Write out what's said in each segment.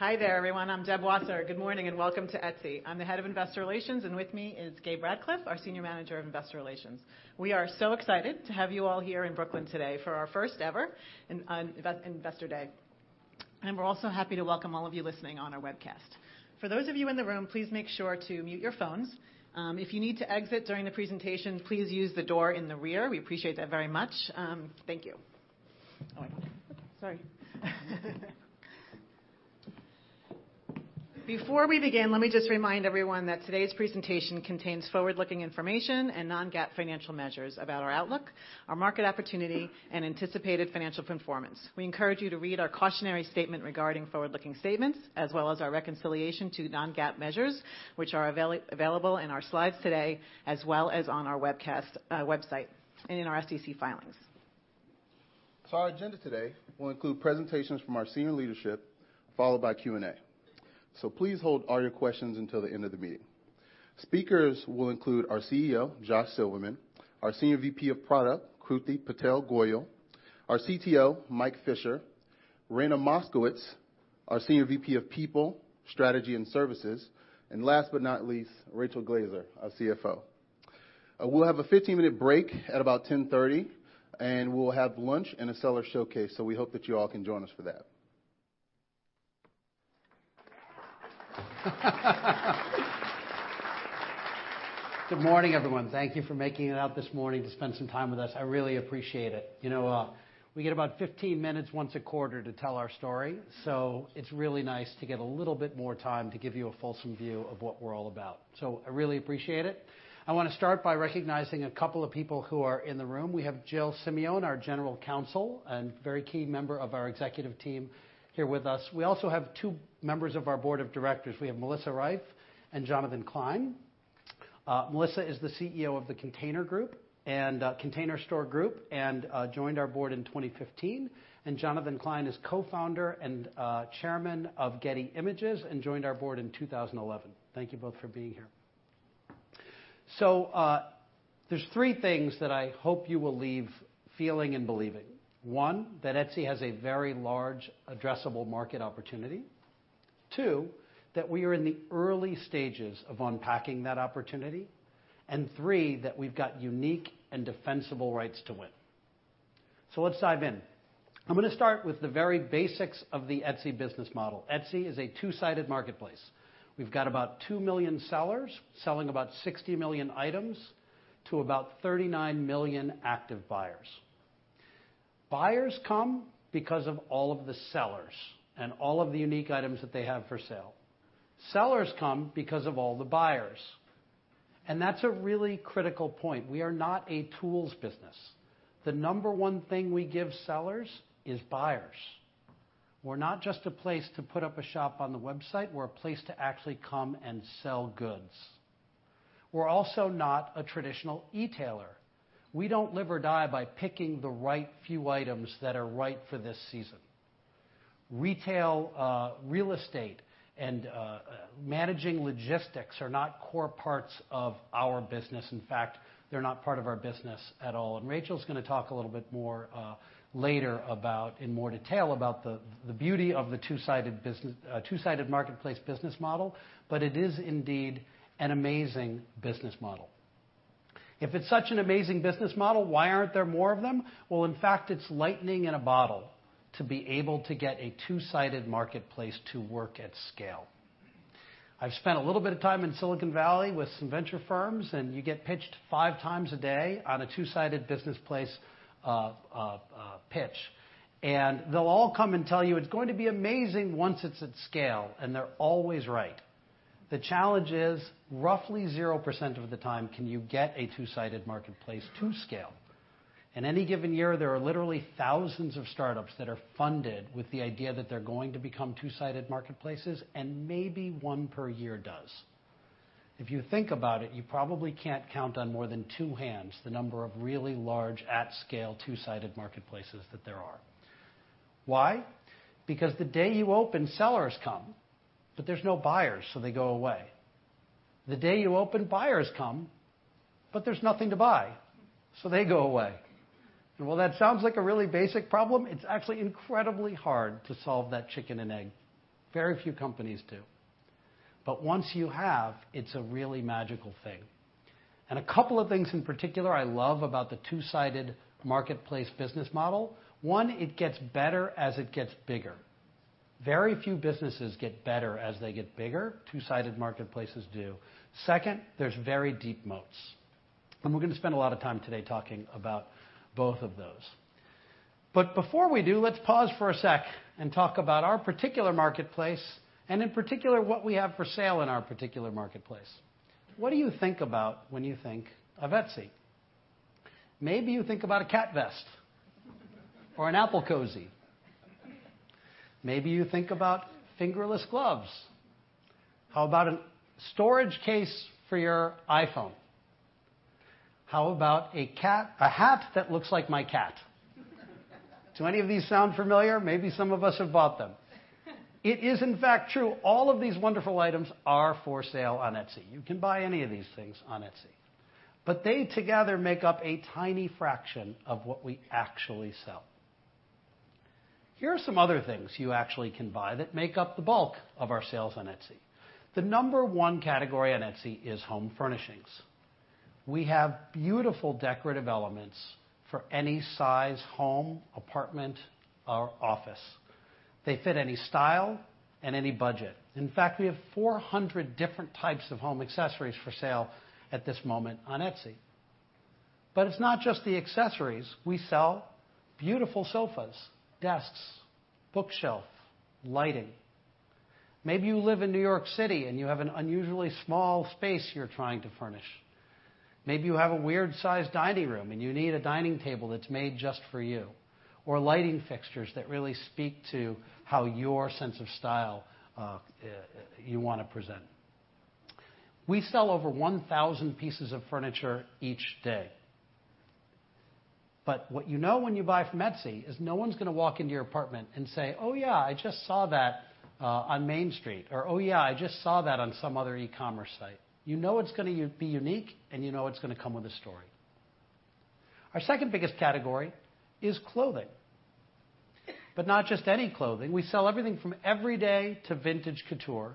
Hi there, everyone. I'm Deb Wasser. Good morning, and welcome to Etsy. I'm the Head of Investor Relations, and with me is Gabriel Ratcliff, our Senior Manager of Investor Relations. We are so excited to have you all here in Brooklyn today for our first ever Investor Day. We're also happy to welcome all of you listening on our webcast. For those of you in the room, please make sure to mute your phones. If you need to exit during the presentation, please use the door in the rear. We appreciate that very much. Thank you. Sorry. Before we begin, let me just remind everyone that today's presentation contains forward-looking information and non-GAAP financial measures about our outlook, our market opportunity, and anticipated financial performance. We encourage you to read our cautionary statement regarding forward-looking statements, as well as our reconciliation to non-GAAP measures, which are available in our slides today, as well as on our webcast website and in our SEC filings. Our agenda today will include presentations from our senior leadership, followed by Q&A. Please hold all your questions until the end of the meeting. Speakers will include our CEO, Josh Silverman, our Senior VP of Product, Kruti Patel Goyal, our CTO, Mike Fisher, Raina Moskowitz, our Senior VP of People, Strategy and Services, and last but not least, Rachel Glaser, our CFO. We'll have a 15-minute break at about 10:30 A.M., and we'll have lunch and a seller showcase. We hope that you all can join us for that. Good morning, everyone. Thank you for making it out this morning to spend some time with us. I really appreciate it. We get about 15 minutes once a quarter to tell our story, so it's really nice to get a little bit more time to give you a fulsome view of what we're all about. I really appreciate it. I want to start by recognizing a couple of people who are in the room. We have Jill Simeone, our General Counsel, and very key member of our executive team here with us. We also have two members of our board of directors. We have Melissa Reiff and Jonathan Klein. Melissa is the CEO of The Container Store Group, and joined our board in 2015. Jonathan Klein is co-founder and chairman of Getty Images, and joined our board in 2011. Thank you both for being here. There's three things that I hope you will leave feeling and believing. One, that Etsy has a very large addressable market opportunity. Two, that we are in the early stages of unpacking that opportunity, and three, that we've got unique and defensible rights to win. Let's dive in. I'm going to start with the very basics of the Etsy business model. Etsy is a two-sided marketplace. We've got about 2 million sellers selling about 60 million items to about 39 million active buyers. Buyers come because of all of the sellers and all of the unique items that they have for sale. Sellers come because of all the buyers, and that's a really critical point. We are not a tools business. The number one thing we give sellers is buyers. We're not just a place to put up a shop on the website, we're a place to actually come and sell goods. We're also not a traditional e-tailer. We don't live or die by picking the right few items that are right for this season. Retail, real estate, and managing logistics are not core parts of our business. In fact, they're not part of our business at all. Rachel's going to talk a little bit more, later about, in more detail about the beauty of the two-sided marketplace business model, but it is indeed an amazing business model. If it's such an amazing business model, why aren't there more of them? Well, in fact, it's lightning in a bottle to be able to get a two-sided marketplace to work at scale. I've spent a little bit of time in Silicon Valley with some venture firms, you get pitched five times a day on a two-sided business place pitch. They'll all come and tell you, "It's going to be amazing once it's at scale," and they're always right. The challenge is, roughly 0% of the time can you get a two-sided marketplace to scale. In any given year, there are literally thousands of startups that are funded with the idea that they're going to become two-sided marketplaces, and maybe one per year does. If you think about it, you probably can't count on more than two hands the number of really large, at-scale, two-sided marketplaces that there are. Why? Because the day you open, sellers come, but there's no buyers, so they go away. The day you open, buyers come, but there's nothing to buy, so they go away. While that sounds like a really basic problem, it's actually incredibly hard to solve that chicken and egg. Very few companies do. Once you have, it's a really magical thing. A couple of things in particular I love about the two-sided marketplace business model. One, it gets better as it gets bigger. Very few businesses get better as they get bigger. Two-sided marketplaces do. Second, there's very deep moats. We're going to spend a lot of time today talking about both of those. Before we do, let's pause for a sec and talk about our particular marketplace, and in particular, what we have for sale in our particular marketplace. What do you think about when you think of Etsy? Maybe you think about a cat vest or an apple cozy. Maybe you think about fingerless gloves. How about a storage case for your iPhone? How about a hat that looks like my cat? Do any of these sound familiar? Maybe some of us have bought them. It is, in fact, true. All of these wonderful items are for sale on Etsy. You can buy any of these things on Etsy. But they together make up a tiny fraction of what we actually sell. Here are some other things you actually can buy that make up the bulk of our sales on Etsy. The number 1 category on Etsy is home furnishings. We have beautiful decorative elements for any size home, apartment, or office. They fit any style and any budget. In fact, we have 400 different types of home accessories for sale at this moment on Etsy. It's not just the accessories. We sell beautiful sofas, desks, bookshelf, lighting. Maybe you live in New York City and you have an unusually small space you're trying to furnish. Maybe you have a weird sized dining room and you need a dining table that's made just for you, or lighting fixtures that really speak to how your sense of style you want to present. We sell over 1,000 pieces of furniture each day. What you know when you buy from Etsy is no one's going to walk into your apartment and say, "Oh, yeah, I just saw that on Main Street." Oh, yeah, I just saw that on some other e-commerce site. You know it's going to be unique, and you know it's going to come with a story. Our second biggest category is clothing. Not just any clothing. We sell everything from everyday to vintage couture.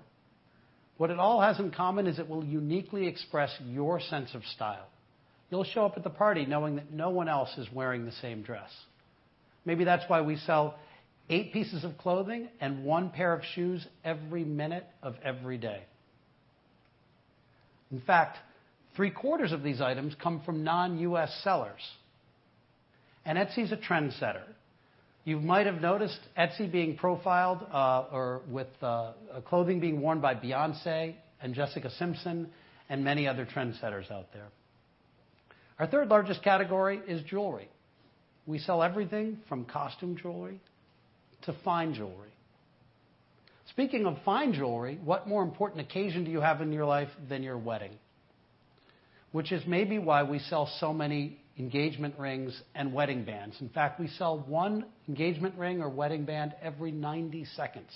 What it all has in common is it will uniquely express your sense of style. You'll show up at the party knowing that no one else is wearing the same dress. Maybe that's why we sell 8 pieces of clothing and 1 pair of shoes every minute of every day. In fact, three-quarters of these items come from non-U.S. sellers. Etsy is a trendsetter. You might have noticed Etsy being profiled or with clothing being worn by Beyoncé and Jessica Simpson and many other trendsetters out there. Our third largest category is jewelry. We sell everything from costume jewelry to fine jewelry. Speaking of fine jewelry, what more important occasion do you have in your life than your wedding? Which is maybe why we sell so many engagement rings and wedding bands. In fact, we sell 1 engagement ring or wedding band every 90 seconds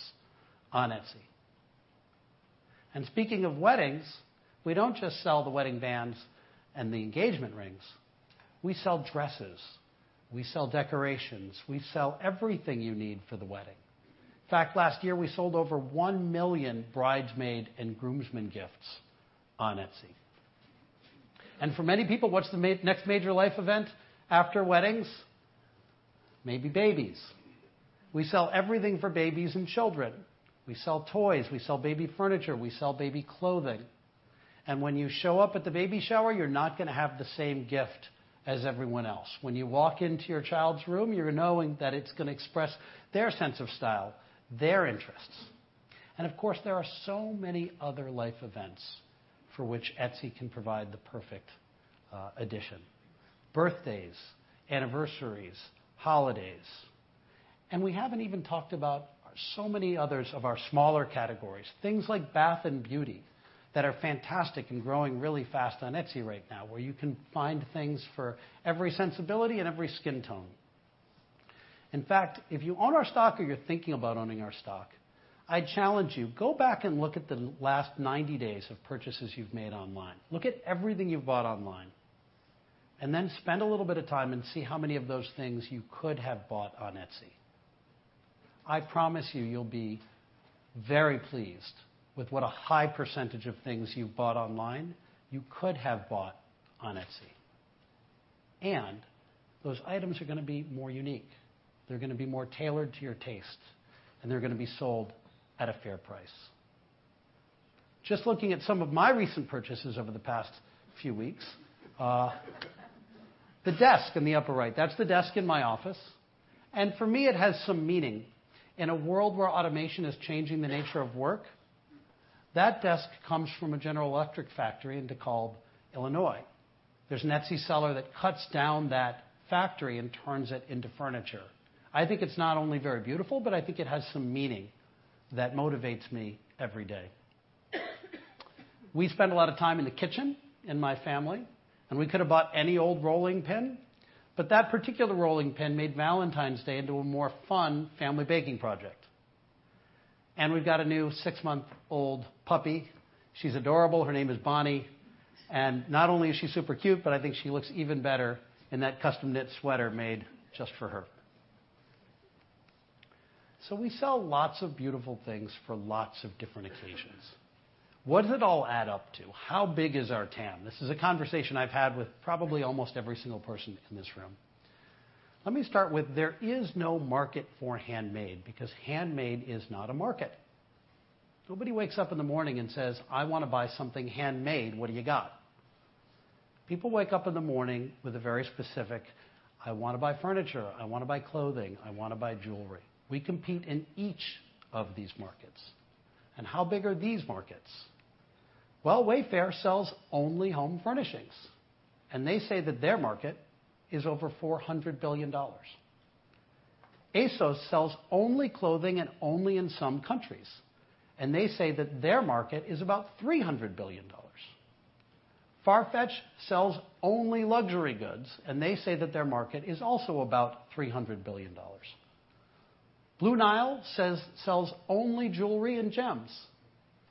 on Etsy. Speaking of weddings, we don't just sell the wedding bands and the engagement rings. We sell dresses. We sell decorations. We sell everything you need for the wedding. In fact, last year, we sold over 1 million bridesmaid and groomsmen gifts on Etsy. For many people, what's the next major life event after weddings? Maybe babies. We sell everything for babies and children. We sell toys, we sell baby furniture, we sell baby clothing. When you show up at the baby shower, you're not going to have the same gift as everyone else. When you walk into your child's room, you're knowing that it's going to express their sense of style, their interests. Of course, there are so many other life events for which Etsy can provide the perfect addition. Birthdays, anniversaries, holidays. We haven't even talked about so many others of our smaller categories, things like bath and beauty, that are fantastic and growing really fast on Etsy right now, where you can find things for every sensibility and every skin tone. In fact, if you own our stock or you're thinking about owning our stock, I challenge you, go back and look at the last 90 days of purchases you've made online. Look at everything you've bought online. Then spend a little bit of time and see how many of those things you could have bought on Etsy. I promise you'll be very pleased with what a high percentage of things you've bought online you could have bought on Etsy. Those items are going to be more unique. They're going to be more tailored to your taste, and they're going to be sold at a fair price. Just looking at some of my recent purchases over the past few weeks. The desk in the upper right, that's the desk in my office. For me, it has some meaning. In a world where automation is changing the nature of work, that desk comes from a General Electric factory in DeKalb, Illinois. There's an Etsy seller that cuts down that factory and turns it into furniture. I think it's not only very beautiful, but I think it has some meaning that motivates me every day. We spend a lot of time in the kitchen in my family, and we could have bought any old rolling pin, but that particular rolling pin made Valentine's Day into a more fun family baking project. We've got a new six-month-old puppy. She's adorable. Her name is Bonnie. Not only is she super cute, but I think she looks even better in that custom knit sweater made just for her. We sell lots of beautiful things for lots of different occasions. What does it all add up to? How big is our TAM? This is a conversation I've had with probably almost every single person in this room. Let me start with there is no market for handmade because handmade is not a market. Nobody wakes up in the morning and says, "I want to buy something handmade. What do you got?" People wake up in the morning with a very specific, "I want to buy furniture. I want to buy clothing. I want to buy jewelry." We compete in each of these markets. How big are these markets? Well, Wayfair sells only home furnishings, and they say that their market is over $400 billion. ASOS sells only clothing and only in some countries. They say that their market is about $300 billion. Farfetch sells only luxury goods, and they say that their market is also about $300 billion. Blue Nile sells only jewelry and gems.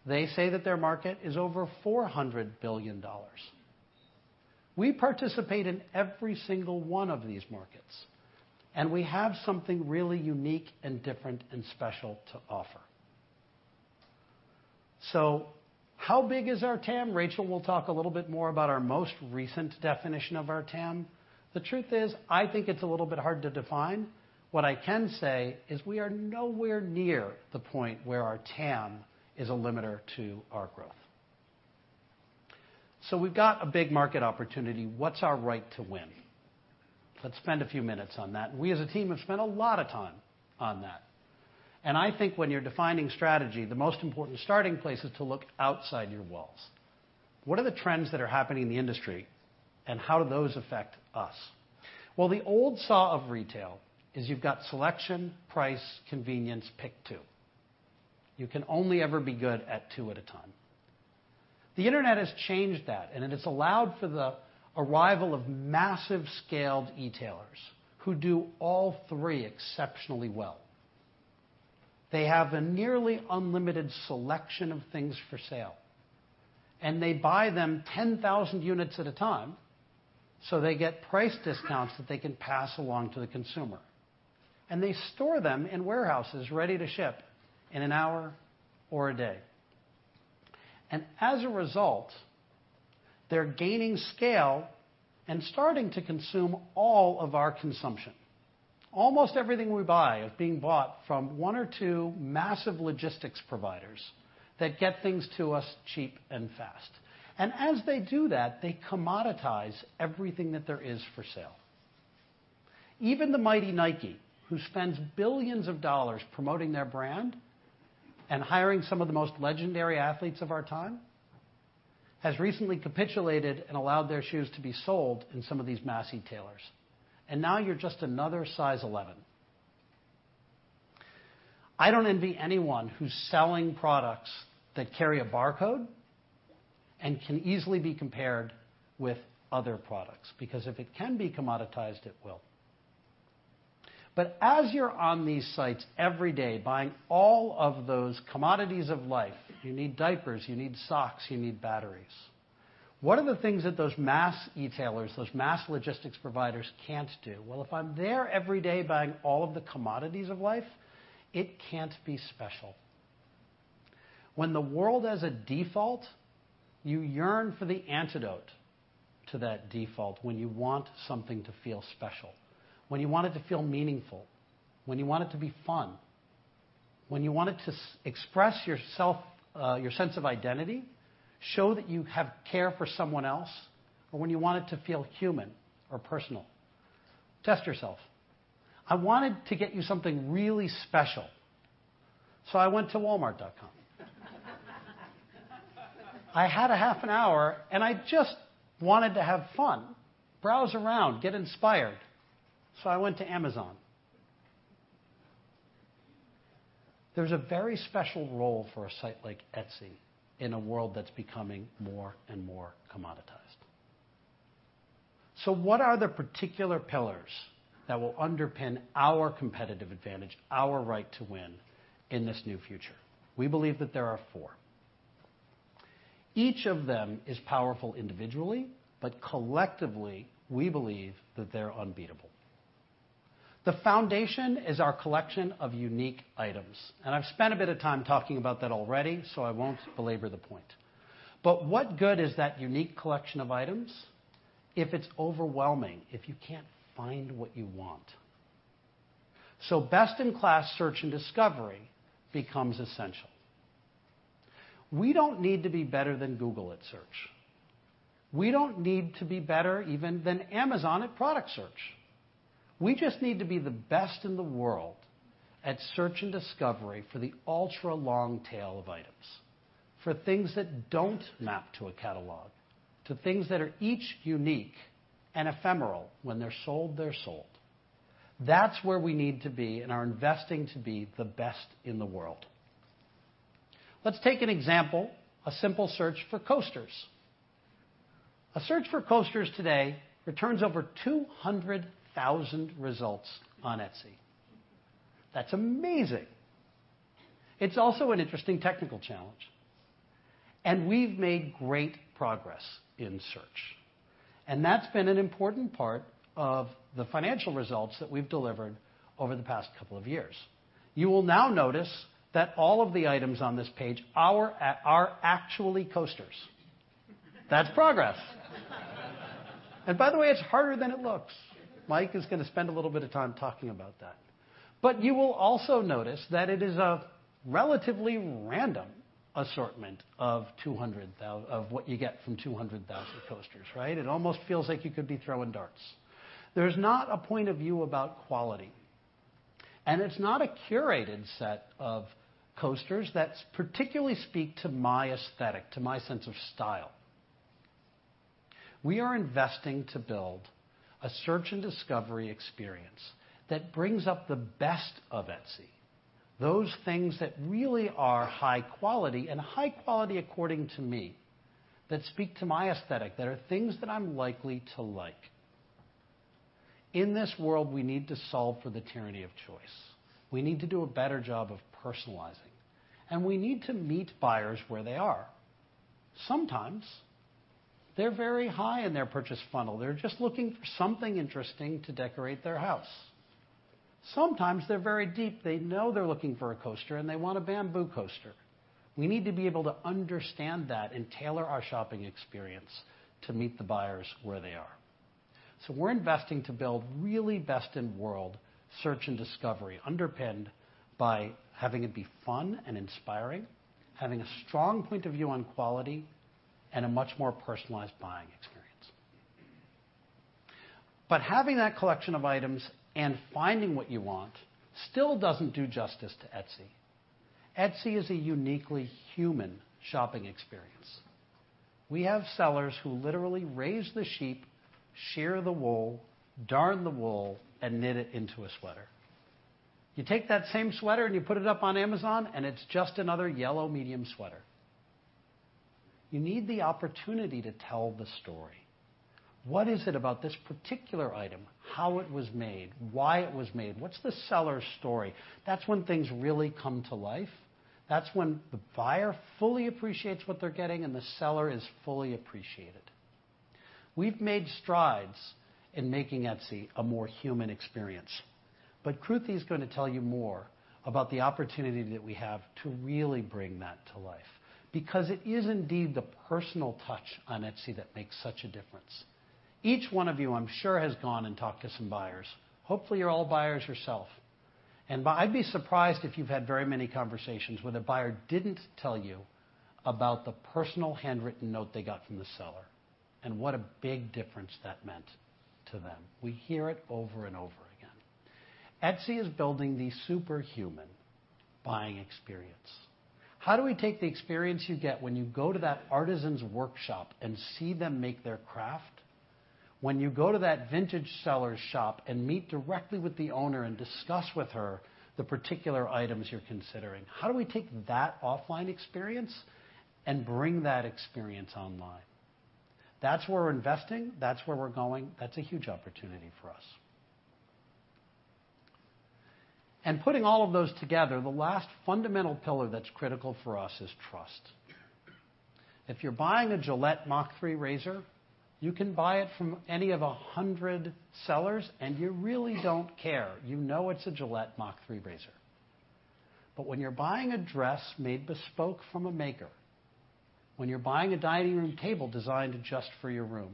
They say that their market is over $400 billion. We participate in every single one of these markets, and we have something really unique and different and special to offer. How big is our TAM? Rachel will talk a little bit more about our most recent definition of our TAM. The truth is, I think it's a little bit hard to define. What I can say is we are nowhere near the point where our TAM is a limiter to our growth. We've got a big market opportunity. What's our right to win? Let's spend a few minutes on that. We as a team have spent a lot of time on that. I think when you're defining strategy, the most important starting place is to look outside your walls. What are the trends that are happening in the industry, and how do those affect us? The old saw of retail is you've got selection, price, convenience, pick two. You can only ever be good at two at a time. The internet has changed that, and it has allowed for the arrival of massive scaled e-tailers who do all three exceptionally well. They have a nearly unlimited selection of things for sale, and they buy them 10,000 units at a time, so they get price discounts that they can pass along to the consumer. They store them in warehouses ready to ship in an hour or a day. As a result, they're gaining scale and starting to consume all of our consumption. Almost everything we buy is being bought from one or two massive logistics providers that get things to us cheap and fast. As they do that, they commoditize everything that there is for sale. Even the mighty Nike, who spends billions of dollars promoting their brand and hiring some of the most legendary athletes of our time, has recently capitulated and allowed their shoes to be sold in some of these mass e-tailers. Now you're just another size 11. I don't envy anyone who's selling products that carry a barcode and can easily be compared with other products, because if it can be commoditized, it will. As you're on these sites every day, buying all of those commodities of life, you need diapers, you need socks, you need batteries. What are the things that those mass e-tailers, those mass logistics providers, can't do? If I'm there every day buying all of the commodities of life, it can't be special. When the world has a default, you yearn for the antidote to that default, when you want something to feel special, when you want it to feel meaningful, when you want it to be fun, when you want it to express your sense of identity, show that you have care for someone else, or when you want it to feel human or personal. Test yourself. I wanted to get you something really special, so I went to Walmart.com. I had a half an hour, and I just wanted to have fun, browse around, get inspired, so I went to Amazon. There's a very special role for a site like Etsy in a world that's becoming more and more commoditized. What are the particular pillars that will underpin our competitive advantage, our right to win, in this new future? We believe that there are four. Each of them is powerful individually, but collectively, we believe that they're unbeatable. The foundation is our collection of unique items, and I've spent a bit of time talking about that already, so I won't belabor the point. What good is that unique collection of items if it's overwhelming, if you can't find what you want? Best-in-class search and discovery becomes essential. We don't need to be better than Google at search. We don't need to be better even than Amazon at product search. We just need to be the best in the world at search and discovery for the ultra long tail of items, for things that don't map to a catalog, to things that are each unique and ephemeral. When they're sold, they're sold. That's where we need to be and are investing to be the best in the world. Let's take an example, a simple search for coasters. A search for coasters today returns over 200,000 results on Etsy. That's amazing. It's also an interesting technical challenge, and we've made great progress in search, and that's been an important part of the financial results that we've delivered over the past couple of years. You will now notice that all of the items on this page are actually coasters. That's progress. By the way, it's harder than it looks. Mike is going to spend a little bit of time talking about that. You will also notice that it is a relatively random assortment of what you get from 200,000 coasters, right? It almost feels like you could be throwing darts. There's not a point of view about quality, and it's not a curated set of coasters that particularly speak to my aesthetic, to my sense of style. We are investing to build a search and discovery experience that brings up the best of Etsy, those things that really are high quality and high quality according to me that speak to my aesthetic, that are things that I'm likely to like. In this world, we need to solve for the tyranny of choice. We need to do a better job of personalizing, and we need to meet buyers where they are. Sometimes they're very high in their purchase funnel. They're just looking for something interesting to decorate their house. Sometimes they're very deep. They know they're looking for a coaster, and they want a bamboo coaster. We need to be able to understand that and tailor our shopping experience to meet the buyers where they are. We're investing to build really best-in-world search and discovery, underpinned by having it be fun and inspiring, having a strong point of view on quality, and a much more personalized buying experience. Having that collection of items and finding what you want still doesn't do justice to Etsy. Etsy is a uniquely human shopping experience. We have sellers who literally raise the sheep, shear the wool, darn the wool, and knit it into a sweater. You take that same sweater and you put it up on Amazon, and it's just another yellow medium sweater. You need the opportunity to tell the story. What is it about this particular item, how it was made, why it was made? What's the seller's story? That's when things really come to life. That's when the buyer fully appreciates what they're getting, and the seller is fully appreciated. We've made strides in making Etsy a more human experience. Kruti is going to tell you more about the opportunity that we have to really bring that to life, because it is indeed the personal touch on Etsy that makes such a difference. Each one of you, I'm sure, has gone and talked to some buyers. Hopefully, you're all buyers yourself. I'd be surprised if you've had very many conversations where the buyer didn't tell you about the personal handwritten note they got from the seller, and what a big difference that meant to them. We hear it over and over again. Etsy is building the superhuman buying experience. How do we take the experience you get when you go to that artisan's workshop and see them make their craft, when you go to that vintage seller's shop and meet directly with the owner and discuss with her the particular items you're considering? How do we take that offline experience and bring that experience online? That's where we're investing. That's where we're going. That's a huge opportunity for us. Putting all of those together, the last fundamental pillar that's critical for us is trust. If you're buying a Gillette Mach3 razor, you can buy it from any of 100 sellers, and you really don't care. You know it's a Gillette Mach3 razor. When you're buying a dress made bespoke from a maker, when you're buying a dining room table designed just for your room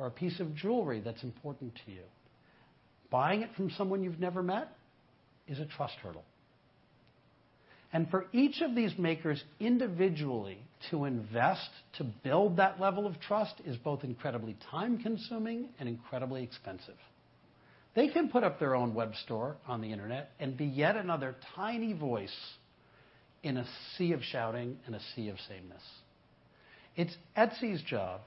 or a piece of jewelry that's important to you, buying it from someone you've never met is a trust hurdle. For each of these makers individually to invest to build that level of trust is both incredibly time-consuming and incredibly expensive. They can put up their own web store on the internet and be yet another tiny voice in a sea of shouting and a sea of sameness. It's Etsy's job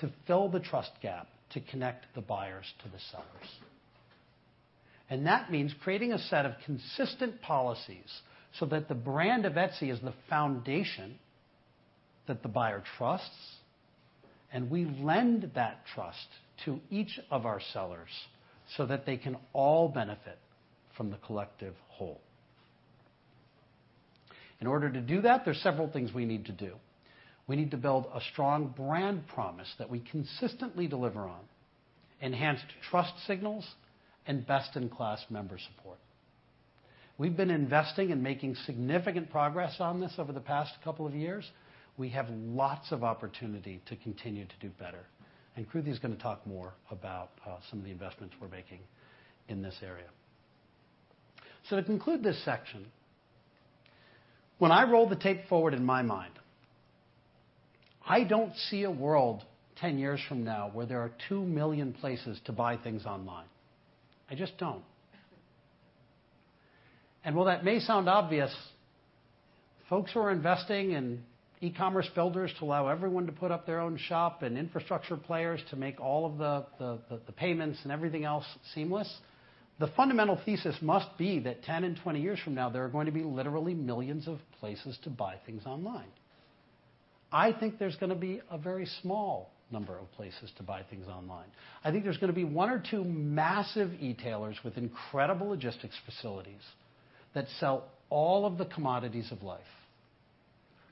to fill the trust gap to connect the buyers to the sellers. That means creating a set of consistent policies so that the brand of Etsy is the foundation that the buyer trusts, and we lend that trust to each of our sellers so that they can all benefit from the collective whole. In order to do that, there's several things we need to do. We need to build a strong brand promise that we consistently deliver on, enhanced trust signals, and best-in-class member support. We've been investing and making significant progress on this over the past couple of years. We have lots of opportunity to continue to do better. Kruti's going to talk more about some of the investments we're making in this area. To conclude this section, when I roll the tape forward in my mind, I don't see a world 10 years from now where there are 2 million places to buy things online. I just don't. While that may sound obvious, folks who are investing in e-commerce builders to allow everyone to put up their own shop and infrastructure players to make all of the payments and everything else seamless, the fundamental thesis must be that 10 and 20 years from now, there are going to be literally millions of places to buy things online. I think there's going to be a very small number of places to buy things online. I think there's going to be one or two massive e-tailers with incredible logistics facilities that sell all of the commodities of life.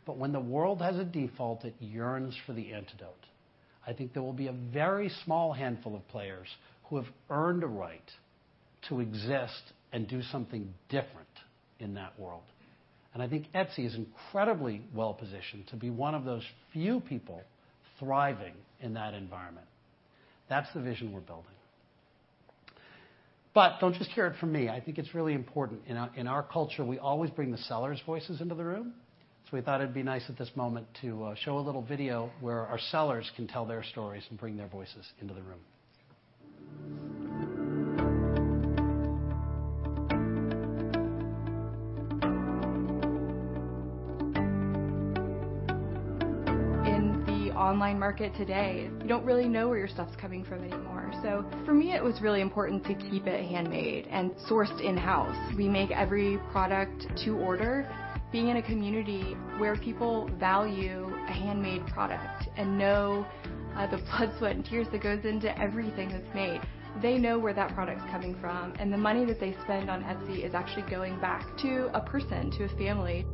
When the world has a default, it yearns for the antidote. I think there will be a very small handful of players who have earned a right to exist and do something different in that world. I think Etsy is incredibly well-positioned to be one of those few people thriving in that environment. That's the vision we're building. Don't just hear it from me. I think it's really important. In our culture, we always bring the sellers' voices into the room. We thought it'd be nice at this moment to show a little video where our sellers can tell their stories and bring their voices into the room. The online market today, you don't really know where your stuff's coming from anymore. For me, it was really important to keep it handmade and sourced in-house. We make every product to order. Being in a community where people value a handmade product and know the blood, sweat, and tears that goes into everything that's made, they know where that product's coming from. The money that they spend on Etsy is actually going back to a person, to a family.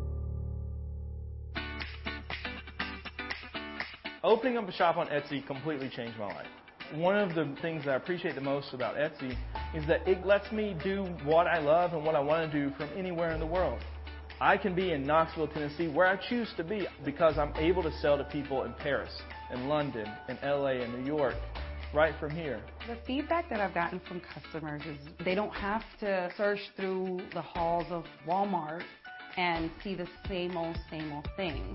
Opening up a shop on Etsy completely changed my life. One of the things that I appreciate the most about Etsy is that it lets me do what I love and what I want to do from anywhere in the world. I can be in Knoxville, Tennessee, where I choose to be because I'm able to sell to people in Paris, in London, in L.A., in New York, right from here. The feedback that I've gotten from customers is they don't have to search through the halls of Walmart and see the same old, same old thing.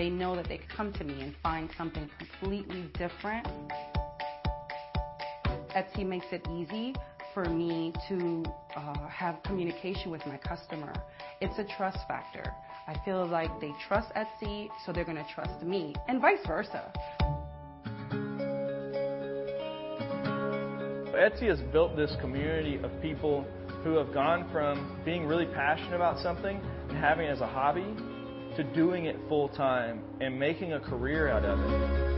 They know that they come to me and find something completely different. Etsy makes it easy for me to have communication with my customer. It's a trust factor. I feel like they trust Etsy, they're going to trust me and vice versa. Etsy has built this community of people who have gone from being really passionate about something and having it as a hobby, to doing it full time and making a career out of it.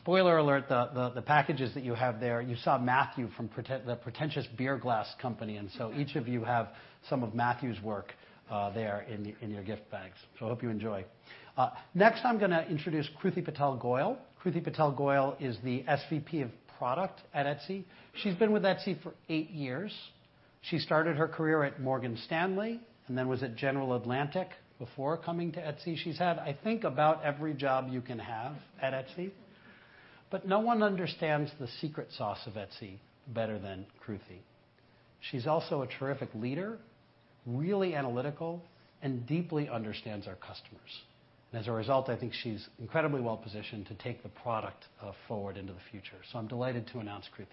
Spoiler alert, the packages that you have there, you saw Matthew from the Pretentious Beer Glass Company, Each of you have some of Matthew's work there in your gift bags. I hope you enjoy. Next, I'm going to introduce Kruti Patel Goyal. Kruti Patel Goyal is the SVP of product at Etsy. She's been with Etsy for 8 years. She started her career at Morgan Stanley and then was at General Atlantic before coming to Etsy. She's had, I think, about every job you can have at Etsy. No one understands the secret sauce of Etsy better than Kruti. She's also a terrific leader, really analytical, and deeply understands our customers. As a result, I think she's incredibly well-positioned to take the product forward into the future. I'm delighted to announce Kruti.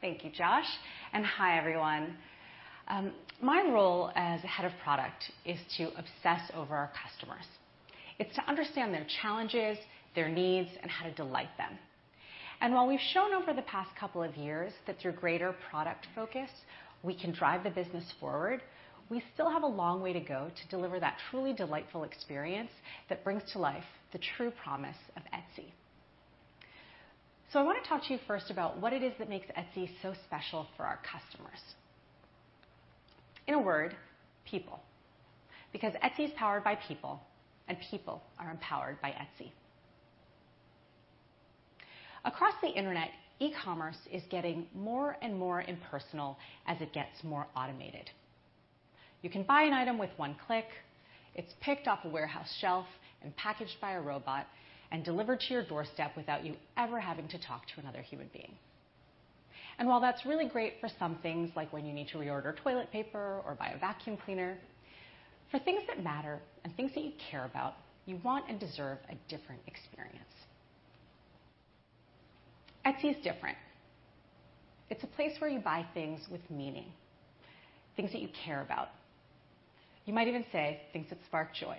Thank you, Josh, and hi, everyone. My role as head of product is to obsess over our customers. It's to understand their challenges, their needs, and how to delight them. While we've shown over the past couple of years that through greater product focus, we can drive the business forward, we still have a long way to go to deliver that truly delightful experience that brings to life the true promise of Etsy. I want to talk to you first about what it is that makes Etsy so special for our customers. In a word, people. Etsy is powered by people, and people are empowered by Etsy. Across the internet, e-commerce is getting more and more impersonal as it gets more automated. You can buy an item with one click. It's picked off a warehouse shelf and packaged by a robot and delivered to your doorstep without you ever having to talk to another human being. While that's really great for some things like when you need to reorder toilet paper or buy a vacuum cleaner, for things that matter and things that you care about, you want and deserve a different experience. Etsy is different. It's a place where you buy things with meaning, things that you care about. You might even say things that spark joy.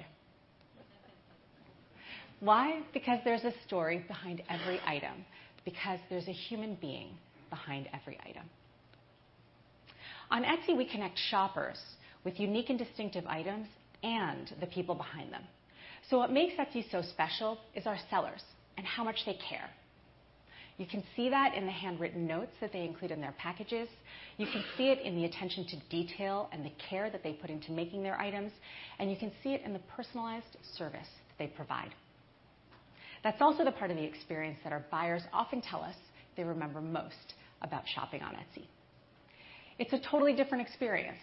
Why? There's a story behind every item, there's a human being behind every item. On Etsy, we connect shoppers with unique and distinctive items and the people behind them. What makes Etsy so special is our sellers and how much they care. You can see that in the handwritten notes that they include in their packages. You can see it in the attention to detail and the care that they put into making their items, and you can see it in the personalized service they provide. That's also the part of the experience that our buyers often tell us they remember most about shopping on Etsy. It's a totally different experience.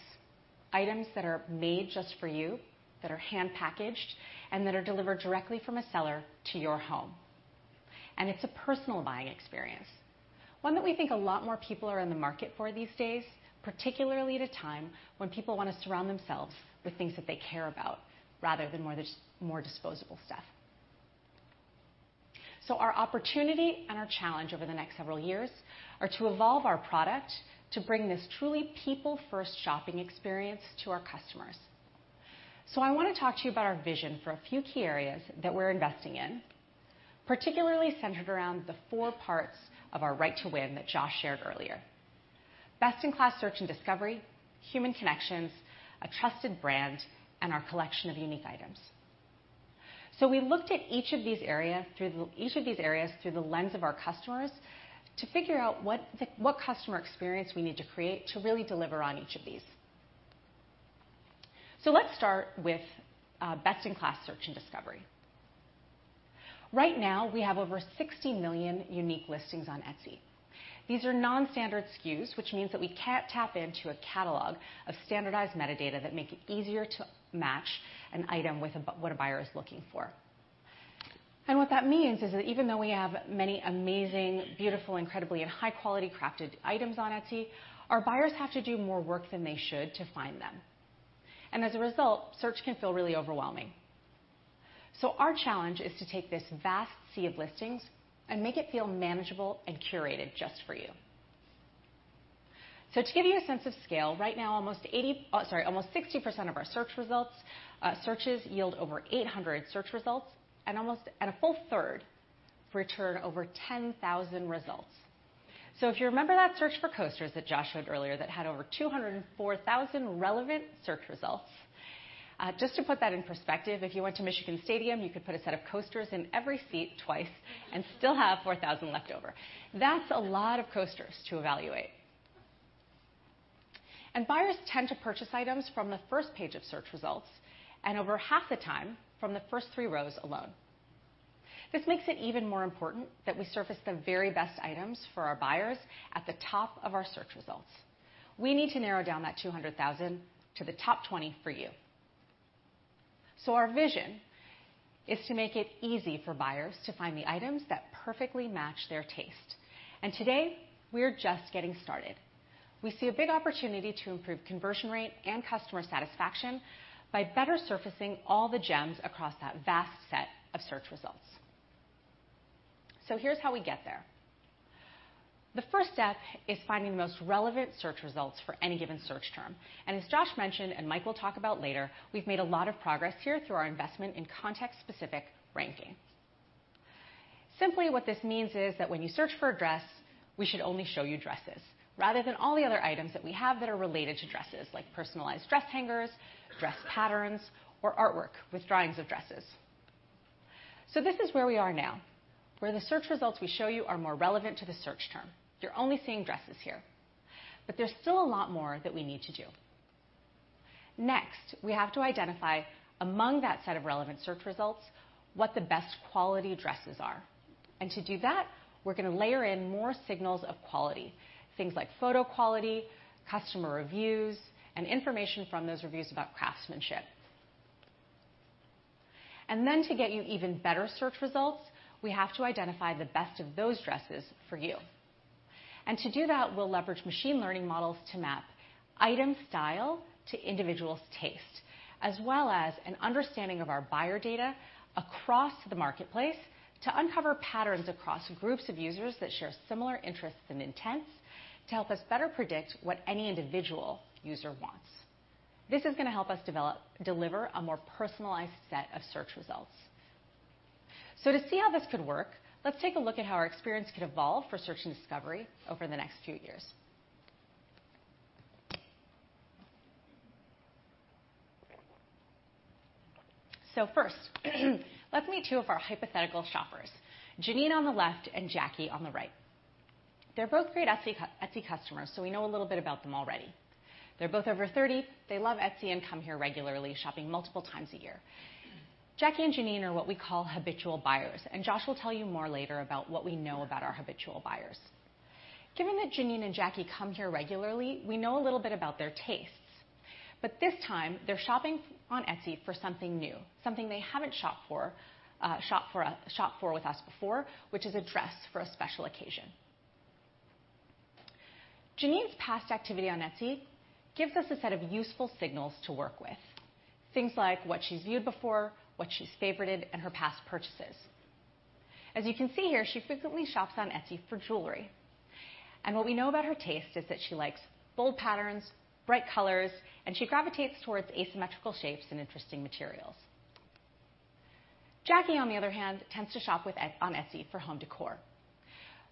Items that are made just for you, that are hand packaged, and that are delivered directly from a seller to your home. It's a personal buying experience, one that we think a lot more people are in the market for these days, particularly at a time when people want to surround themselves with things that they care about rather than more disposable stuff. Our opportunity and our challenge over the next several years are to evolve our product to bring this truly people-first shopping experience to our customers. I want to talk to you about our vision for a few key areas that we're investing in, particularly centered around the four parts of our right to win that Josh shared earlier. Best-in-class search and discovery, human connections, a trusted brand, and our collection of unique items. We looked at each of these areas through the lens of our customers to figure out what customer experience we need to create to really deliver on each of these. Let's start with best-in-class search and discovery. Right now, we have over 60 million unique listings on Etsy. These are non-standard SKUs, which means that we can't tap into a catalog of standardized metadata that make it easier to match an item with what a buyer is looking for. What that means is that even though we have many amazing, beautiful, incredibly and high-quality crafted items on Etsy, our buyers have to do more work than they should to find them. As a result, search can feel really overwhelming. Our challenge is to take this vast sea of listings and make it feel manageable and curated just for you. To give you a sense of scale, right now, almost 60% of our searches yield over 800 search results, and a full third return over 10,000 results. If you remember that search for coasters that Josh showed earlier that had over 204,000 relevant search results, just to put that in perspective, if you went to Michigan Stadium, you could put a set of coasters in every seat twice and still have 4,000 left over. That's a lot of coasters to evaluate. Buyers tend to purchase items from the first page of search results and over half the time from the first three rows alone. This makes it even more important that we surface the very best items for our buyers at the top of our search results. We need to narrow down that 200,000 to the top 20 for you. Our vision is to make it easy for buyers to find the items that perfectly match their taste. Today, we're just getting started. We see a big opportunity to improve conversion rate and customer satisfaction by better surfacing all the gems across that vast set of search results. Here's how we get there. The first step is finding the most relevant search results for any given search term. As Josh mentioned, and Mike will talk about later, we've made a lot of progress here through our investment in context-specific ranking. Simply what this means is that when you search for a dress, we should only show you dresses rather than all the other items that we have that are related to dresses, like personalized dress hangers, dress patterns, or artwork with drawings of dresses. This is where we are now, where the search results we show you are more relevant to the search term. You're only seeing dresses here. There's still a lot more that we need to do. Next, we have to identify among that set of relevant search results what the best quality dresses are. To do that, we're going to layer in more signals of quality, things like photo quality, customer reviews, and information from those reviews about craftsmanship. Then to get you even better search results, we have to identify the best of those dresses for you. To do that, we'll leverage machine learning models to map item style to individuals' taste, as well as an understanding of our buyer data across the marketplace to uncover patterns across groups of users that share similar interests and intents to help us better predict what any individual user wants. This is going to help us deliver a more personalized set of search results. To see how this could work, let's take a look at how our experience could evolve for search and discovery over the next few years. First, let's meet two of our hypothetical shoppers, Janine on the left and Jackie on the right. They're both great Etsy customers, so we know a little bit about them already. They're both over 30. They love Etsy and come here regularly, shopping multiple times a year. Jackie and Janine are what we call habitual buyers, and Josh will tell you more later about what we know about our habitual buyers. Given that Janine and Jackie come here regularly, we know a little bit about their tastes, but this time, they're shopping on Etsy for something new, something they haven't shopped for with us before, which is a dress for a special occasion. Janine's past activity on Etsy gives us a set of useful signals to work with, things like what she's viewed before, what she's favorited, and her past purchases. As you can see here, she frequently shops on Etsy for jewelry. What we know about her taste is that she likes bold patterns, bright colors, and she gravitates towards asymmetrical shapes and interesting materials. Jackie, on the other hand, tends to shop on Etsy for home decor.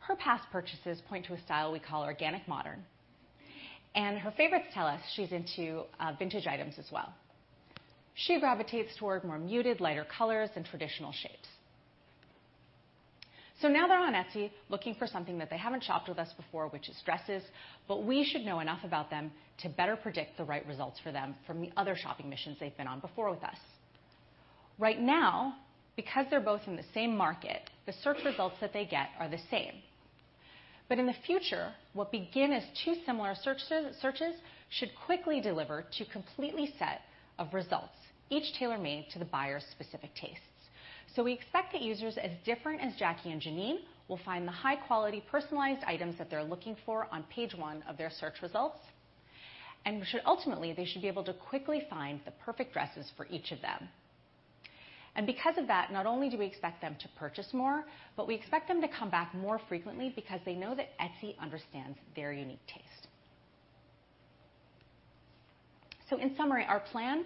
Her past purchases point to a style we call organic modern, and her favorites tell us she's into vintage items as well. She gravitates toward more muted, lighter colors and traditional shapes. now they're on Etsy looking for something that they haven't shopped with us before, which is dresses, we should know enough about them to better predict the right results for them from the other shopping missions they've been on before with us. Right now, because they're both in the same market, the search results that they get are the same. In the future, what begin as two similar searches should quickly deliver two completely set of results, each tailor-made to the buyer's specific tastes. We expect that users as different as Jackie and Janine will find the high-quality, personalized items that they're looking for on page one of their search results. Ultimately, they should be able to quickly find the perfect dresses for each of them. because of that, not only do we expect them to purchase more, we expect them to come back more frequently because they know that Etsy understands their unique taste. In summary, our plan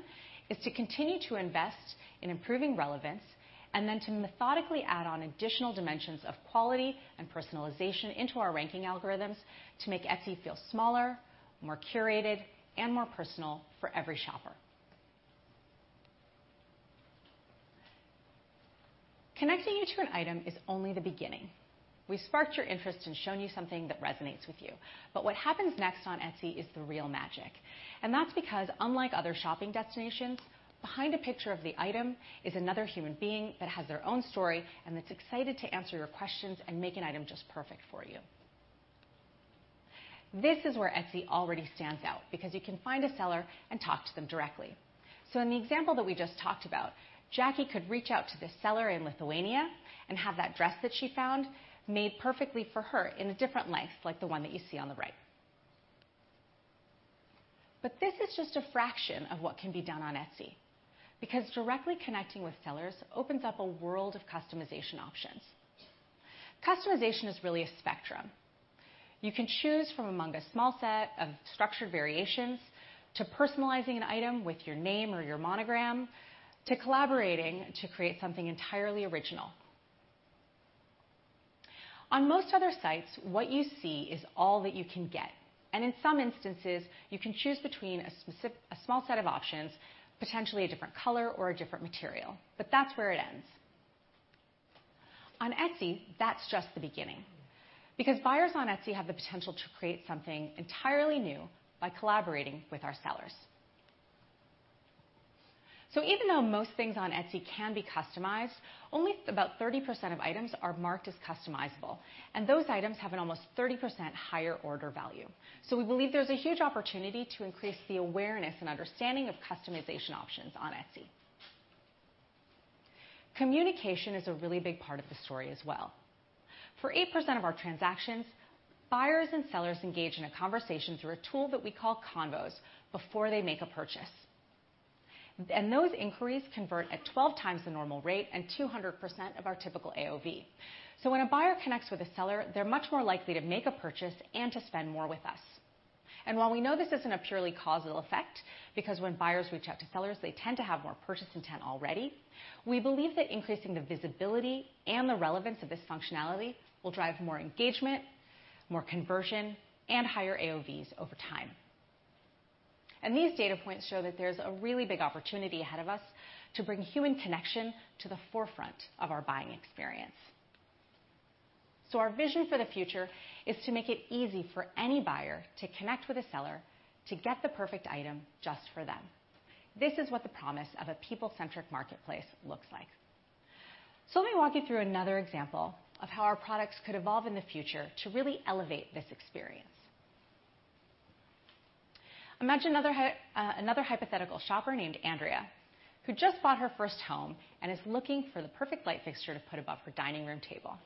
is to continue to invest in improving relevance and then to methodically add on additional dimensions of quality and personalization into our ranking algorithms to make Etsy feel smaller, more curated, and more personal for every shopper. Connecting you to an item is only the beginning. We've sparked your interest and shown you something that resonates with you. what happens next on Etsy is the real magic. that's because unlike other shopping destinations, behind a picture of the item is another human being that has their own story and that's excited to answer your questions and make an item just perfect for you. This is where Etsy already stands out, because you can find a seller and talk to them directly. In the example that we just talked about, Jackie could reach out to the seller in Lithuania and have that dress that she found made perfectly for her in a different length, like the one that you see on the right. This is just a fraction of what can be done on Etsy, because directly connecting with sellers opens up a world of customization options. Customization is really a spectrum. You can choose from among a small set of structured variations to personalizing an item with your name or your monogram, to collaborating to create something entirely original. On most other sites, what you see is all that you can get, in some instances, you can choose between a small set of options, potentially a different color or a different material. that's where it ends. On Etsy, that's just the beginning, because buyers on Etsy have the potential to create something entirely new by collaborating with our sellers. even though most things on Etsy can be customized, only about 30% of items are marked as customizable, and those items have an almost 30% higher order value. We believe there's a huge opportunity to increase the awareness and understanding of customization options on Etsy. Communication is a really big part of the story as well. For 8% of our transactions, buyers and sellers engage in a conversation through a tool that we call Convos before they make a purchase. Those inquiries convert at 12 times the normal rate and 200% of our typical AOV. When a buyer connects with a seller, they're much more likely to make a purchase and to spend more with us. While we know this isn't a purely causal effect, because when buyers reach out to sellers, they tend to have more purchase intent already, we believe that increasing the visibility and the relevance of this functionality will drive more engagement, more conversion, and higher AOVs over time. These data points show that there's a really big opportunity ahead of us to bring human connection to the forefront of our buying experience. Our vision for the future is to make it easy for any buyer to connect with a seller to get the perfect item just for them. This is what the promise of a people-centric marketplace looks like. Let me walk you through another example of how our products could evolve in the future to really elevate this experience. Imagine another hypothetical shopper named Andrea, who just bought her first home and is looking for the perfect light fixture to put above her dining room table.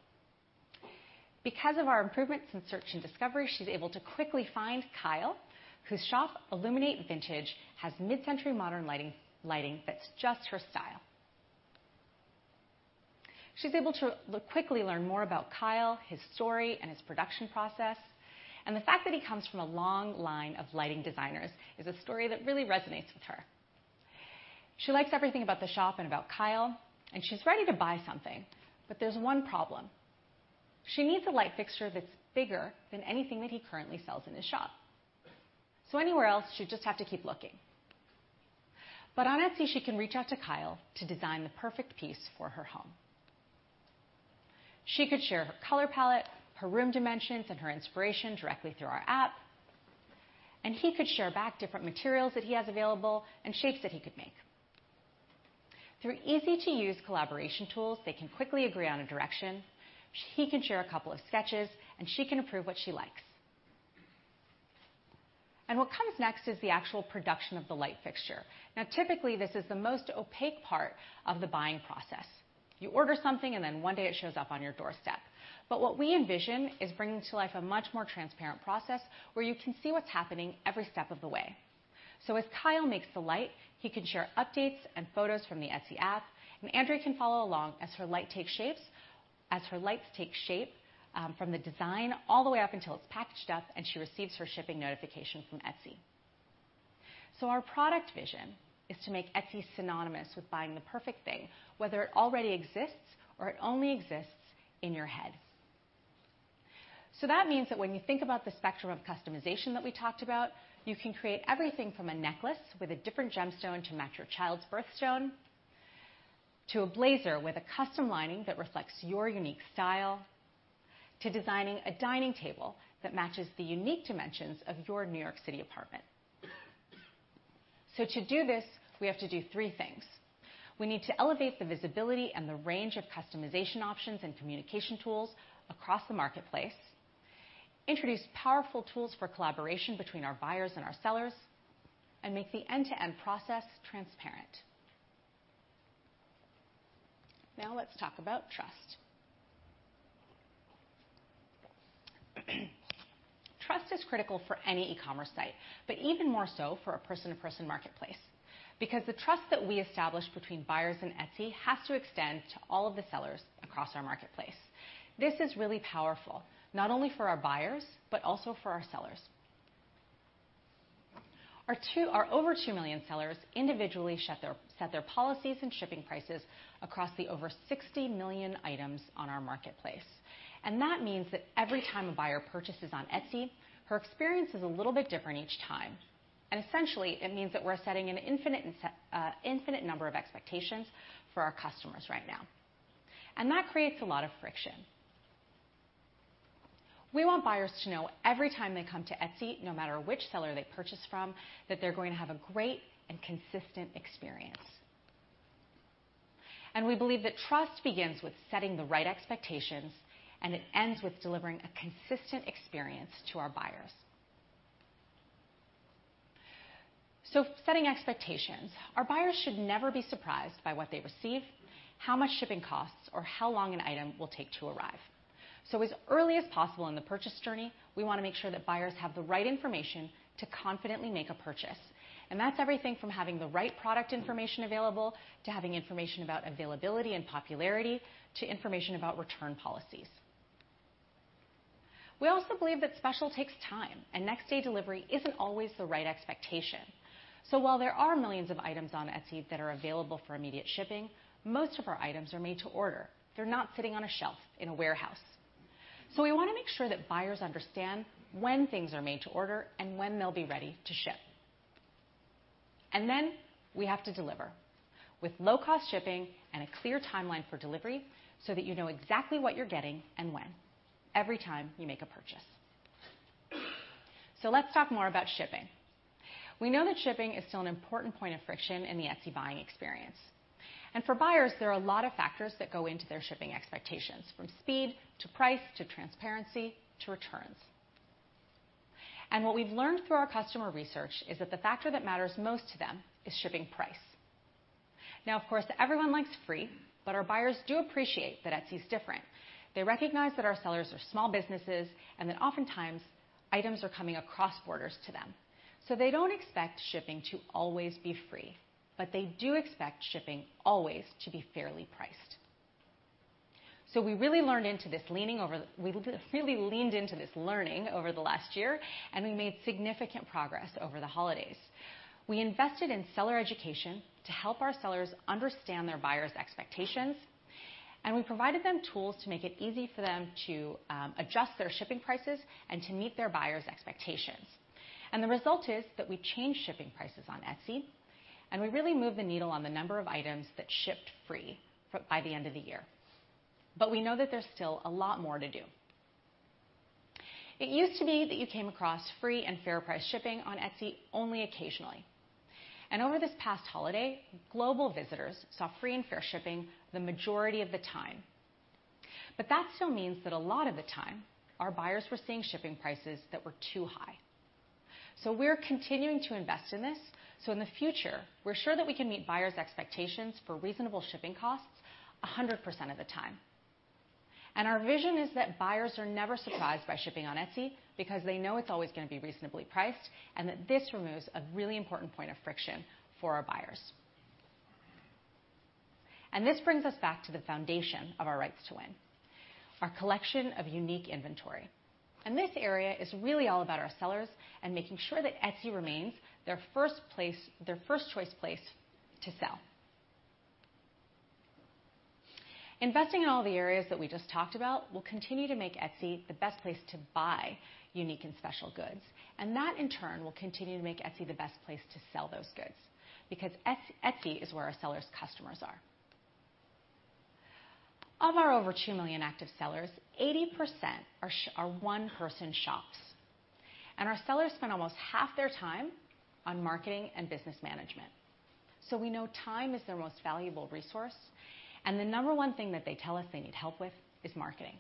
Because of our improvements in search and discovery, she's able to quickly find Kyle, whose shop, Illuminate Vintage, has mid-century modern lighting that's just her style. She's able to quickly learn more about Kyle, his story, and his production process. The fact that he comes from a long line of lighting designers is a story that really resonates with her. She likes everything about the shop and about Kyle, she's ready to buy something. There's one problem. She needs a light fixture that's bigger than anything that he currently sells in his shop. Anywhere else, she'd just have to keep looking. On Etsy, she can reach out to Kyle to design the perfect piece for her home. She could share her color palette, her room dimensions, and her inspiration directly through our app, he could share back different materials that he has available and shapes that he could make. Through easy-to-use collaboration tools, they can quickly agree on a direction. He can share a couple of sketches, she can approve what she likes. What comes next is the actual production of the light fixture. Typically, this is the most opaque part of the buying process. You order something, then one day it shows up on your doorstep. What we envision is bringing to life a much more transparent process where you can see what's happening every step of the way. As Kyle makes the light, he can share updates and photos from the Etsy app, Andrea can follow along as her lights take shape from the design all the way up until it's packaged up and she receives her shipping notification from Etsy. Our product vision is to make Etsy synonymous with buying the perfect thing, whether it already exists or it only exists in your head. That means that when you think about the spectrum of customization that we talked about, you can create everything from a necklace with a different gemstone to match your child's birthstone, to a blazer with a custom lining that reflects your unique style, to designing a dining table that matches the unique dimensions of your New York City apartment. To do this, we have to do three things. We need to elevate the visibility and the range of customization options and communication tools across the marketplace, introduce powerful tools for collaboration between our buyers and our sellers, and make the end-to-end process transparent. Let's talk about trust. Trust is critical for any e-commerce site, but even more so for a person-to-person marketplace, because the trust that we establish between buyers and Etsy has to extend to all of the sellers across our marketplace. This is really powerful, not only for our buyers, but also for our sellers. Our over 2 million sellers individually set their policies and shipping prices across the over 60 million items on our marketplace. That means that every time a buyer purchases on Etsy, her experience is a little bit different each time. Essentially, it means that we're setting an infinite number of expectations for our customers right now. That creates a lot of friction. We want buyers to know every time they come to Etsy, no matter which seller they purchase from, that they're going to have a great and consistent experience. We believe that trust begins with setting the right expectations, and it ends with delivering a consistent experience to our buyers. Setting expectations. Our buyers should never be surprised by what they receive, how much shipping costs, or how long an item will take to arrive. As early as possible in the purchase journey, we want to make sure that buyers have the right information to confidently make a purchase. That's everything from having the right product information available, to having information about availability and popularity, to information about return policies. We also believe that special takes time, and next-day delivery isn't always the right expectation. While there are millions of items on Etsy that are available for immediate shipping, most of our items are made to order. They're not sitting on a shelf in a warehouse. We want to make sure that buyers understand when things are made to order and when they'll be ready to ship. Then we have to deliver with low-cost shipping and a clear timeline for delivery so that you know exactly what you're getting and when, every time you make a purchase. Let's talk more about shipping. We know that shipping is still an important point of friction in the Etsy buying experience. For buyers, there are a lot of factors that go into their shipping expectations, from speed, to price, to transparency, to returns. What we've learned through our customer research is that the factor that matters most to them is shipping price. Of course, everyone likes free, but our buyers do appreciate that Etsy's different. They recognize that our sellers are small businesses and that oftentimes items are coming across borders to them. They don't expect shipping to always be free, but they do expect shipping always to be fairly priced. We really leaned into this learning over the last year. We made significant progress over the holidays. We invested in seller education to help our sellers understand their buyers' expectations. We provided them tools to make it easy for them to adjust their shipping prices and to meet their buyers' expectations. The result is that we changed shipping prices on Etsy. We really moved the needle on the number of items that shipped free by the end of the year. We know that there's still a lot more to do. It used to be that you came across free and fair price shipping on Etsy only occasionally. Over this past holiday, global visitors saw free and fair shipping the majority of the time. That still means that a lot of the time, our buyers were seeing shipping prices that were too high. We're continuing to invest in this, so in the future, we're sure that we can meet buyers' expectations for reasonable shipping costs 100% of the time. Our vision is that buyers are never surprised by shipping on Etsy because they know it's always going to be reasonably priced, and that this removes a really important point of friction for our buyers. This brings us back to the foundation of our rights to win, our collection of unique inventory. This area is really all about our sellers and making sure that Etsy remains their first-choice place to sell. Investing in all the areas that we just talked about will continue to make Etsy the best place to buy unique and special goods, and that, in turn, will continue to make Etsy the best place to sell those goods, because Etsy is where our sellers' customers are. Of our over 2 million active sellers, 80% are one-person shops. Our sellers spend almost half their time on marketing and business management. We know time is their most valuable resource. The number one thing that they tell us they need help with is marketing.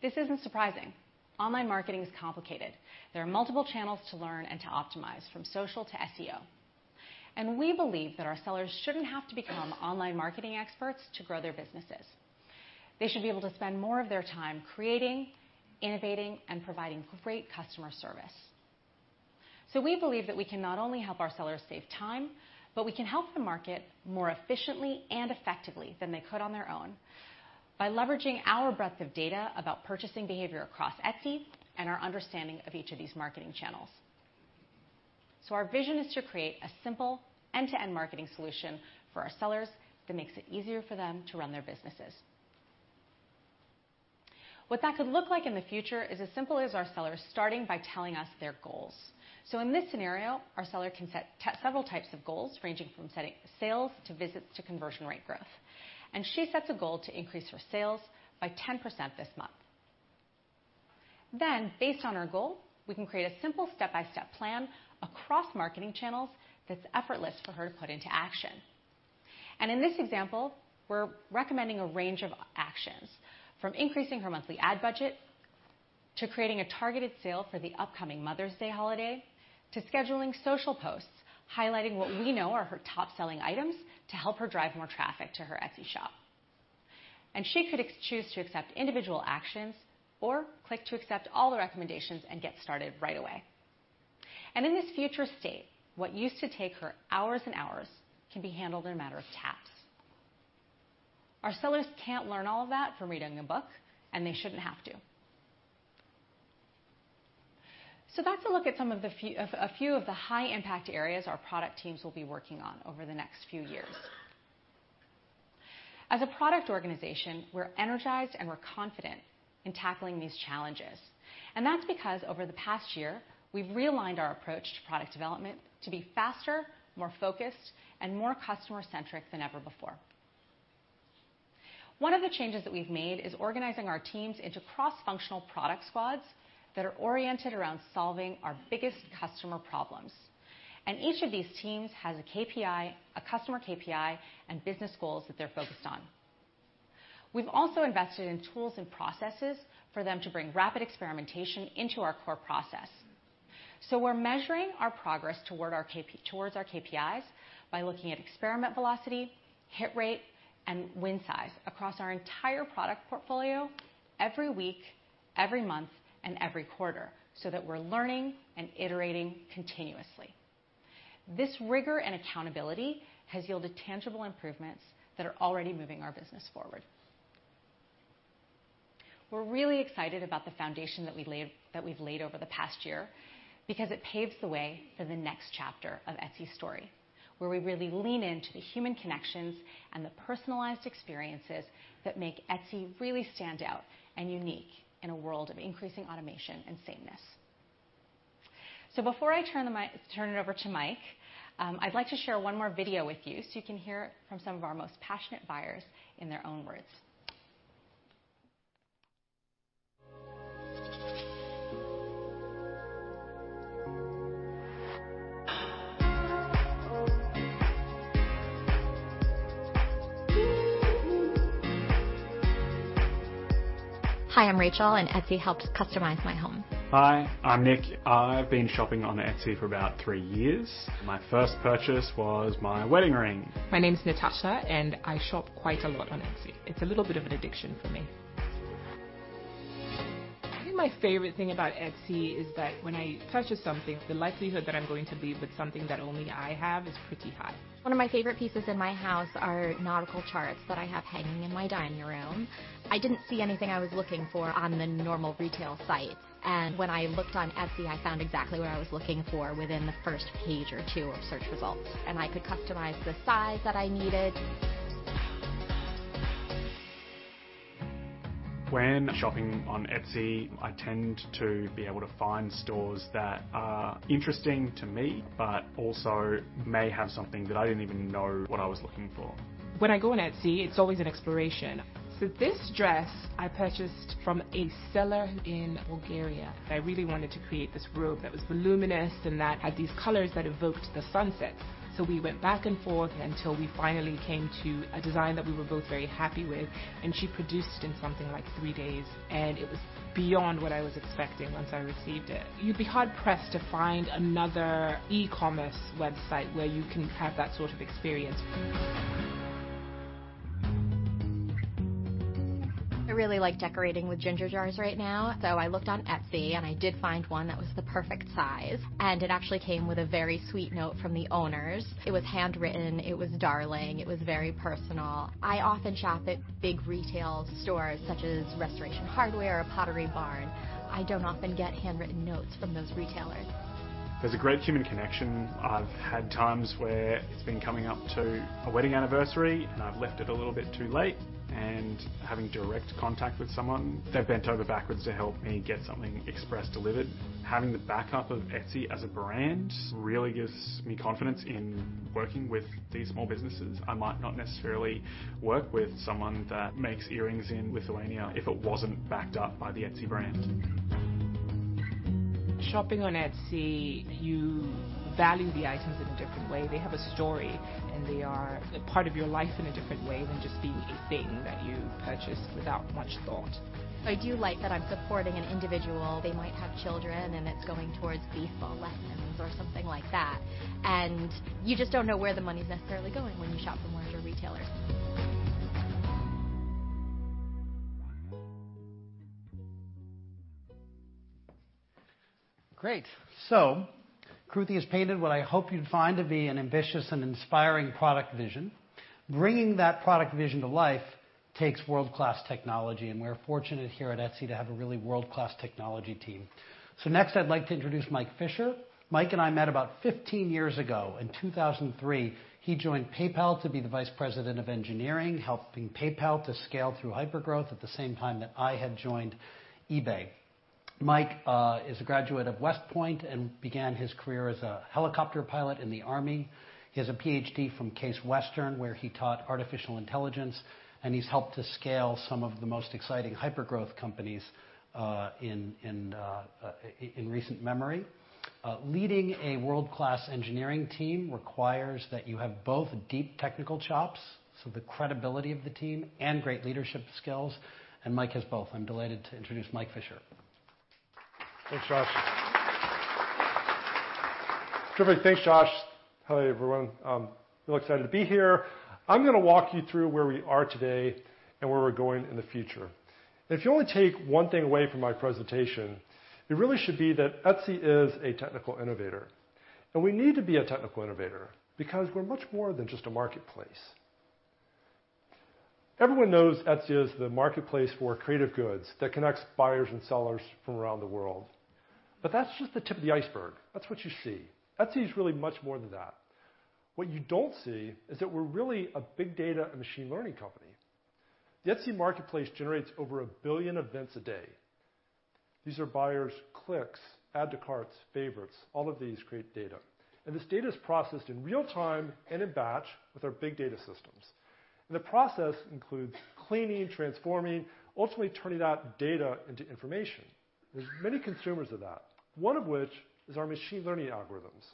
This isn't surprising. Online marketing is complicated. There are multiple channels to learn and to optimize, from social to SEO. We believe that our sellers shouldn't have to become online marketing experts to grow their businesses. They should be able to spend more of their time creating, innovating, and providing great customer service. We believe that we can not only help our sellers save time, but we can help them market more efficiently and effectively than they could on their own by leveraging our breadth of data about purchasing behavior across Etsy and our understanding of each of these marketing channels. Our vision is to create a simple end-to-end marketing solution for our sellers that makes it easier for them to run their businesses. What that could look like in the future is as simple as our sellers starting by telling us their goals. In this scenario, our seller can set several types of goals, ranging from setting sales to visits to conversion rate growth. She sets a goal to increase her sales by 10% this month. Based on her goal, we can create a simple step-by-step plan across marketing channels that's effortless for her to put into action. In this example, we're recommending a range of actions from increasing her monthly ad budget, to creating a targeted sale for the upcoming Mother's Day holiday, to scheduling social posts, highlighting what we know are her top-selling items to help her drive more traffic to her Etsy shop. She could choose to accept individual actions or click to accept all the recommendations and get started right away. In this future state, what used to take her hours and hours can be handled in a matter of taps. Our sellers can't learn all of that from reading a book, and they shouldn't have to. That's a look at a few of the high-impact areas our product teams will be working on over the next few years. As a product organization, we're energized and we're confident in tackling these challenges. That's because over the past year, we've realigned our approach to product development to be faster, more focused, and more customer-centric than ever before. One of the changes that we've made is organizing our teams into cross-functional product squads that are oriented around solving our biggest customer problems. Each of these teams has a KPI, a customer KPI, and business goals that they're focused on. We've also invested in tools and processes for them to bring rapid experimentation into our core process. We're measuring our progress towards our KPIs by looking at experiment velocity, hit rate, and win size across our entire product portfolio every week, every month, and every quarter, that we're learning and iterating continuously. This rigor and accountability has yielded tangible improvements that are already moving our business forward. We're really excited about the foundation that we've laid over the past year because it paves the way for the next chapter of Etsy's story, where we really lean into the human connections and the personalized experiences that make Etsy really stand out and unique in a world of increasing automation and sameness. Before I turn it over to Mike, I'd like to share one more video with you so you can hear from some of our most passionate buyers in their own words. Hi, I'm Rachel, Etsy helps customize my home. Hi, I'm Nick. I've been shopping on Etsy for about three years. My first purchase was my wedding ring. My name's Natasha, and I shop quite a lot on Etsy. It's a little bit of an addiction for me. I think my favorite thing about Etsy is that when I purchase something, the likelihood that I'm going to leave with something that only I have is pretty high. One of my favorite pieces in my house are nautical charts that I have hanging in my dining room. I didn't see anything I was looking for on the normal retail sites, and when I looked on Etsy, I found exactly what I was looking for within the first page or two of search results, and I could customize the size that I needed. When shopping on Etsy, I tend to be able to find stores that are interesting to me, but also may have something that I didn't even know what I was looking for. I go on Etsy, it's always an exploration. This dress, I purchased from a seller in Bulgaria. I really wanted to create this robe that was voluminous and that had these colors that evoked the sunset. We went back and forth until we finally came to a design that we were both very happy with, and she produced in something like three days, and it was beyond what I was expecting once I received it. You'd be hard-pressed to find another e-commerce website where you can have that sort of experience. I really like decorating with ginger jars right now. I looked on Etsy, and I did find one that was the perfect size, and it actually came with a very sweet note from the owners. It was handwritten. It was darling. It was very personal. I often shop at big retail stores, such as Restoration Hardware or Pottery Barn. I don't often get handwritten notes from those retailers. There's a great human connection. I've had times where it's been coming up to a wedding anniversary, and I've left it a little bit too late, and having direct contact with someone, they've bent over backwards to help me get something express delivered. Having the backup of Etsy as a brand really gives me confidence in working with these small businesses. I might not necessarily work with someone that makes earrings in Lithuania if it wasn't backed up by the Etsy brand. Shopping on Etsy, you value the items in a different way. They have a story, and they are a part of your life in a different way than just being a thing that you purchase without much thought. I do like that I'm supporting an individual. They might have children, and it's going towards baseball lessons or something like that, and you just don't know where the money's necessarily going when you shop from larger retailers. Great. Kruti has painted what I hope you'd find to be an ambitious and inspiring product vision. Bringing that product vision to life takes world-class technology, and we're fortunate here at Etsy to have a really world-class technology team. Next, I'd like to introduce Mike Fisher. Mike and I met about 15 years ago. In 2003, he joined PayPal to be the vice president of engineering, helping PayPal to scale through hypergrowth at the same time that I had joined eBay. Mike is a graduate of West Point and began his career as a helicopter pilot in the Army. He has a PhD from Case Western, where he taught artificial intelligence, and he's helped to scale some of the most exciting hypergrowth companies in recent memory. Leading a world-class engineering team requires that you have both deep technical chops, the credibility of the team, and great leadership skills, and Mike has both. I'm delighted to introduce Mike Fisher. Thanks, Josh. Terrific. Thanks, Josh. Hello, everyone. I'm real excited to be here. I'm going to walk you through where we are today and where we're going in the future. If you only take one thing away from my presentation, it really should be that Etsy is a technical innovator. We need to be a technical innovator because we're much more than just a marketplace. Everyone knows Etsy is the marketplace for creative goods that connects buyers and sellers from around the world. That's just the tip of the iceberg. That's what you see. Etsy's really much more than that. What you don't see is that we're really a big data and machine learning company. The Etsy marketplace generates over a billion events a day. These are buyers' clicks, add to carts, favorites, all of these create data. This data is processed in real time and in batch with our big data systems. The process includes cleaning, transforming, ultimately turning that data into information. There's many consumers of that, one of which is our machine learning algorithms.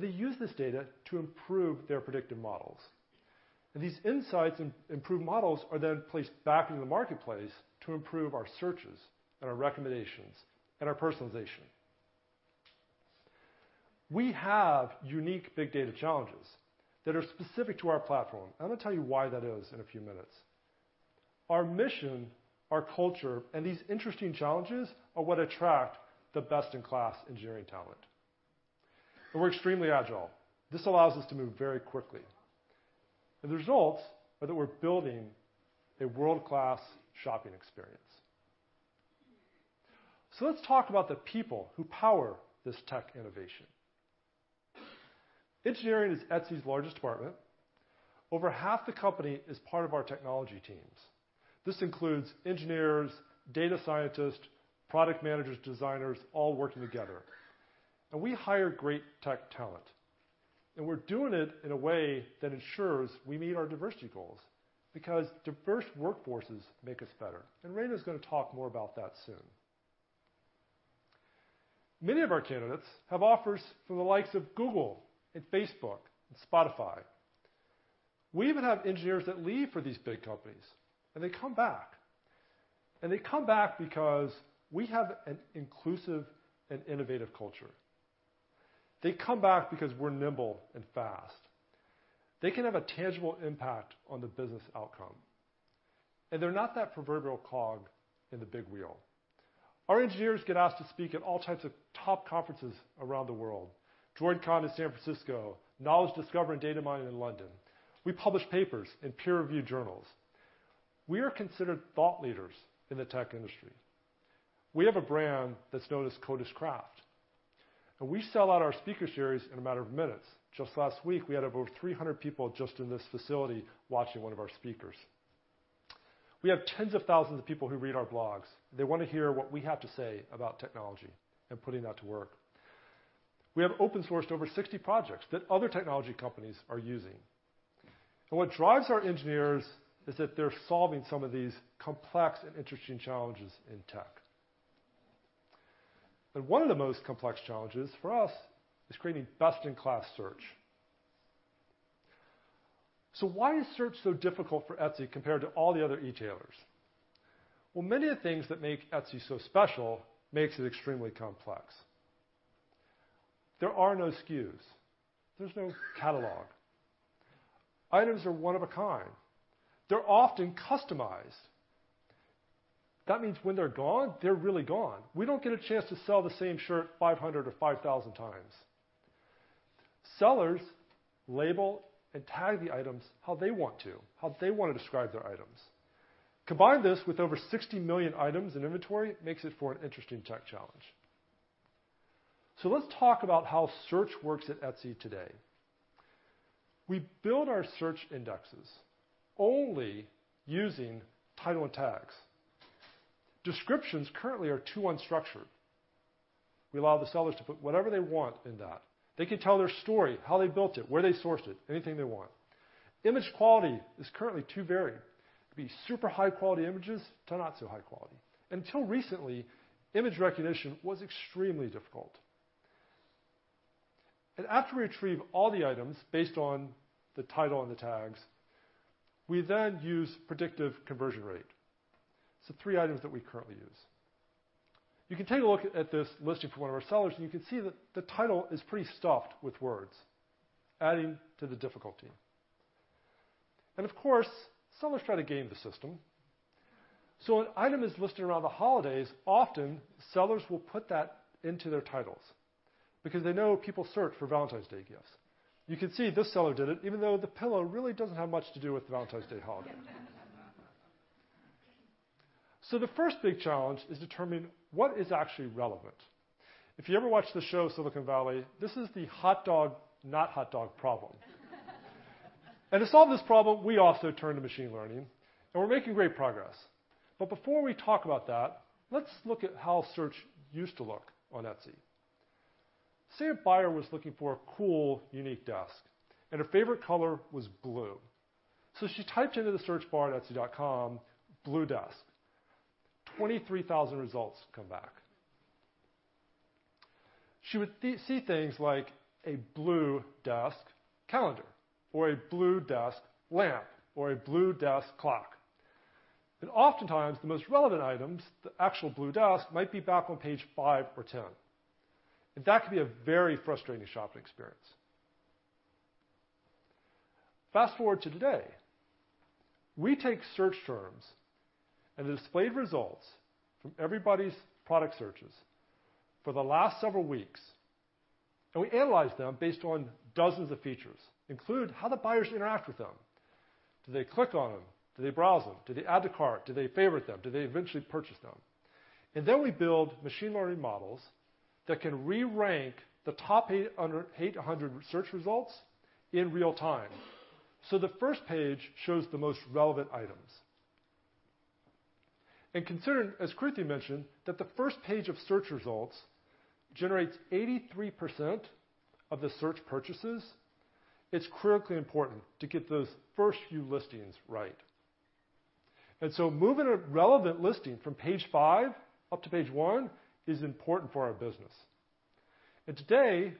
They use this data to improve their predictive models. These insights and improved models are then placed back into the marketplace to improve our searches and our recommendations and our personalization. We have unique big data challenges that are specific to our platform. I'm going to tell you why that is in a few minutes. Our mission, our culture, and these interesting challenges are what attract the best-in-class engineering talent. We're extremely agile. This allows us to move very quickly. The results are that we're building a world-class shopping experience. Let's talk about the people who power this tech innovation. Engineering is Etsy's largest department. Over half the company is part of our technology teams. This includes engineers, data scientists, product managers, designers, all working together. We hire great tech talent. We're doing it in a way that ensures we meet our diversity goals, because diverse workforces make us better. Raina's going to talk more about that soon. Many of our candidates have offers from the likes of Google and Facebook and Spotify. We even have engineers that leave for these big companies, and they come back. They come back because we have an inclusive and innovative culture. They come back because we're nimble and fast. They can have a tangible impact on the business outcome. They're not that proverbial cog in the big wheel. Our engineers get asked to speak at all types of top conferences around the world. QCon in San Francisco, Knowledge Discovery and Data Mining in London. We publish papers in peer-review journals. We are considered thought leaders in the tech industry. We have a brand that's known as Code as Craft. We sell out our speaker series in a matter of minutes. Just last week, we had over 300 people just in this facility watching one of our speakers. We have tens of thousands of people who read our blogs. They want to hear what we have to say about technology and putting that to work. We have open sourced over 60 projects that other technology companies are using. What drives our engineers is that they're solving some of these complex and interesting challenges in tech. One of the most complex challenges for us is creating best-in-class search. Why is search so difficult for Etsy compared to all the other e-tailers? Well, many of the things that make Etsy so special makes it extremely complex. There are no SKUs. There's no catalog. Items are one of a kind. They're often customized. That means when they're gone, they're really gone. We don't get a chance to sell the same shirt 500 or 5,000 times. Sellers label and tag the items how they want to, how they want to describe their items. Combine this with over 60 million items in inventory, makes it for an interesting tech challenge. Let's talk about how search works at Etsy today. We build our search indexes only using title and tags. Descriptions currently are too unstructured. We allow the sellers to put whatever they want in that. They can tell their story, how they built it, where they sourced it, anything they want. Image quality is currently too varied. It could be super high-quality images to not so high quality. Until recently, image recognition was extremely difficult. After we retrieve all the items based on the title and the tags, we then use predictive conversion rate. Three items that we currently use. You can take a look at this listing from one of our sellers, and you can see that the title is pretty stuffed with words, adding to the difficulty. Of course, sellers try to game the system. An item is listed around the holidays, often sellers will put that into their titles because they know people search for Valentine's Day gifts. You can see this seller did it, even though the pillow really doesn't have much to do with the Valentine's Day holiday. The first big challenge is determining what is actually relevant. If you ever watch the show "Silicon Valley," this is the hot dog, not hot dog problem. To solve this problem, we also turn to machine learning, and we're making great progress. Before we talk about that, let's look at how search used to look on Etsy. Say a buyer was looking for a cool, unique desk, and her favorite color was blue. She typed into the search bar at etsy.com, "Blue desk." 23,000 results come back. She would see things like a blue desk calendar or a blue desk lamp or a blue desk clock. Oftentimes, the most relevant items, the actual blue desk, might be back on page five or 10. That can be a very frustrating shopping experience. Fast-forward to today. We take search terms and the displayed results from everybody's product searches for the last several weeks, and we analyze them based on dozens of features, including how the buyers interact with them. Do they click on them? Do they browse them? Do they add to cart? Do they favorite them? Do they eventually purchase them? Then we build machine learning models that can re-rank the top 800 search results in real time. The first page shows the most relevant items. Considering, as Kruti mentioned, that the first page of search results generates 83% of the search purchases, it's critically important to get those first few listings right. Moving a relevant listing from page five up to page one is important for our business. Today,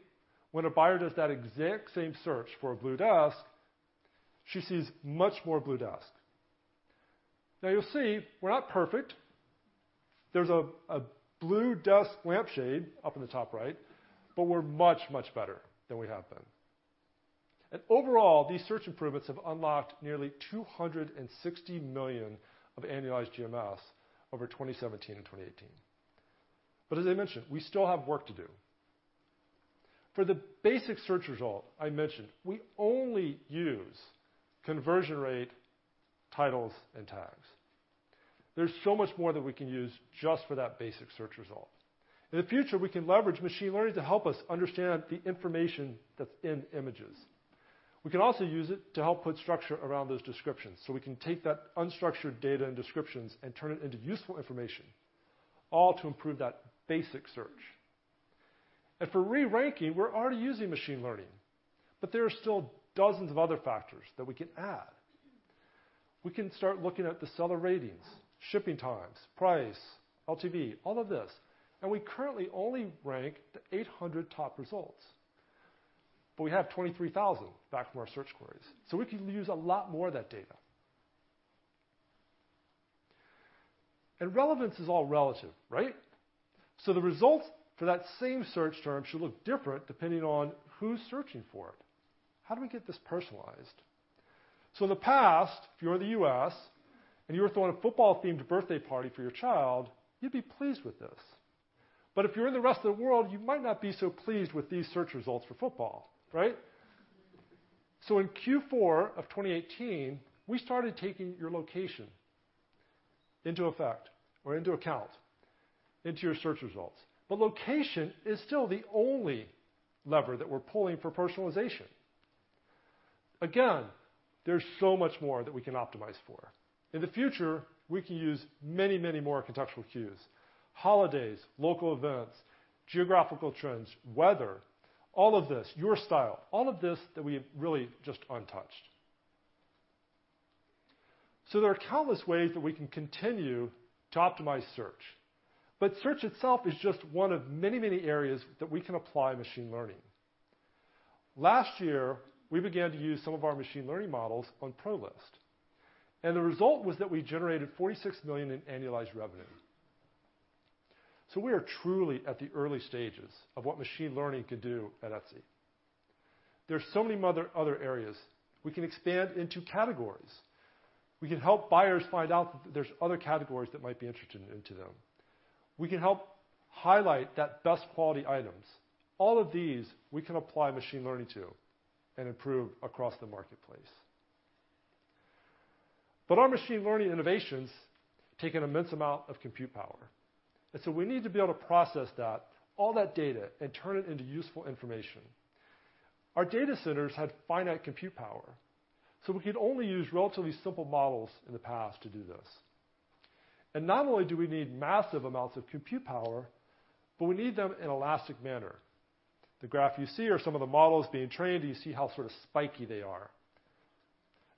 when a buyer does that exact same search for a blue desk, she sees much more blue desk. Now, you'll see we're not perfect. There's a blue desk lampshade up in the top right, but we're much, much better than we have been. Overall, these search improvements have unlocked nearly $260 million of annualized GMS over 2017 and 2018. As I mentioned, we still have work to do. For the basic search result I mentioned, we only use conversion rate, titles and tags. There's so much more that we can use just for that basic search result. In the future, we can leverage machine learning to help us understand the information that's in images. We can also use it to help put structure around those descriptions, so we can take that unstructured data and descriptions and turn it into useful information, all to improve that basic search. For re-ranking, we're already using machine learning, but there are still dozens of other factors that we can add. We can start looking at the seller ratings, shipping times, price, LTV, all of this. We currently only rank the 800 top results, but we have 23,000 back from our search queries. We can use a lot more of that data. Relevance is all relative, right? The results for that same search term should look different depending on who's searching for it. How do we get this personalized? In the past, if you're in the U.S. and you were throwing a football-themed birthday party for your child, you'd be pleased with this. If you're in the rest of the world, you might not be so pleased with these search results for football, right? In Q4 of 2018, we started taking your location into effect or into account into your search results. Location is still the only lever that we're pulling for personalization. Again, there's so much more that we can optimize for. In the future, we can use many, many more contextual cues, holidays, local events, geographical trends, weather, all of this, your style, all of this that we've really just untouched. There are countless ways that we can continue to optimize search. Search itself is just one of many, many areas that we can apply machine learning. Last year, we began to use some of our machine learning models on Pro List, and the result was that we generated $46 million in annualized revenue. We are truly at the early stages of what machine learning can do at Etsy. There are so many other areas. We can expand into categories. We can help buyers find out that there's other categories that might be interesting to them. We can help highlight that best quality items. All of these we can apply machine learning to and improve across the marketplace. Our machine learning innovations take an immense amount of compute power. We need to be able to process that, all that data, and turn it into useful information. Our data centers had finite compute power, so we could only use relatively simple models in the past to do this. Not only do we need massive amounts of compute power, but we need them in elastic manner. The graph you see are some of the models being trained, and you see how sort of spiky they are.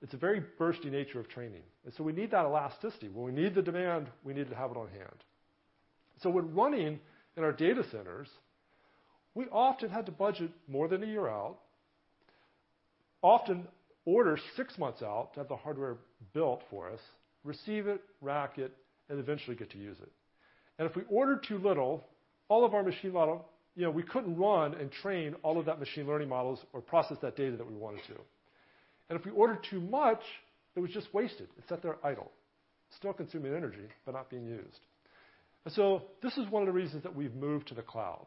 It's a very bursty nature of training, and so we need that elasticity. When we need the demand, we need to have it on hand. When running in our data centers, we often had to budget more than a year out, often order six months out to have the hardware built for us, receive it, rack it, and eventually get to use it. If we ordered too little, we couldn't run and train all of that machine learning models or process that data that we wanted to. If we ordered too much, it was just wasted. It sat there idle. Still consuming energy, but not being used. This is one of the reasons that we've moved to the cloud.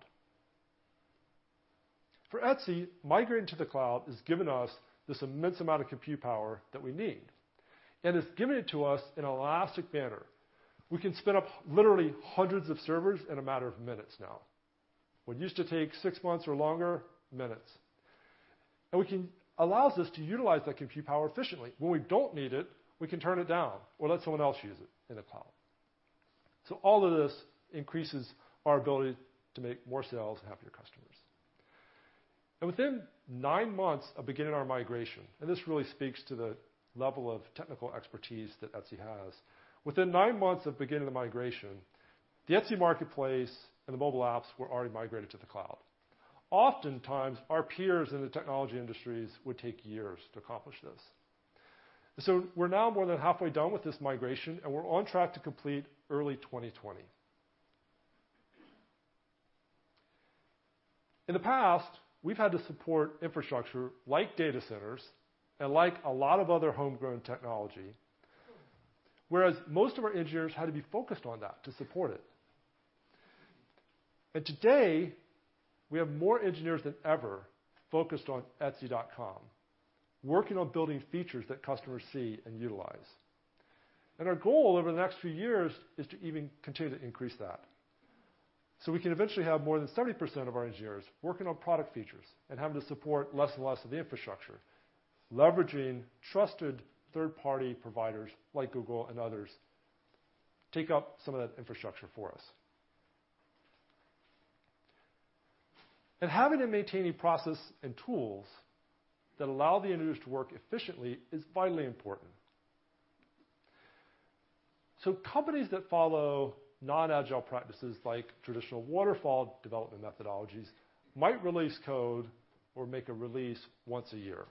For Etsy, migrating to the cloud has given us this immense amount of compute power that we need, and it's given it to us in an elastic manner. We can spin up literally hundreds of servers in a matter of minutes now. What used to take six months or longer, minutes. It allows us to utilize that compute power efficiently. When we don't need it, we can turn it down or let someone else use it in the cloud. All of this increases our ability to make more sales and happier customers. Within nine months of beginning our migration, and this really speaks to the level of technical expertise that Etsy has, within nine months of beginning the migration, the Etsy marketplace and the mobile apps were already migrated to the cloud. Oftentimes, our peers in the technology industries would take years to accomplish this. We're now more than halfway done with this migration, and we're on track to complete early 2020. In the past, we've had to support infrastructure like data centers and like a lot of other homegrown technology, whereas most of our engineers had to be focused on that to support it. Today, we have more engineers than ever focused on etsy.com, working on building features that customers see and utilize. Our goal over the next few years is to even continue to increase that. So we can eventually have more than 70% of our engineers working on product features and having to support less and less of the infrastructure, leveraging trusted third-party providers like Google and others to take up some of that infrastructure for us. Having and maintaining process and tools that allow the engineers to work efficiently is vitally important. Companies that follow non-agile practices like traditional waterfall development methodologies might release code or make a release once a year.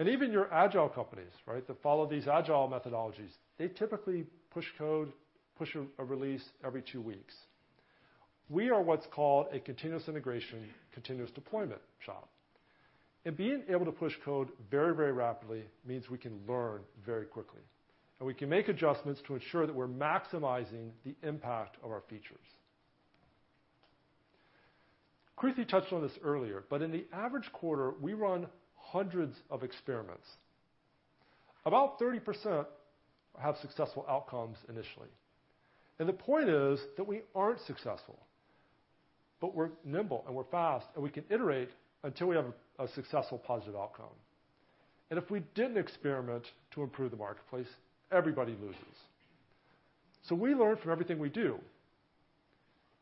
Even your agile companies, right, that follow these agile methodologies, they typically push code, push a release every two weeks. We are what's called a continuous integration, continuous deployment shop. Being able to push code very rapidly means we can learn very quickly, and we can make adjustments to ensure that we're maximizing the impact of our features. Kruti touched on this earlier, but in the average quarter, we run hundreds of experiments. About 30% have successful outcomes initially. The point is that we aren't successful, but we're nimble and we're fast, and we can iterate until we have a successful positive outcome. If we didn't experiment to improve the marketplace, everybody loses. We learn from everything we do,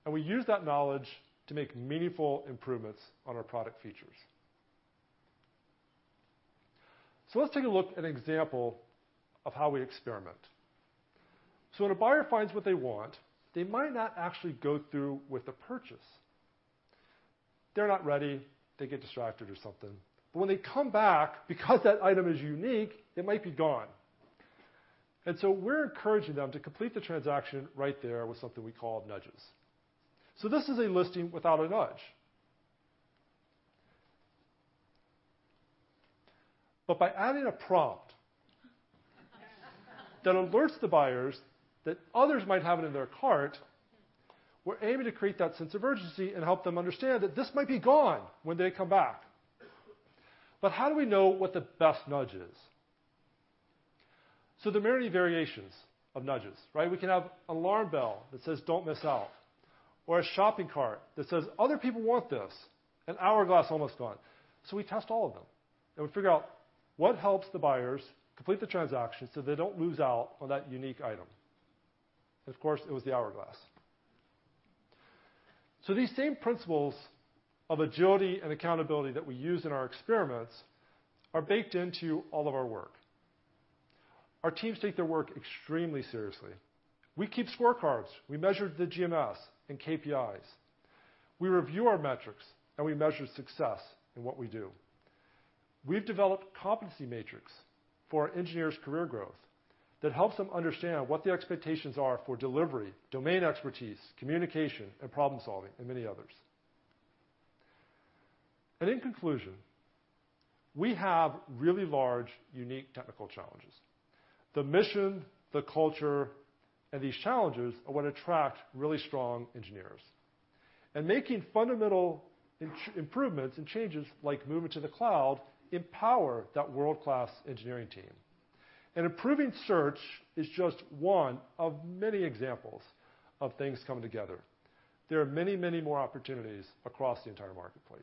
and we use that knowledge to make meaningful improvements on our product features. Let's take a look at an example of how we experiment. When a buyer finds what they want, they might not actually go through with the purchase. They're not ready. They get distracted or something. When they come back, because that item is unique, it might be gone. We're encouraging them to complete the transaction right there with something we call nudges. This is a listing without a nudge. By adding a prompt that alerts the buyers that others might have it in their cart, we're aiming to create that sense of urgency and help them understand that this might be gone when they come back. How do we know what the best nudge is? There are many variations of nudges, right? We can have alarm bell that says, "Don't miss out," or a shopping cart that says, "Other people want this," an hourglass, "Almost gone." We test all of them, and we figure out what helps the buyers complete the transaction so they don't lose out on that unique item. Of course, it was the hourglass. These same principles of agility and accountability that we use in our experiments are baked into all of our work. Our teams take their work extremely seriously. We keep scorecards. We measure the GMS and KPIs. We review our metrics, and we measure success in what we do. We've developed competency matrix for our engineers' career growth that helps them understand what the expectations are for delivery, domain expertise, communication, and problem-solving, and many others. In conclusion, we have really large, unique technical challenges. The mission, the culture, and these challenges are what attract really strong engineers. Making fundamental improvements and changes like moving to the cloud empower that world-class engineering team. Improving search is just one of many examples of things coming together. There are many more opportunities across the entire marketplace.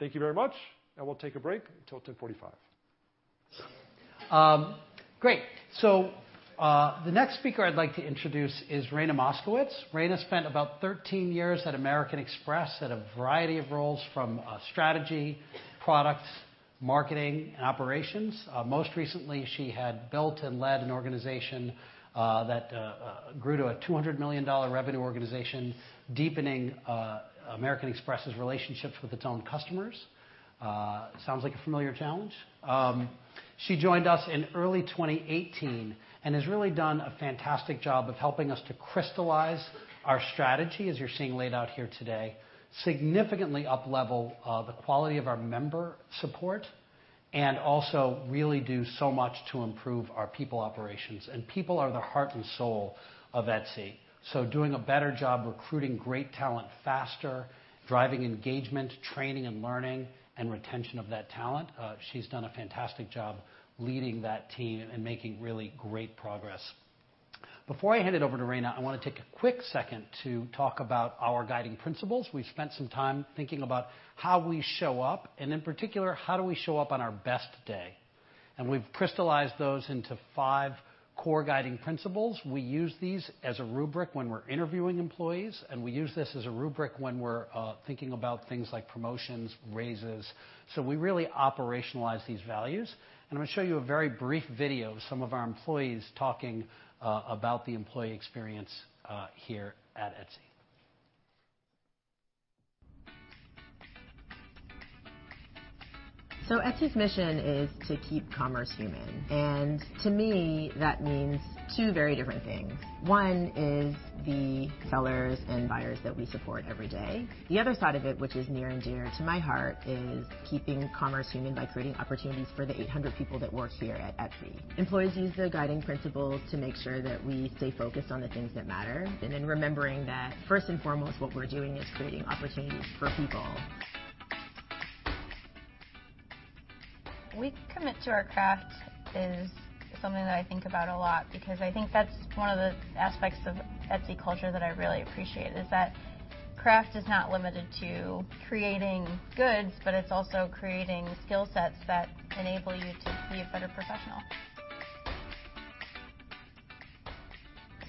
Thank you very much, and we'll take a break until 10:45 A.M. Great. The next speaker I'd like to introduce is Raina Moskowitz. Raina spent about 13 years at American Express at a variety of roles from strategy, products, marketing, and operations. Most recently, she had built and led an organization that grew to a $200 million revenue organization, deepening American Express's relationships with its own customers. Sounds like a familiar challenge. She joined us in early 2018 and has really done a fantastic job of helping us to crystallize our strategy, as you're seeing laid out here today, significantly up-level the quality of our member support, and also really do so much to improve our people operations. People are the heart and soul of Etsy. Doing a better job recruiting great talent faster, driving engagement, training and learning, and retention of that talent. She's done a fantastic job leading that team and making really great progress. Before I hand it over to Raina, I want to take a quick second to talk about our guiding principles. We've spent some time thinking about how we show up, and in particular, how do we show up on our best day. We've crystallized those into five core guiding principles. We use these as a rubric when we're interviewing employees, and we use this as a rubric when we're thinking about things like promotions, raises. We really operationalize these values, and I'm going to show you a very brief video of some of our employees talking about the employee experience here at Etsy. Etsy's mission is to keep commerce human. To me, that means two very different things. One is the sellers and buyers that we support every day. The other side of it, which is near and dear to my heart, is keeping commerce human by creating opportunities for the 800 people that work here at Etsy. Employees use the guiding principles to make sure that we stay focused on the things that matter, and in remembering that first and foremost, what we're doing is creating opportunities for people. We commit to our craft" is something that I think about a lot because I think that's one of the aspects of Etsy culture that I really appreciate, is that craft is not limited to creating goods, but it's also creating skill sets that enable you to be a better professional.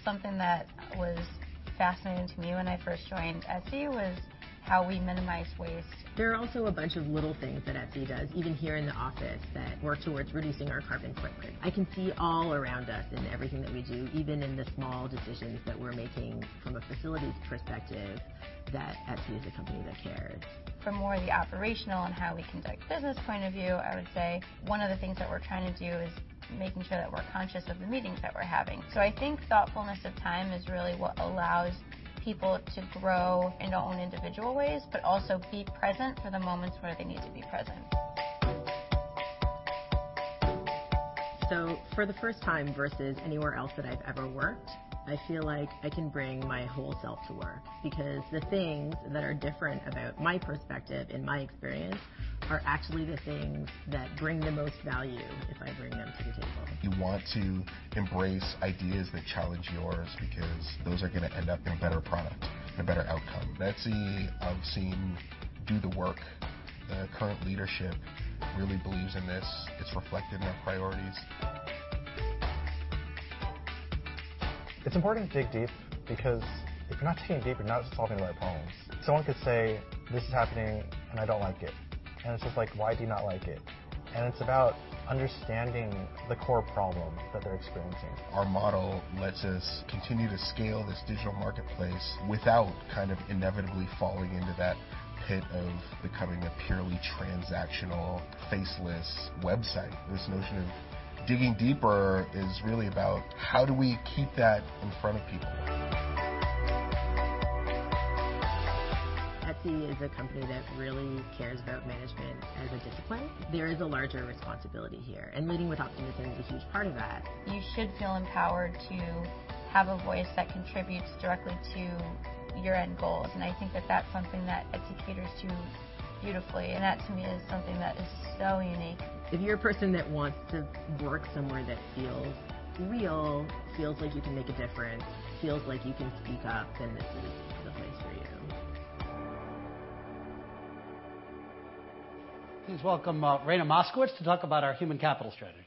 Something that was fascinating to me when I first joined Etsy was how we minimize waste. There are also a bunch of little things that Etsy does, even here in the office, that work towards reducing our carbon footprint. I can see all around us in everything that we do, even in the small decisions that we're making from a facilities perspective, that Etsy is a company that cares. From more the operational and how we conduct business point of view, I would say one of the things that we're trying to do is making sure that we're conscious of the meetings that we're having. I think thoughtfulness of time is really what allows people to grow in their own individual ways, but also be present for the moments where they need to be present. For the first time versus anywhere else that I've ever worked, I feel like I can bring my whole self to work because the things that are different about my perspective and my experience are actually the things that bring the most value if I bring them to the table. You want to embrace ideas that challenge yours because those are going to end up in a better product and a better outcome. Etsy, I've seen do the work. The current leadership really believes in this. It's reflected in their priorities. It's important to dig deep because if you're not digging deep, you're not solving the right problems. Someone could say, "This is happening, and I don't like it." It's just like, "Why do you not like it?" It's about understanding the core problem that they're experiencing. Our model lets us continue to scale this digital marketplace without kind of inevitably falling into that pit of becoming a purely transactional, faceless website. This notion of digging deeper is really about how do we keep that in front of people. Etsy is a company that really cares about management as a discipline. There is a larger responsibility here, and leading with optimism is a huge part of that. You should feel empowered to have a voice that contributes directly to your end goals, and I think that that's something that Etsy caters to beautifully, and that, to me, is something that is so unique. If you're a person that wants to work somewhere that feels real, feels like you can make a difference, feels like you can speak up, then this is the place for you. Please welcome Raina Moskowitz to talk about our human capital strategy.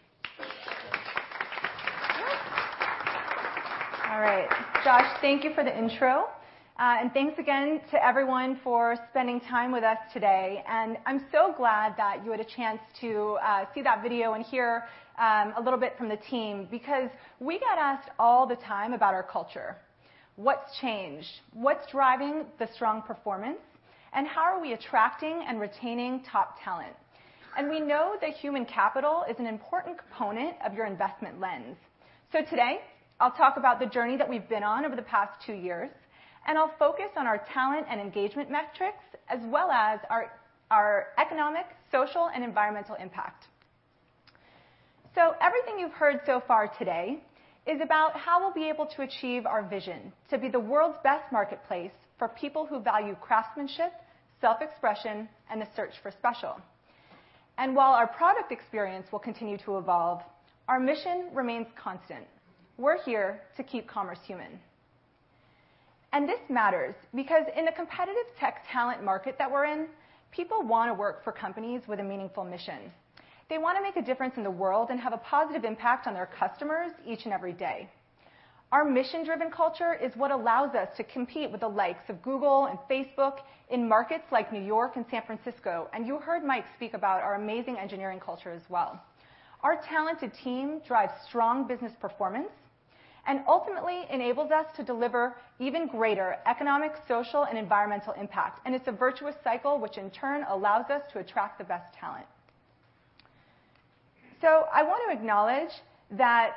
All right. Josh, thank you for the intro, and thanks again to everyone for spending time with us today. I'm so glad that you had a chance to see that video and hear a little bit from the team, because we get asked all the time about our culture. What's changed, what's driving the strong performance, and how are we attracting and retaining top talent? We know that human capital is an important component of your investment lens. Today, I'll talk about the journey that we've been on over the past two years, and I'll focus on our talent and engagement metrics, as well as our economic, social, and environmental impact. Everything you've heard so far today is about how we'll be able to achieve our vision to be the world's best marketplace for people who value craftsmanship, self-expression, and the search for special. While our product experience will continue to evolve, our mission remains constant. We're here to keep commerce human. This matters because in the competitive tech talent market that we're in, people want to work for companies with a meaningful mission. They want to make a difference in the world and have a positive impact on their customers each and every day. Our mission-driven culture is what allows us to compete with the likes of Google and Facebook in markets like New York and San Francisco, and you heard Mike speak about our amazing engineering culture as well. Our talented team drives strong business performance and ultimately enables us to deliver even greater economic, social, and environmental impact. It's a virtuous cycle, which in turn allows us to attract the best talent. I want to acknowledge that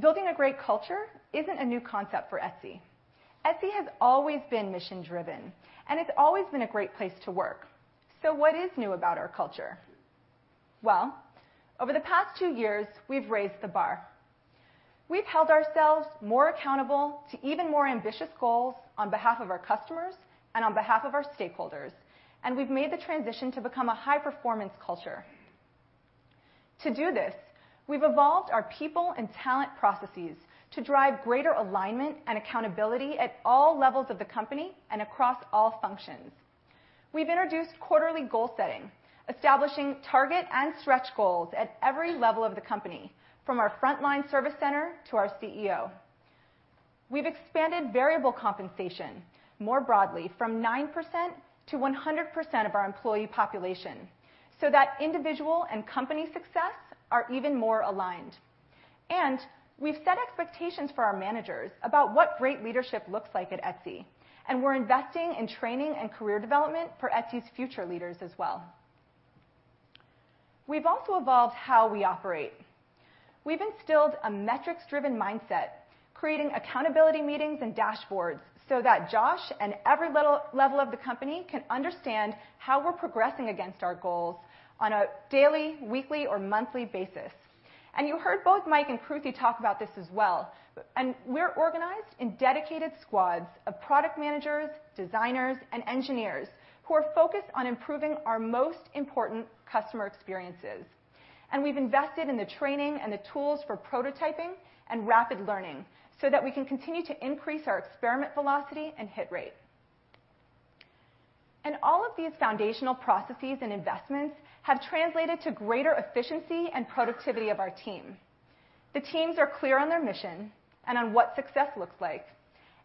building a great culture isn't a new concept for Etsy. Etsy has always been mission-driven, and it's always been a great place to work. What is new about our culture? Over the past two years, we've raised the bar. We've held ourselves more accountable to even more ambitious goals on behalf of our customers and on behalf of our stakeholders, and we've made the transition to become a high-performance culture. To do this, we've evolved our people and talent processes to drive greater alignment and accountability at all levels of the company and across all functions. We've introduced quarterly goal setting, establishing target and stretch goals at every level of the company, from our frontline service center to our CEO. We've expanded variable compensation more broadly from 9% to 100% of our employee population so that individual and company success are even more aligned. We've set expectations for our managers about what great leadership looks like at Etsy, and we're investing in training and career development for Etsy's future leaders as well. We've also evolved how we operate. We've instilled a metrics-driven mindset, creating accountability meetings and dashboards so that Josh and every level of the company can understand how we're progressing against our goals on a daily, weekly, or monthly basis. You heard both Mike and Kruti talk about this as well. We're organized in dedicated squads of product managers, designers, and engineers who are focused on improving our most important customer experiences. We've invested in the training and the tools for prototyping and rapid learning so that we can continue to increase our experiment velocity and hit rate. All of these foundational processes and investments have translated to greater efficiency and productivity of our team. The teams are clear on their mission and on what success looks like.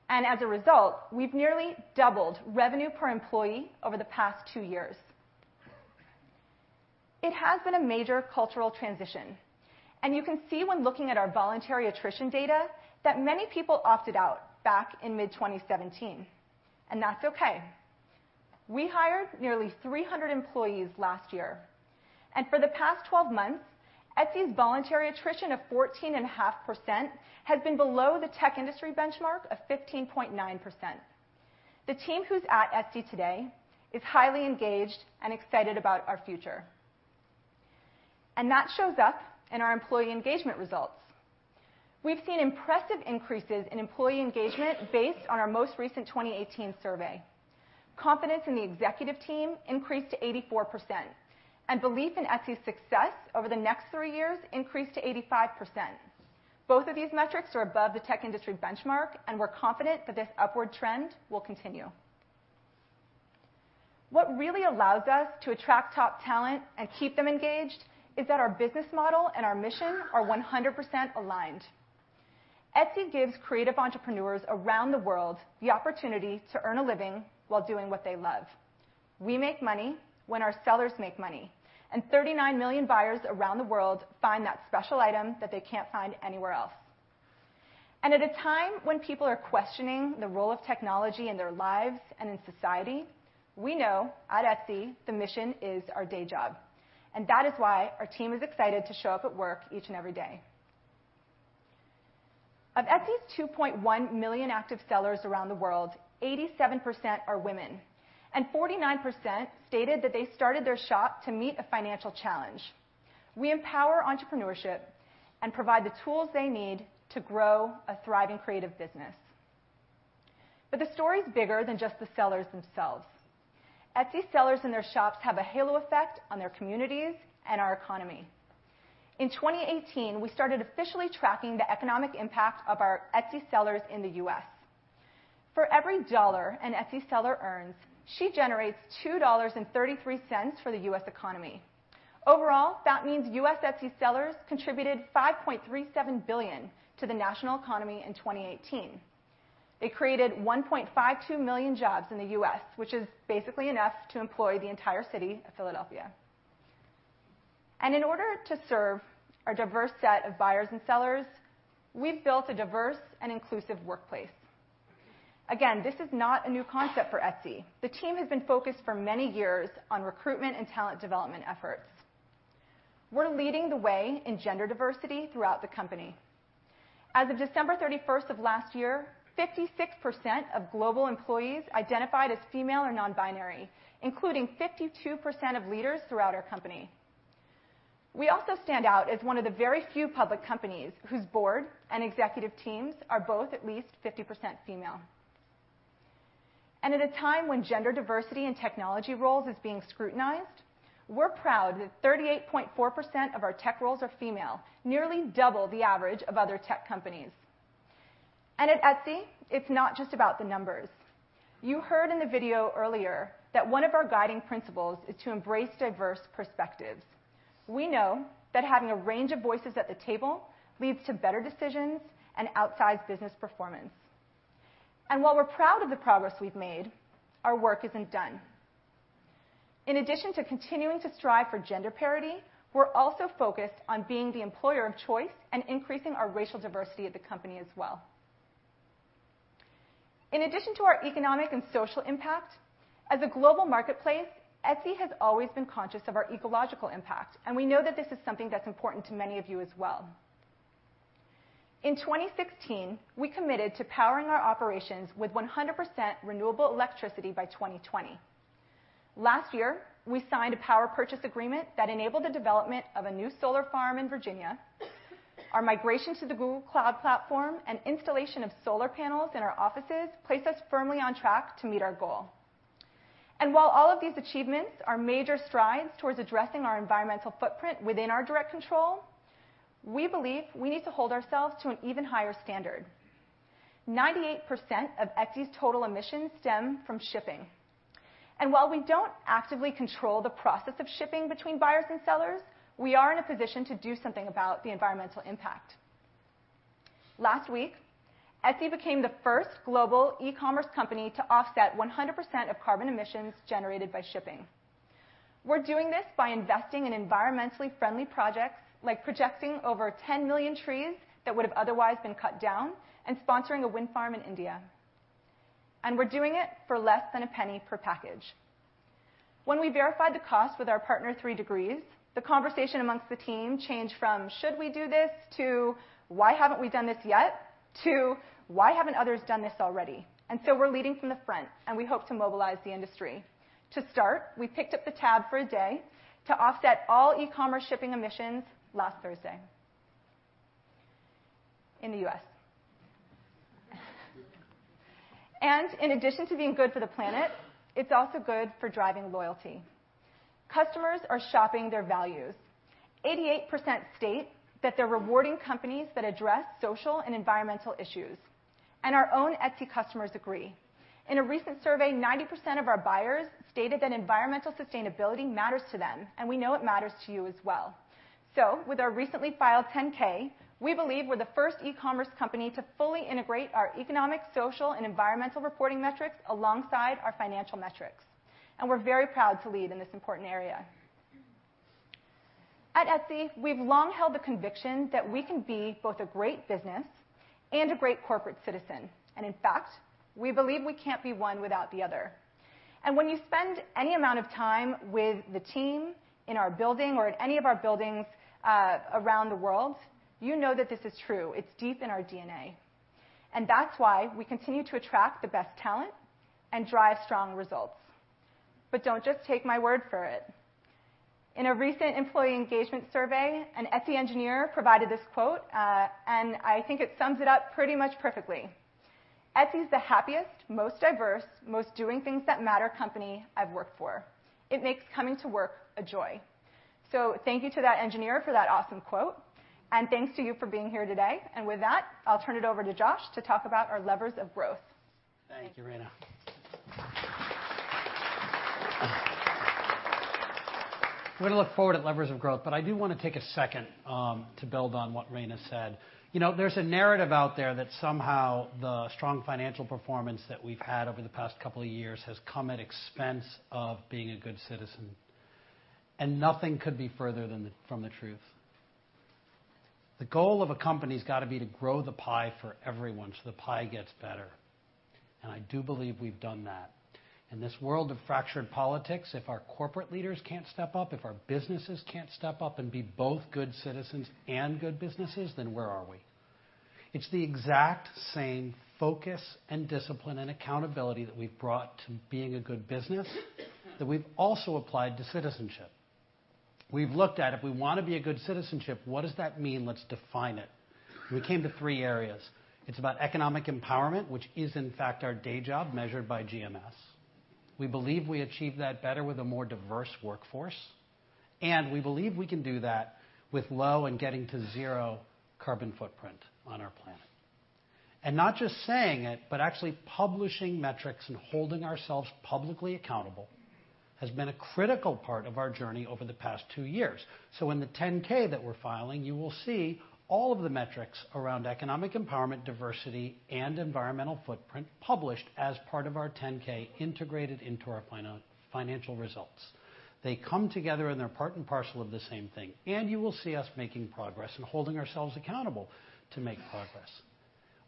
As a result, we've nearly doubled revenue per employee over the past two years. It has been a major cultural transition, and you can see when looking at our voluntary attrition data, that many people opted out back in mid-2017, and that's okay. We hired nearly 300 employees last year. For the past 12 months, Etsy's voluntary attrition of 14.5% has been below the tech industry benchmark of 15.9%. The team who's at Etsy today is highly engaged and excited about our future. That shows up in our employee engagement results. We've seen impressive increases in employee engagement based on our most recent 2018 survey. Confidence in the executive team increased to 84%, and belief in Etsy's success over the next three years increased to 85%. Both of these metrics are above the tech industry benchmark, we're confident that this upward trend will continue. What really allows us to attract top talent and keep them engaged is that our business model and our mission are 100% aligned. Etsy gives creative entrepreneurs around the world the opportunity to earn a living while doing what they love. We make money when our sellers make money, and 39 million buyers around the world find that special item that they can't find anywhere else. At a time when people are questioning the role of technology in their lives and in society, we know at Etsy, the mission is our day job, and that is why our team is excited to show up at work each and every day. Of Etsy's 2.1 million active sellers around the world, 87% are women, and 49% stated that they started their shop to meet a financial challenge. We empower entrepreneurship and provide the tools they need to grow a thriving creative business. The story's bigger than just the sellers themselves. Etsy sellers and their shops have a halo effect on their communities and our economy. In 2018, we started officially tracking the economic impact of our Etsy sellers in the U.S. For every dollar an Etsy seller earns, she generates $2.33 for the U.S. economy. Overall, that means U.S. Etsy sellers contributed $5.37 billion to the national economy in 2018. They created 1.52 million jobs in the U.S., which is basically enough to employ the entire city of Philadelphia. In order to serve our diverse set of buyers and sellers, we've built a diverse and inclusive workplace. Again, this is not a new concept for Etsy. The team has been focused for many years on recruitment and talent development efforts. We're leading the way in gender diversity throughout the company. As of December 31st of last year, 56% of global employees identified as female or non-binary, including 52% of leaders throughout our company. We also stand out as one of the very few public companies whose board and executive teams are both at least 50% female. At a time when gender diversity in technology roles is being scrutinized, we're proud that 38.4% of our tech roles are female, nearly double the average of other tech companies. At Etsy, it's not just about the numbers. You heard in the video earlier that one of our guiding principles is to embrace diverse perspectives. We know that having a range of voices at the table leads to better decisions and outsized business performance. While we're proud of the progress we've made, our work isn't done. In addition to continuing to strive for gender parity, we're also focused on being the employer of choice and increasing our racial diversity at the company as well. In addition to our economic and social impact, as a global marketplace, Etsy has always been conscious of our ecological impact, and we know that this is something that's important to many of you as well. In 2016, we committed to powering our operations with 100% renewable electricity by 2020. Last year, we signed a power purchase agreement that enabled the development of a new solar farm in Virginia. Our migration to the Google Cloud Platform and installation of solar panels in our offices place us firmly on track to meet our goal. While all of these achievements are major strides towards addressing our environmental footprint within our direct control, we believe we need to hold ourselves to an even higher standard. 98% of Etsy's total emissions stem from shipping. While we don't actively control the process of shipping between buyers and sellers, we are in a position to do something about the environmental impact. Last week, Etsy became the first global e-commerce company to offset 100% of carbon emissions generated by shipping. We're doing this by investing in environmentally friendly projects, like projecting over 10 million trees that would've otherwise been cut down and sponsoring a wind farm in India. We're doing it for less than $0.01 per package. When we verified the cost with our partner, 3Degrees, the conversation amongst the team changed from, "Should we do this?" Why haven't we done this yet to why haven't others done this already? We're leading from the front, and we hope to mobilize the industry. To start, we picked up the tab for a day to offset all e-commerce shipping emissions last Thursday in the U.S. In addition to being good for the planet, it's also good for driving loyalty. Customers are shopping their values. 88% state that they're rewarding companies that address social and environmental issues. Our own Etsy customers agree. In a recent survey, 90% of our buyers stated that environmental sustainability matters to them, we know it matters to you as well. With our recently filed 10-K, we believe we're the first e-commerce company to fully integrate our economic, social, and environmental reporting metrics alongside our financial metrics. We're very proud to lead in this important area. At Etsy, we've long held the conviction that we can be both a great business and a great corporate citizen. In fact, we believe we can't be one without the other. When you spend any amount of time with the team in our building or at any of our buildings, around the world, you know that this is true. It's deep in our DNA. That's why we continue to attract the best talent and drive strong results. Don't just take my word for it. In a recent employee engagement survey, an Etsy engineer provided this quote, I think it sums it up pretty much perfectly. Etsy is the happiest, most diverse, most doing things that matter company I've worked for. It makes coming to work a joy." Thank you to that engineer for that awesome quote. Thanks to you for being here today. With that, I'll turn it over to Josh to talk about our levers of growth. Thank you, Raina. We're going to look forward at levers of growth, I do want to take a second, to build on what Raina said. There's a narrative out there that somehow the strong financial performance that we've had over the past couple of years has come at expense of being a good citizen, nothing could be further from the truth. The goal of a company's got to be to grow the pie for everyone so the pie gets better, I do believe we've done that. In this world of fractured politics, if our corporate leaders can't step up, if our businesses can't step up and be both good citizens and good businesses, then where are we? It's the exact same focus and discipline and accountability that we've brought to being a good business that we've also applied to citizenship. We've looked at, if we want to be a good citizenship, what does that mean? Let's define it. We came to three areas. It's about economic empowerment, which is, in fact, our day job measured by GMS. We believe we achieve that better with a more diverse workforce, we believe we can do that with low and getting to zero carbon footprint on our planet. Not just saying it, but actually publishing metrics and holding ourselves publicly accountable has been a critical part of our journey over the past two years. In the 10-K that we're filing, you will see all of the metrics around economic empowerment, diversity, and environmental footprint published as part of our 10-K integrated into our financial results. They come together, they're part and parcel of the same thing. You will see us making progress and holding ourselves accountable to make progress.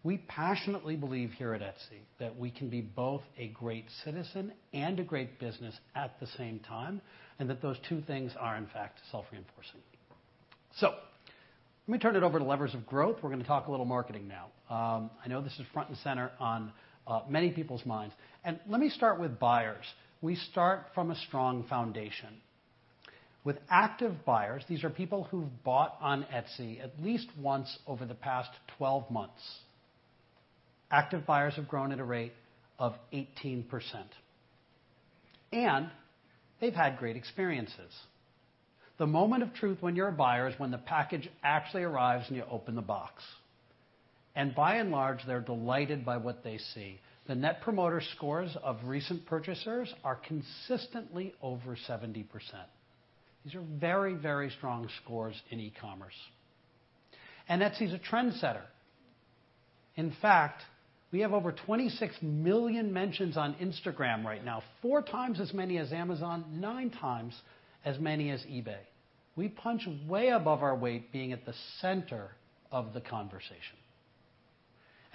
We passionately believe here at Etsy that we can be both a great citizen and a great business at the same time, that those two things are, in fact, self-reinforcing. Let me turn it over to levers of growth. We're going to talk a little marketing now. I know this is front and center on many people's minds. Let me start with buyers. We start from a strong foundation. With active buyers, these are people who've bought on Etsy at least once over the past 12 months. Active buyers have grown at a rate of 18%, they've had great experiences. The moment of truth when you're a buyer is when the package actually arrives, you open the box. By and large, they're delighted by what they see. The net promoter scores of recent purchasers are consistently over 70%. These are very, very strong scores in e-commerce. Etsy's a trendsetter. In fact, we have over 26 million mentions on Instagram right now, four times as many as Amazon, nine times as many as eBay. We punch way above our weight being at the center of the conversation.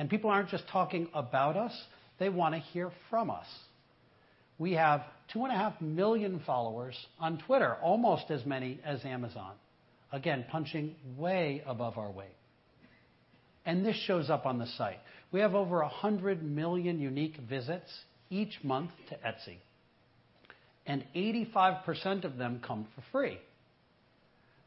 People aren't just talking about us, they want to hear from us. We have two and a half million followers on Twitter, almost as many as Amazon. Again, punching way above our weight. This shows up on the site. We have over 100 million unique visits each month to Etsy, and 85% of them come for free.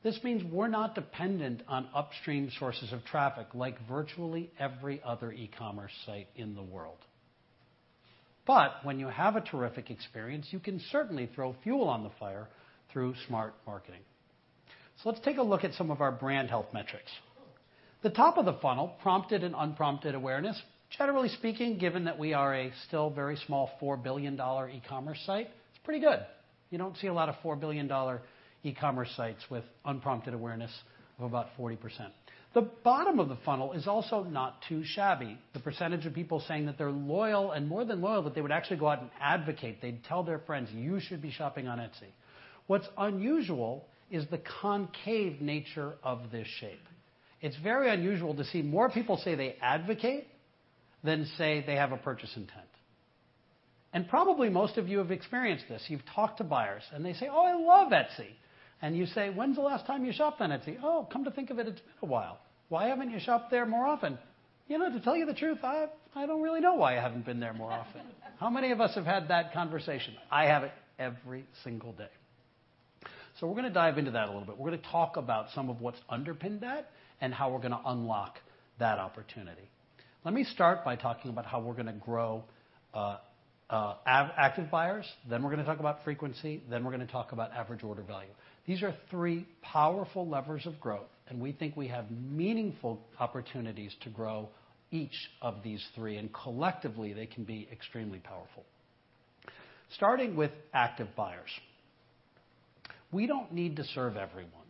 This means we're not dependent on upstream sources of traffic like virtually every other e-commerce site in the world. When you have a terrific experience, you can certainly throw fuel on the fire through smart marketing. Let's take a look at some of our brand health metrics. The top of the funnel, prompted and unprompted awareness. Generally speaking, given that we are a still very small $4 billion e-commerce site, it's pretty good. You don't see a lot of $4 billion e-commerce sites with unprompted awareness of about 40%. The bottom of the funnel is also not too shabby. The percentage of people saying that they're loyal and more than loyal, that they would actually go out and advocate, they'd tell their friends, "You should be shopping on Etsy." What's unusual is the concave nature of this shape. It's very unusual to see more people say they advocate than say they have a purchase intent. Probably most of you have experienced this. You've talked to buyers and they say, "Oh, I love Etsy." You say, "When's the last time you shopped on Etsy?" "Oh, come to think of it's been a while." "Why haven't you shopped there more often?" "You know, to tell you the truth, I don't really know why I haven't been there more often." How many of us have had that conversation? I have it every single day. We're going to dive into that a little bit. We're going to talk about some of what's underpinned that, and how we're going to unlock that opportunity. Let me start by talking about how we're going to grow active buyers, then we're going to talk about frequency, then we're going to talk about average order value. These are three powerful levers of growth, and we think we have meaningful opportunities to grow each of these three. Collectively, they can be extremely powerful. Starting with active buyers. We don't need to serve everyone.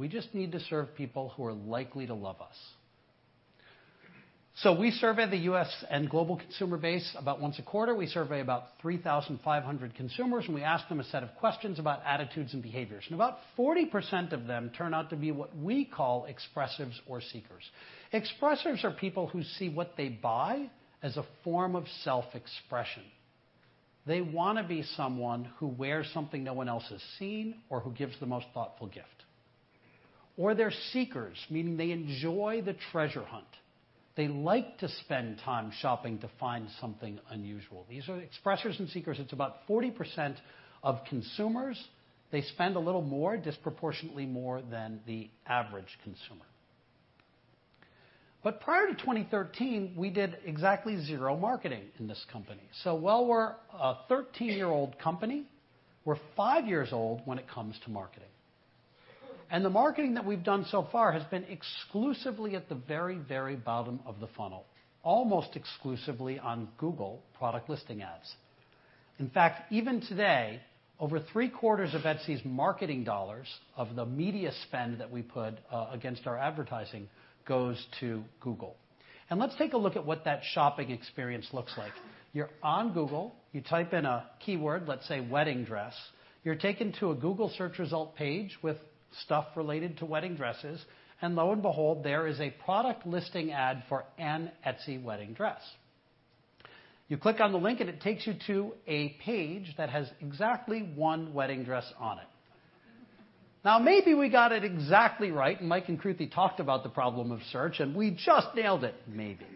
We just need to serve people who are likely to love us. We survey the U.S. and global consumer base about once a quarter. We survey about 3,500 consumers, and we ask them a set of questions about attitudes and behaviors. About 40% of them turn out to be what we call expressives or seekers. Expressives are people who see what they buy as a form of self-expression. They want to be someone who wears something no one else has seen or who gives the most thoughtful gift. They're seekers, meaning they enjoy the treasure hunt. They like to spend time shopping to find something unusual. These are expressives and seekers. It's about 40% of consumers. They spend a little more, disproportionately more than the average consumer. Prior to 2013, we did exactly zero marketing in this company. While we're a 13-year-old company, we're five years old when it comes to marketing. The marketing that we've done so far has been exclusively at the very, very bottom of the funnel, almost exclusively on Google Product Listing Ads. In fact, even today, over three-quarters of Etsy's marketing dollars of the media spend that we put against our advertising goes to Google. Let's take a look at what that shopping experience looks like. You're on Google. You type in a keyword, let's say wedding dress. You're taken to a Google search result page with stuff related to wedding dresses, and lo and behold, there is a Product Listing Ad for an Etsy wedding dress. You click on the link, and it takes you to a page that has exactly one wedding dress on it. Now, maybe we got it exactly right, Mike and Kruti talked about the problem of search, and we just nailed it, maybe.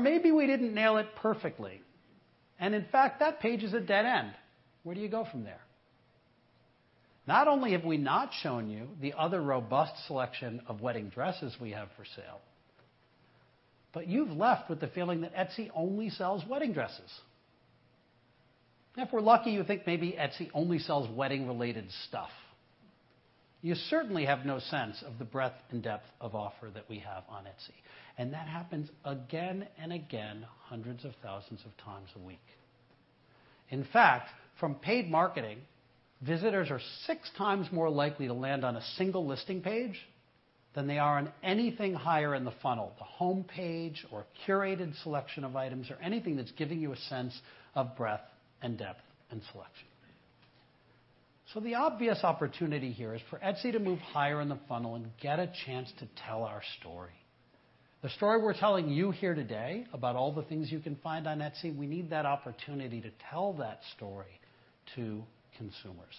Maybe we didn't nail it perfectly, and in fact, that page is a dead end. Where do you go from there? Not only have we not shown you the other robust selection of wedding dresses we have for sale, but you've left with the feeling that Etsy only sells wedding dresses. If we're lucky, you think maybe Etsy only sells wedding-related stuff. You certainly have no sense of the breadth and depth of offer that we have on Etsy. That happens again and again, hundreds of thousands of times a week. In fact, from paid marketing, visitors are six times more likely to land on a single listing page than they are on anything higher in the funnel, the homepage, or a curated selection of items or anything that's giving you a sense of breadth and depth in selection. The obvious opportunity here is for Etsy to move higher in the funnel and get a chance to tell our story. The story we're telling you here today about all the things you can find on Etsy, we need that opportunity to tell that story to consumers.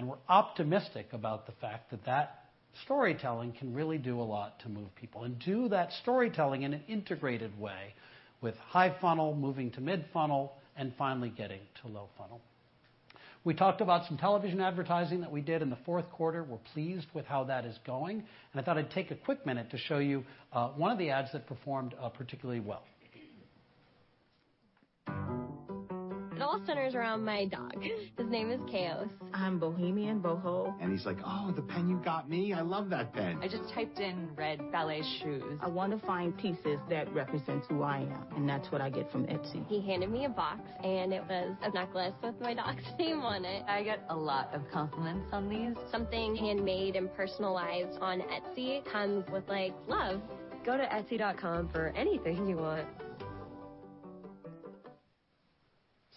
We're optimistic about the fact that that storytelling can really do a lot to move people and do that storytelling in an integrated way, with high funnel moving to mid funnel, and finally getting to low funnel. We talked about some television advertising that we did in the fourth quarter. We're pleased with how that is going, I thought I'd take a quick minute to show you one of the ads that performed particularly well. It all centers around my dog. His name is Chaos. I'm bohemian boho. He's like, "Oh, the pen you got me, I love that pen. I just typed in red ballet shoes. I want to find pieces that represent who I am. That's what I get from Etsy. He handed me a box. It was a necklace with my dog's name on it. I get a lot of compliments on these. Something handmade and personalized on Etsy comes with love. Go to etsy.com for anything you want.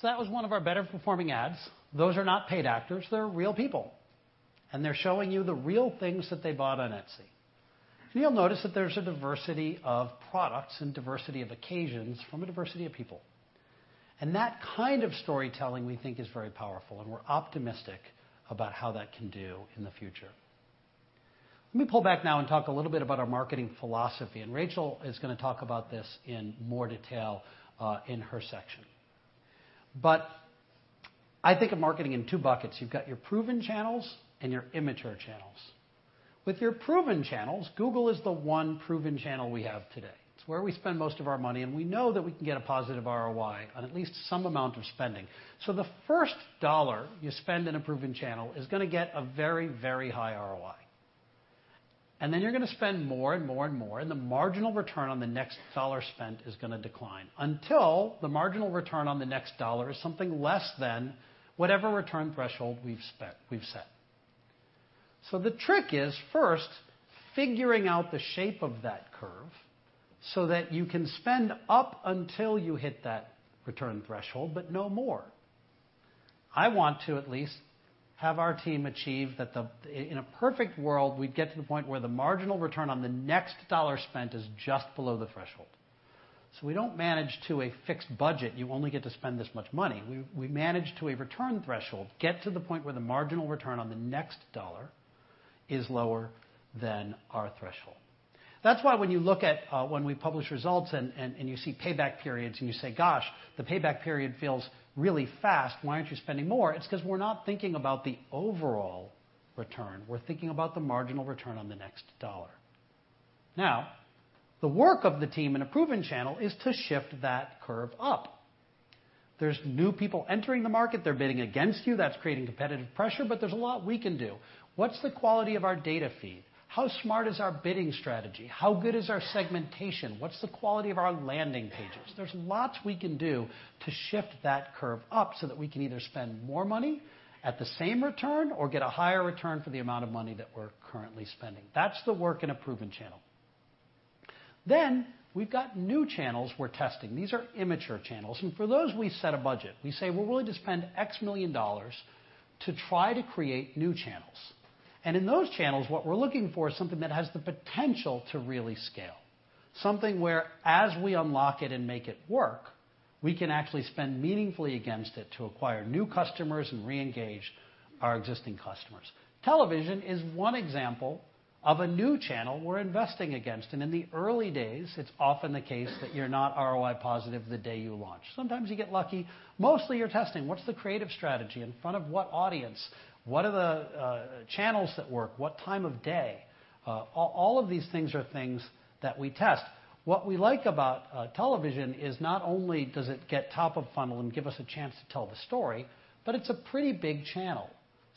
That was one of our better-performing ads. Those are not paid actors, they're real people. They're showing you the real things that they bought on Etsy. You'll notice that there's a diversity of products and diversity of occasions from a diversity of people. That kind of storytelling, we think, is very powerful, and we're optimistic about how that can do in the future. Let me pull back now and talk a little bit about our marketing philosophy, and Rachel is going to talk about this in more detail in her section. I think of marketing in two buckets. You've got your proven channels and your immature channels. With your proven channels, Google is the one proven channel we have today. It's where we spend most of our money, and we know that we can get a positive ROI on at least some amount of spending. The first dollar you spend in a proven channel is going to get a very, very high ROI. Then you're going to spend more and more and more, and the marginal return on the next dollar spent is going to decline until the marginal return on the next dollar is something less than whatever return threshold we've set. The trick is, first, figuring out the shape of that curve so that you can spend up until you hit that return threshold, but no more. I want to at least have our team achieve that, in a perfect world, we'd get to the point where the marginal return on the next dollar spent is just below the threshold. We don't manage to a fixed budget, you only get to spend this much money. We manage to a return threshold, get to the point where the marginal return on the next dollar is lower than our threshold. That's why when you look at when we publish results and you see payback periods and you say, "Gosh, the payback period feels really fast. Why aren't you spending more?" It's because we're not thinking about the overall return. We're thinking about the marginal return on the next dollar. The work of the team in a proven channel is to shift that curve up. There's new people entering the market. They're bidding against you. That's creating competitive pressure, but there's a lot we can do. What's the quality of our data feed? How smart is our bidding strategy? How good is our segmentation? What's the quality of our landing pages? There's lots we can do to shift that curve up so that we can either spend more money at the same return or get a higher return for the amount of money that we're currently spending. That's the work in a proven channel. We've got new channels we're testing. These are immature channels, for those, we set a budget. We say we're willing to spend $X million to try to create new channels. In those channels, what we're looking for is something that has the potential to really scale. Something where as we unlock it and make it work, we can actually spend meaningfully against it to acquire new customers and reengage our existing customers. Television is one example of a new channel we're investing against. In the early days, it's often the case that you're not ROI positive the day you launch. Sometimes you get lucky. Mostly you're testing what's the creative strategy in front of what audience? What are the channels that work? What time of day? All of these things are things that we test. What we like about television is not only does it get top of funnel and give us a chance to tell the story, but it's a pretty big channel.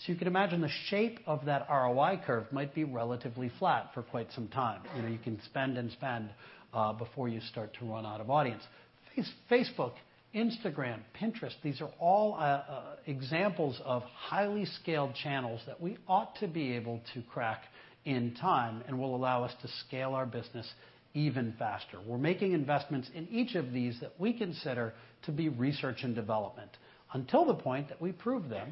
You can imagine the shape of that ROI curve might be relatively flat for quite some time. You can spend and spend before you start to run out of audience. Facebook, Instagram, Pinterest, these are all examples of highly scaled channels that we ought to be able to crack in time and will allow us to scale our business even faster. We're making investments in each of these that we consider to be research and development until the point that we prove them,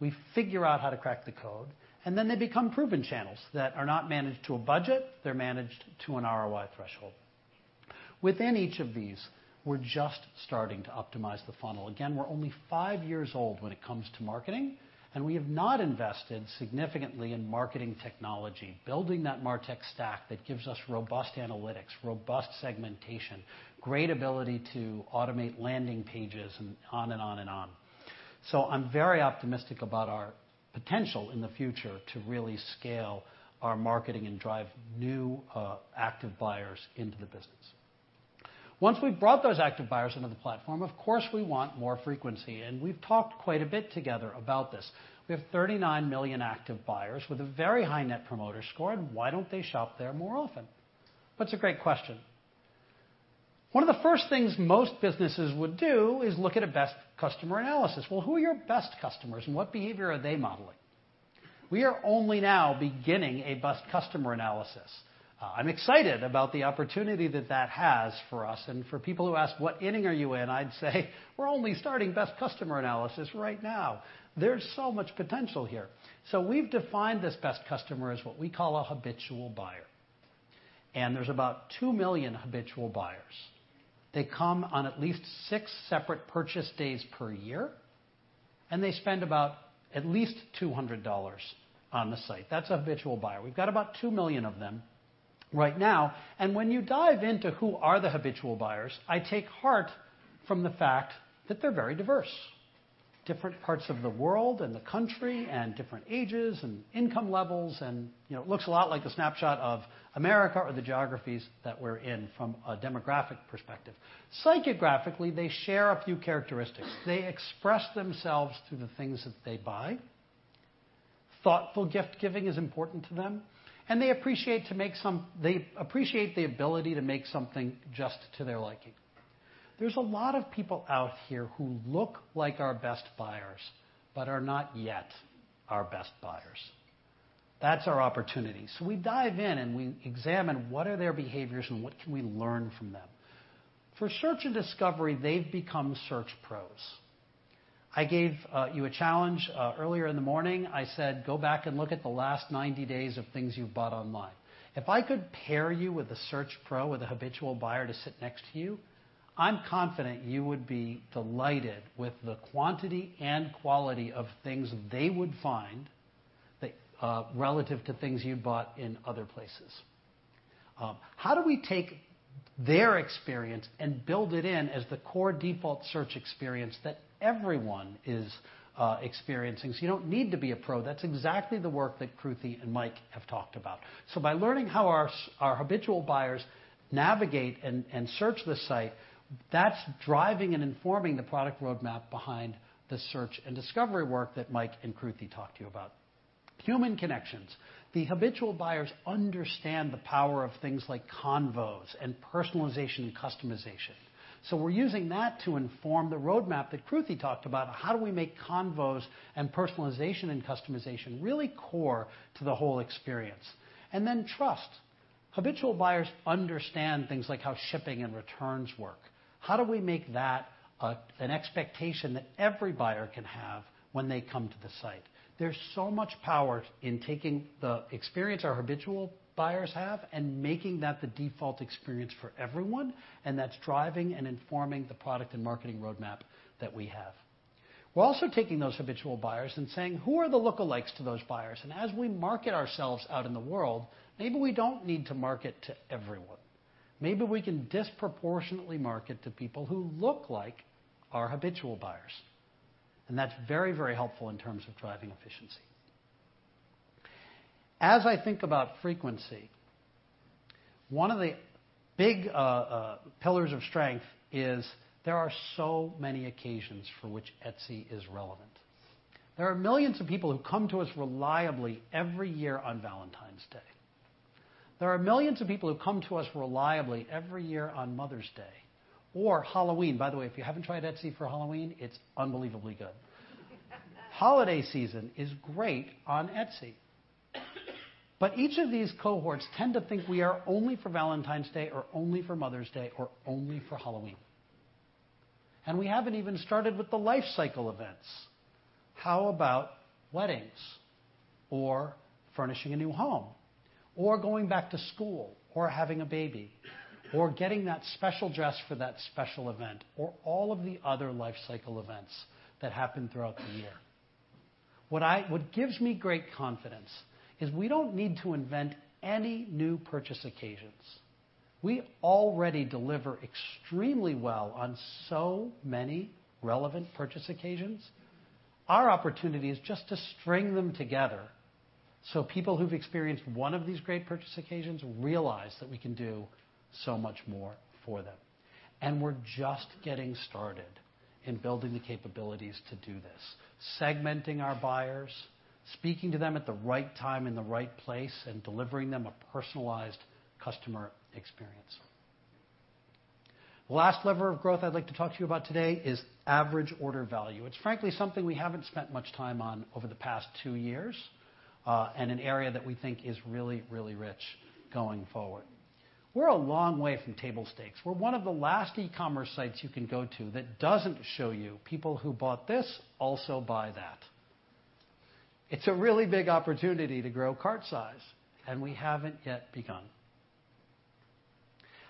we figure out how to crack the code, and then they become proven channels that are not managed to a budget, they're managed to an ROI threshold. Within each of these, we're just starting to optimize the funnel. Again, we're only five years old when it comes to marketing, and we have not invested significantly in marketing technology, building that MarTech stack that gives us robust analytics, robust segmentation, great ability to automate landing pages, and on and on and on. I'm very optimistic about our potential in the future to really scale our marketing and drive new active buyers into the business. Once we've brought those active buyers into the platform, of course, we want more frequency, and we've talked quite a bit together about this. We have 39 million active buyers with a very high net promoter score, and why don't they shop there more often? That's a great question. One of the first things most businesses would do is look at a best customer analysis. Well, who are your best customers and what behavior are they modeling? We are only now beginning a best customer analysis. I'm excited about the opportunity that that has for us and for people who ask, "What inning are you in?" I'd say, "We're only starting best customer analysis right now." There's so much potential here. We've defined this best customer as what we call a habitual buyer. There's about 2 million habitual buyers. They come on at least six separate purchase days per year, and they spend about at least $200 on the site. That's a habitual buyer. We've got about 2 million of them right now. When you dive into who are the habitual buyers, I take heart from the fact that they're very diverse. Different parts of the world and the country and different ages and income levels, and it looks a lot like the snapshot of America or the geographies that we're in from a demographic perspective. Psychographically, they share a few characteristics. They express themselves through the things that they buy. Thoughtful gift-giving is important to them, and they appreciate the ability to make something just to their liking. There's a lot of people out here who look like our best buyers but are not yet our best buyers. That's our opportunity. We dive in and we examine what are their behaviors and what can we learn from them. For search and discovery, they've become search pros. I gave you a challenge earlier in the morning. I said, "Go back and look at the last 90 days of things you've bought online." If I could pair you with a search pro, with a habitual buyer to sit next to you, I'm confident you would be delighted with the quantity and quality of things they would find relative to things you'd bought in other places. How do we take their experience and build it in as the core default search experience that everyone is experiencing so you don't need to be a pro? That's exactly the work that Kruti and Mike have talked about. By learning how our habitual buyers navigate and search the site, that's driving and informing the product roadmap behind the search and discovery work that Mike and Kruti talked to you about. Human connections. The habitual buyers understand the power of things like convos and personalization and customization. We're using that to inform the roadmap that Kruti talked about of how do we make convos and personalization and customization really core to the whole experience. Then trust. Habitual buyers understand things like how shipping and returns work. How do we make that an expectation that every buyer can have when they come to the site? There's so much power in taking the experience our habitual buyers have and making that the default experience for everyone, and that's driving and informing the product and marketing roadmap that we have. We're also taking those habitual buyers and saying, "Who are the lookalikes to those buyers?" As we market ourselves out in the world, maybe we don't need to market to everyone. Maybe we can disproportionately market to people who look like our habitual buyers. That's very helpful in terms of driving efficiency. As I think about frequency, one of the big pillars of strength is there are so many occasions for which Etsy is relevant. There are millions of people who come to us reliably every year on Valentine's Day. There are millions of people who come to us reliably every year on Mother's Day or Halloween. By the way, if you haven't tried Etsy for Halloween, it's unbelievably good. Holiday season is great on Etsy. Each of these cohorts tend to think we are only for Valentine's Day or only for Mother's Day or only for Halloween. We haven't even started with the life cycle events. How about weddings or furnishing a new home or going back to school or having a baby or getting that special dress for that special event or all of the other life cycle events that happen throughout the year? What gives me great confidence is we don't need to invent any new purchase occasions. We already deliver extremely well on so many relevant purchase occasions. Our opportunity is just to string them together so people who've experienced one of these great purchase occasions realize that we can do so much more for them. We're just getting started in building the capabilities to do this, segmenting our buyers, speaking to them at the right time, in the right place, and delivering them a personalized customer experience. The last lever of growth I'd like to talk to you about today is average order value. It's frankly, something we haven't spent much time on over the past two years, an area that we think is really rich going forward. We're a long way from table stakes. We're one of the last e-commerce sites you can go to that doesn't show you people who bought this also buy that. It's a really big opportunity to grow cart size, we haven't yet begun.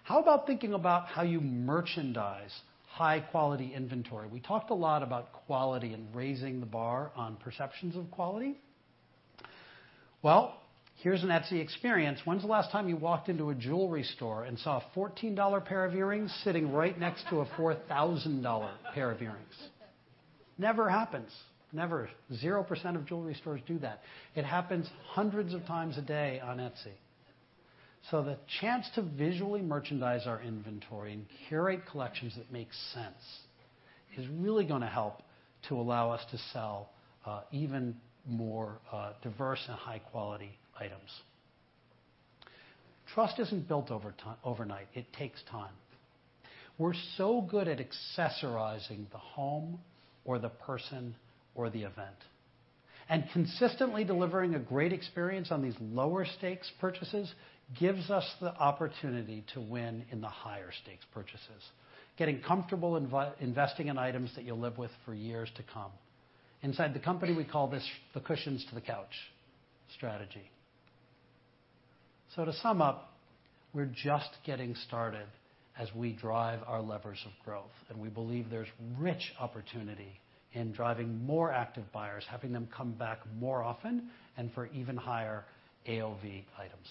How about thinking about how you merchandise high-quality inventory? We talked a lot about quality and raising the bar on perceptions of quality. Well, here's an Etsy experience. When's the last time you walked into a jewelry store and saw a $14 pair of earrings sitting right next to a $4,000 pair of earrings? Never happens. Never. 0% of jewelry stores do that. It happens hundreds of times a day on Etsy. The chance to visually merchandise our inventory and curate collections that make sense is really going to help to allow us to sell even more diverse and high-quality items. Trust isn't built overnight. It takes time. We're so good at accessorizing the home or the person or the event. Consistently delivering a great experience on these lower stakes purchases gives us the opportunity to win in the higher stakes purchases. Getting comfortable investing in items that you'll live with for years to come. Inside the company, we call this the cushions to the couch strategy. To sum up, we're just getting started as we drive our levers of growth, we believe there's rich opportunity in driving more active buyers, having them come back more often, and for even higher AOV items.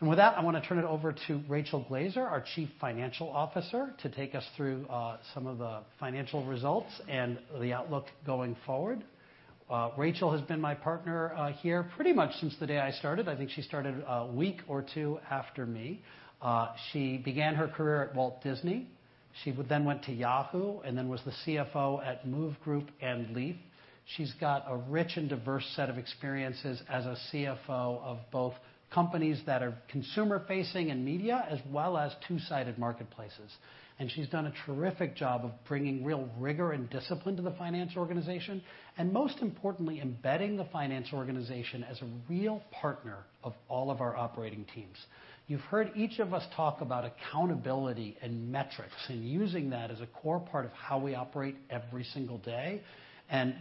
With that, I want to turn it over to Rachel Glaser, our Chief Financial Officer, to take us through some of the financial results and the outlook going forward. Rachel has been my partner here pretty much since the day I started. I think she started a week or two after me. She began her career at Walt Disney. She went to Yahoo and then was the CFO at Move Group and Leaf. She's got a rich and diverse set of experiences as a CFO of both companies that are consumer-facing and media, as well as two-sided marketplaces. She's done a terrific job of bringing real rigor and discipline to the finance organization, most importantly, embedding the finance organization as a real partner of all of our operating teams. You've heard each of us talk about accountability and metrics and using that as a core part of how we operate every single day.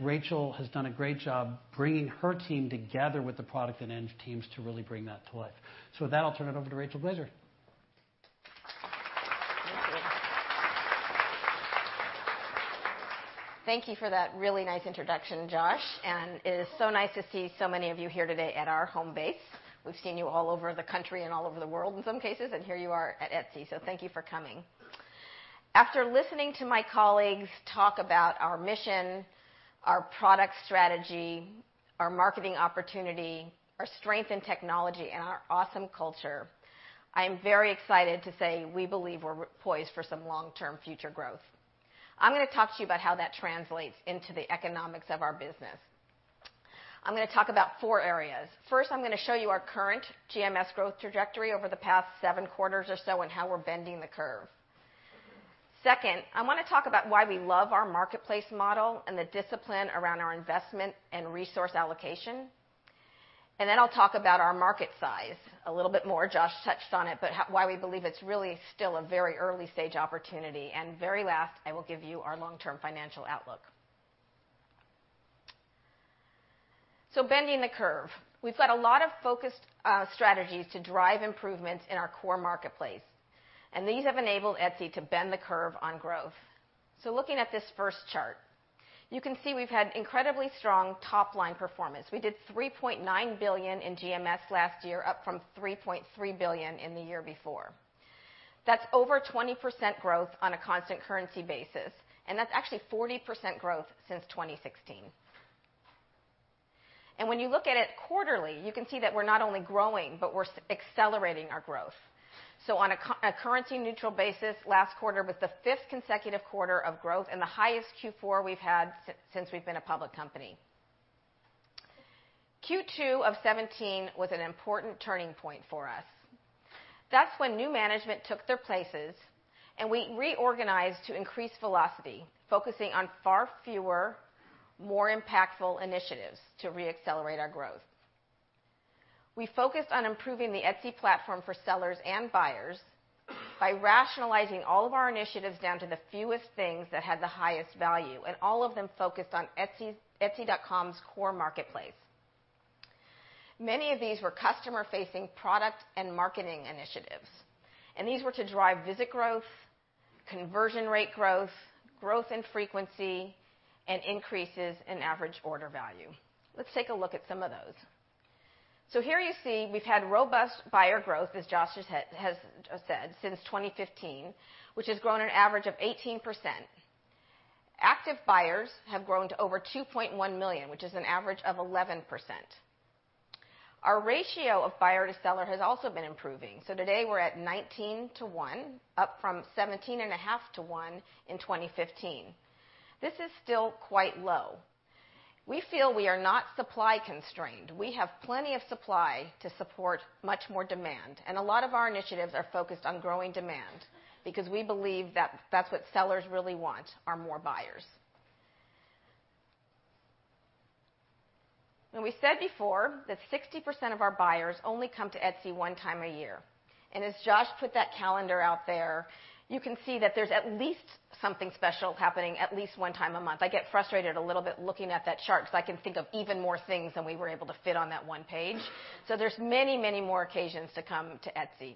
Rachel has done a great job bringing her team together with the product and eng teams to really bring that to life. With that, I'll turn it over to Rachel Glaser. Thank you. Thank you for that really nice introduction, Josh. It is so nice to see so many of you here today at our home base. We've seen you all over the country and all over the world in some cases, and here you are at Etsy. Thank you for coming. After listening to my colleagues talk about our mission, our product strategy, our marketing opportunity, our strength in technology, and our awesome culture, I am very excited to say we believe we're poised for some long-term future growth. I'm going to talk to you about how that translates into the economics of our business. I'm going to talk about four areas. First, I'm going to show you our current GMS growth trajectory over the past seven quarters or so and how we're bending the curve. Second, I want to talk about why we love our marketplace model and the discipline around our investment and resource allocation. Then I'll talk about our market size a little bit more. Josh touched on it, but why we believe it's really still a very early stage opportunity. Very last, I will give you our long-term financial outlook. Bending the curve. We've got a lot of focused strategies to drive improvements in our core marketplace, and these have enabled Etsy to bend the curve on growth. Looking at this first chart, you can see we've had incredibly strong top-line performance. We did $3.9 billion in GMS last year, up from $3.3 billion in the year before. That's over 20% growth on a constant currency basis, and that's actually 40% growth since 2016. When you look at it quarterly, you can see that we're not only growing, but we're accelerating our growth. On a currency neutral basis, last quarter was the fifth consecutive quarter of growth and the highest Q4 we've had since we've been a public company. Q2 of 2017 was an important turning point for us. That's when new management took their places and we reorganized to increase velocity, focusing on far fewer, more impactful initiatives to re-accelerate our growth. We focused on improving the Etsy platform for sellers and buyers by rationalizing all of our initiatives down to the fewest things that had the highest value, and all of them focused on etsy.com's core marketplace. Many of these were customer-facing product and marketing initiatives. These were to drive visit growth, conversion rate growth in frequency, and increases in average order value. Let's take a look at some of those. Here you see we've had robust buyer growth, as Josh has said, since 2015, which has grown an average of 18%. Active buyers have grown to over 2.1 million, which is an average of 11%. Our ratio of buyer to seller has also been improving. Today, we're at 19:1, up from 17.5:1 in 2015. This is still quite low. We feel we are not supply constrained. We have plenty of supply to support much more demand, and a lot of our initiatives are focused on growing demand because we believe that's what sellers really want, are more buyers. We said before that 60% of our buyers only come to Etsy one time a year. As Josh put that calendar out there, you can see that there's at least something special happening at least one time a month. I get frustrated a little bit looking at that chart because I can think of even more things than we were able to fit on that one page. There's many more occasions to come to Etsy.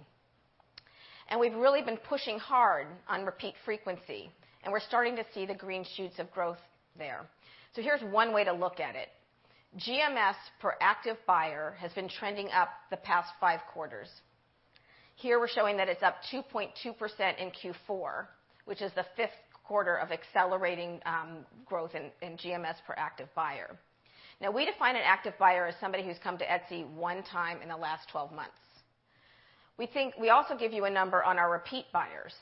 We've really been pushing hard on repeat frequency, and we're starting to see the green shoots of growth there. Here's one way to look at it. GMS per active buyer has been trending up the past five quarters. Here we're showing that it's up 2.2% in Q4, which is the fifth quarter of accelerating growth in GMS per active buyer. We define an active buyer as somebody who's come to Etsy one time in the last 12 months. We also give you a number on our repeat buyers.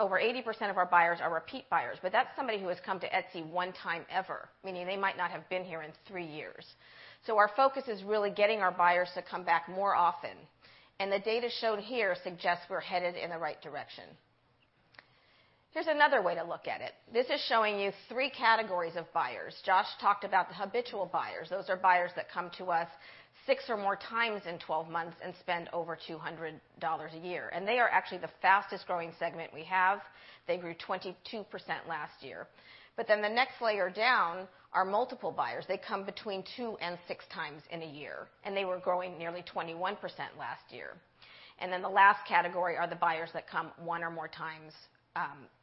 Over 80% of our buyers are repeat buyers, but that's somebody who has come to Etsy one time ever, meaning they might not have been here in three years. Our focus is really getting our buyers to come back more often, and the data shown here suggests we're headed in the right direction. Here's another way to look at it. This is showing you 3 categories of buyers. Josh talked about the habitual buyers. Those are buyers that come to us six or more times in 12 months and spend over $200 a year. They are actually the fastest growing segment we have. They grew 22% last year. The next layer down are multiple buyers. They come between two and six times in a year, and they were growing nearly 21% last year. The last category are the buyers that come one or more times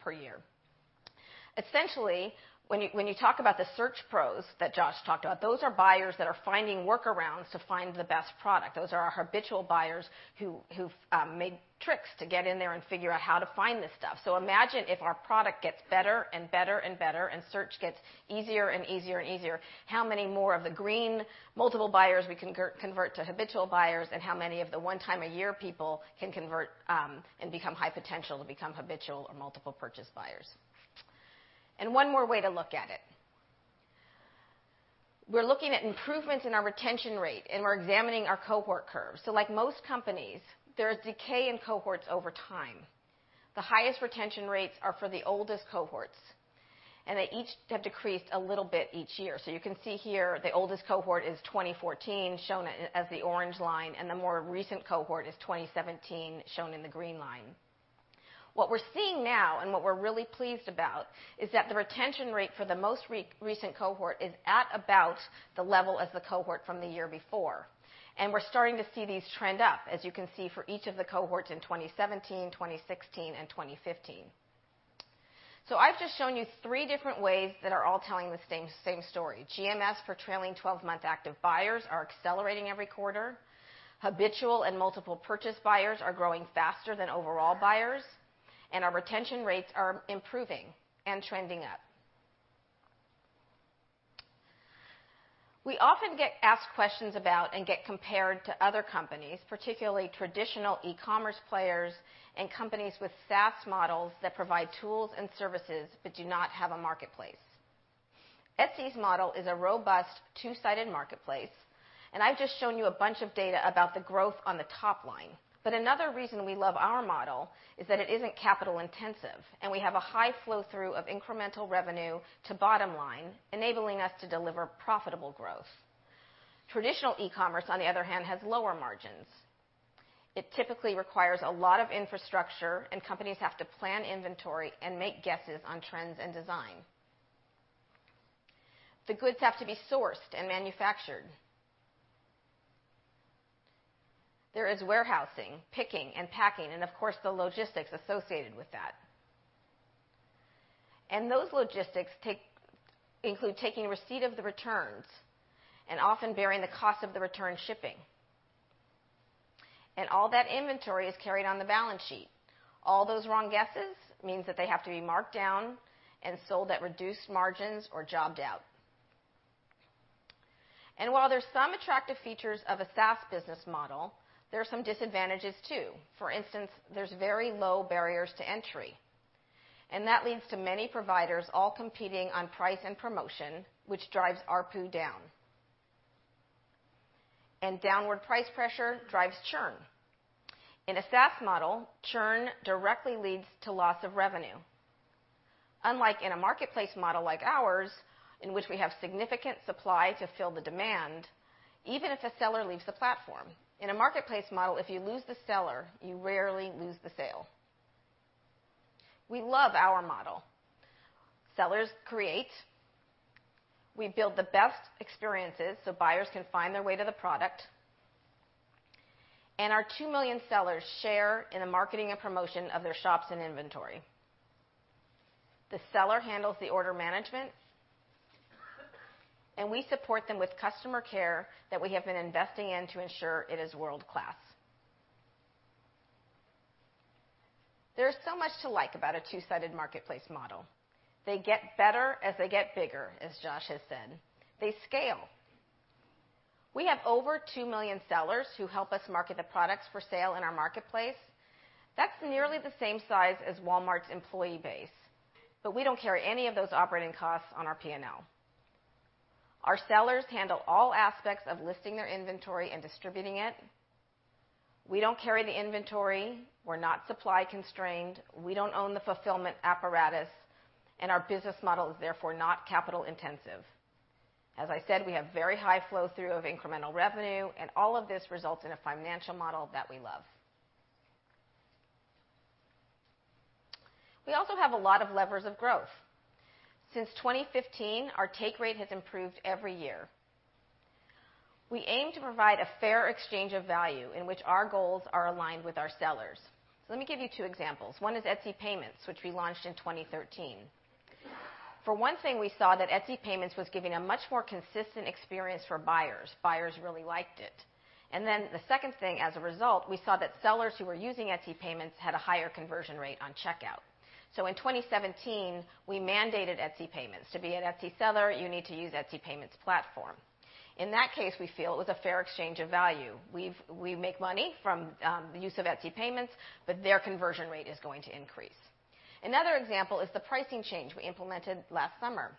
per year. Essentially, when you talk about the search pros that Josh talked about, those are buyers that are finding workarounds to find the best product. Those are our habitual buyers who've made tricks to get in there and figure out how to find this stuff. Imagine if our product gets better and better, and search gets easier and easier, how many more of the green multiple buyers we can convert to habitual buyers, and how many of the one time a year people can convert and become high potential to become habitual or multiple purchase buyers. One more way to look at it. We're looking at improvements in our retention rate, and we're examining our cohort curves. Like most companies, there is decay in cohorts over time. The highest retention rates are for the oldest cohorts, and they each have decreased a little bit each year. You can see here, the oldest cohort is 2014, shown as the orange line, and the more recent cohort is 2017, shown in the green line. What we're seeing now, and what we're really pleased about, is that the retention rate for the most recent cohort is at about the level of the cohort from the year before. We're starting to see these trend up, as you can see, for each of the cohorts in 2017, 2016, and 2015. I've just shown you three different ways that are all telling the same story. GMS for trailing 12-month active buyers are accelerating every quarter. Habitual and multiple purchase buyers are growing faster than overall buyers. Our retention rates are improving and trending up. We often get asked questions about and get compared to other companies, particularly traditional e-commerce players and companies with SaaS models that provide tools and services but do not have a marketplace. Etsy's model is a robust two-sided marketplace, and I've just shown you a bunch of data about the growth on the top line. Another reason we love our model is that it isn't capital intensive, and we have a high flow-through of incremental revenue to bottom line, enabling us to deliver profitable growth. Traditional e-commerce, on the other hand, has lower margins. It typically requires a lot of infrastructure, and companies have to plan inventory and make guesses on trends and design. The goods have to be sourced and manufactured. There is warehousing, picking, and packing, and of course, the logistics associated with that. Those logistics include taking receipt of the returns and often bearing the cost of the return shipping. All that inventory is carried on the balance sheet. All those wrong guesses mean that they have to be marked down and sold at reduced margins or jobbed out. While there's some attractive features of a SaaS business model, there are some disadvantages too. For instance, there's very low barriers to entry, and that leads to many providers all competing on price and promotion, which drives ARPU down. Downward price pressure drives churn. In a SaaS model, churn directly leads to loss of revenue. Unlike in a marketplace model like ours, in which we have significant supply to fill the demand, even if a seller leaves the platform. In a marketplace model, if you lose the seller, you rarely lose the sale. We love our model. Sellers create. We build the best experiences so buyers can find their way to the product. Our two million sellers share in the marketing and promotion of their shops and inventory. The seller handles the order management, and we support them with customer care that we have been investing in to ensure it is world-class. There is so much to like about a two-sided marketplace model. They get better as they get bigger, as Josh has said. They scale. We have over two million sellers who help us market the products for sale in our marketplace. That's nearly the same size as Walmart's employee base, but we don't carry any of those operating costs on our P&L. Our sellers handle all aspects of listing their inventory and distributing it. We don't carry the inventory. We're not supply constrained. We don't own the fulfillment apparatus, and our business model is therefore not capital intensive. As I said, we have very high flow-through of incremental revenue, and all of this results in a financial model that we love. We also have a lot of levers of growth. Since 2015, our take rate has improved every year. We aim to provide a fair exchange of value in which our goals are aligned with our sellers. Let me give you two examples. One is Etsy Payments, which we launched in 2013. For one thing, we saw that Etsy Payments was giving a much more consistent experience for buyers. Buyers really liked it. The second thing, as a result, we saw that sellers who were using Etsy Payments had a higher conversion rate on checkout. In 2017, we mandated Etsy Payments. To be an Etsy seller, you need to use Etsy Payments platform. In that case, we feel it was a fair exchange of value. We make money from the use of Etsy Payments, but their conversion rate is going to increase. Another example is the pricing change we implemented last summer.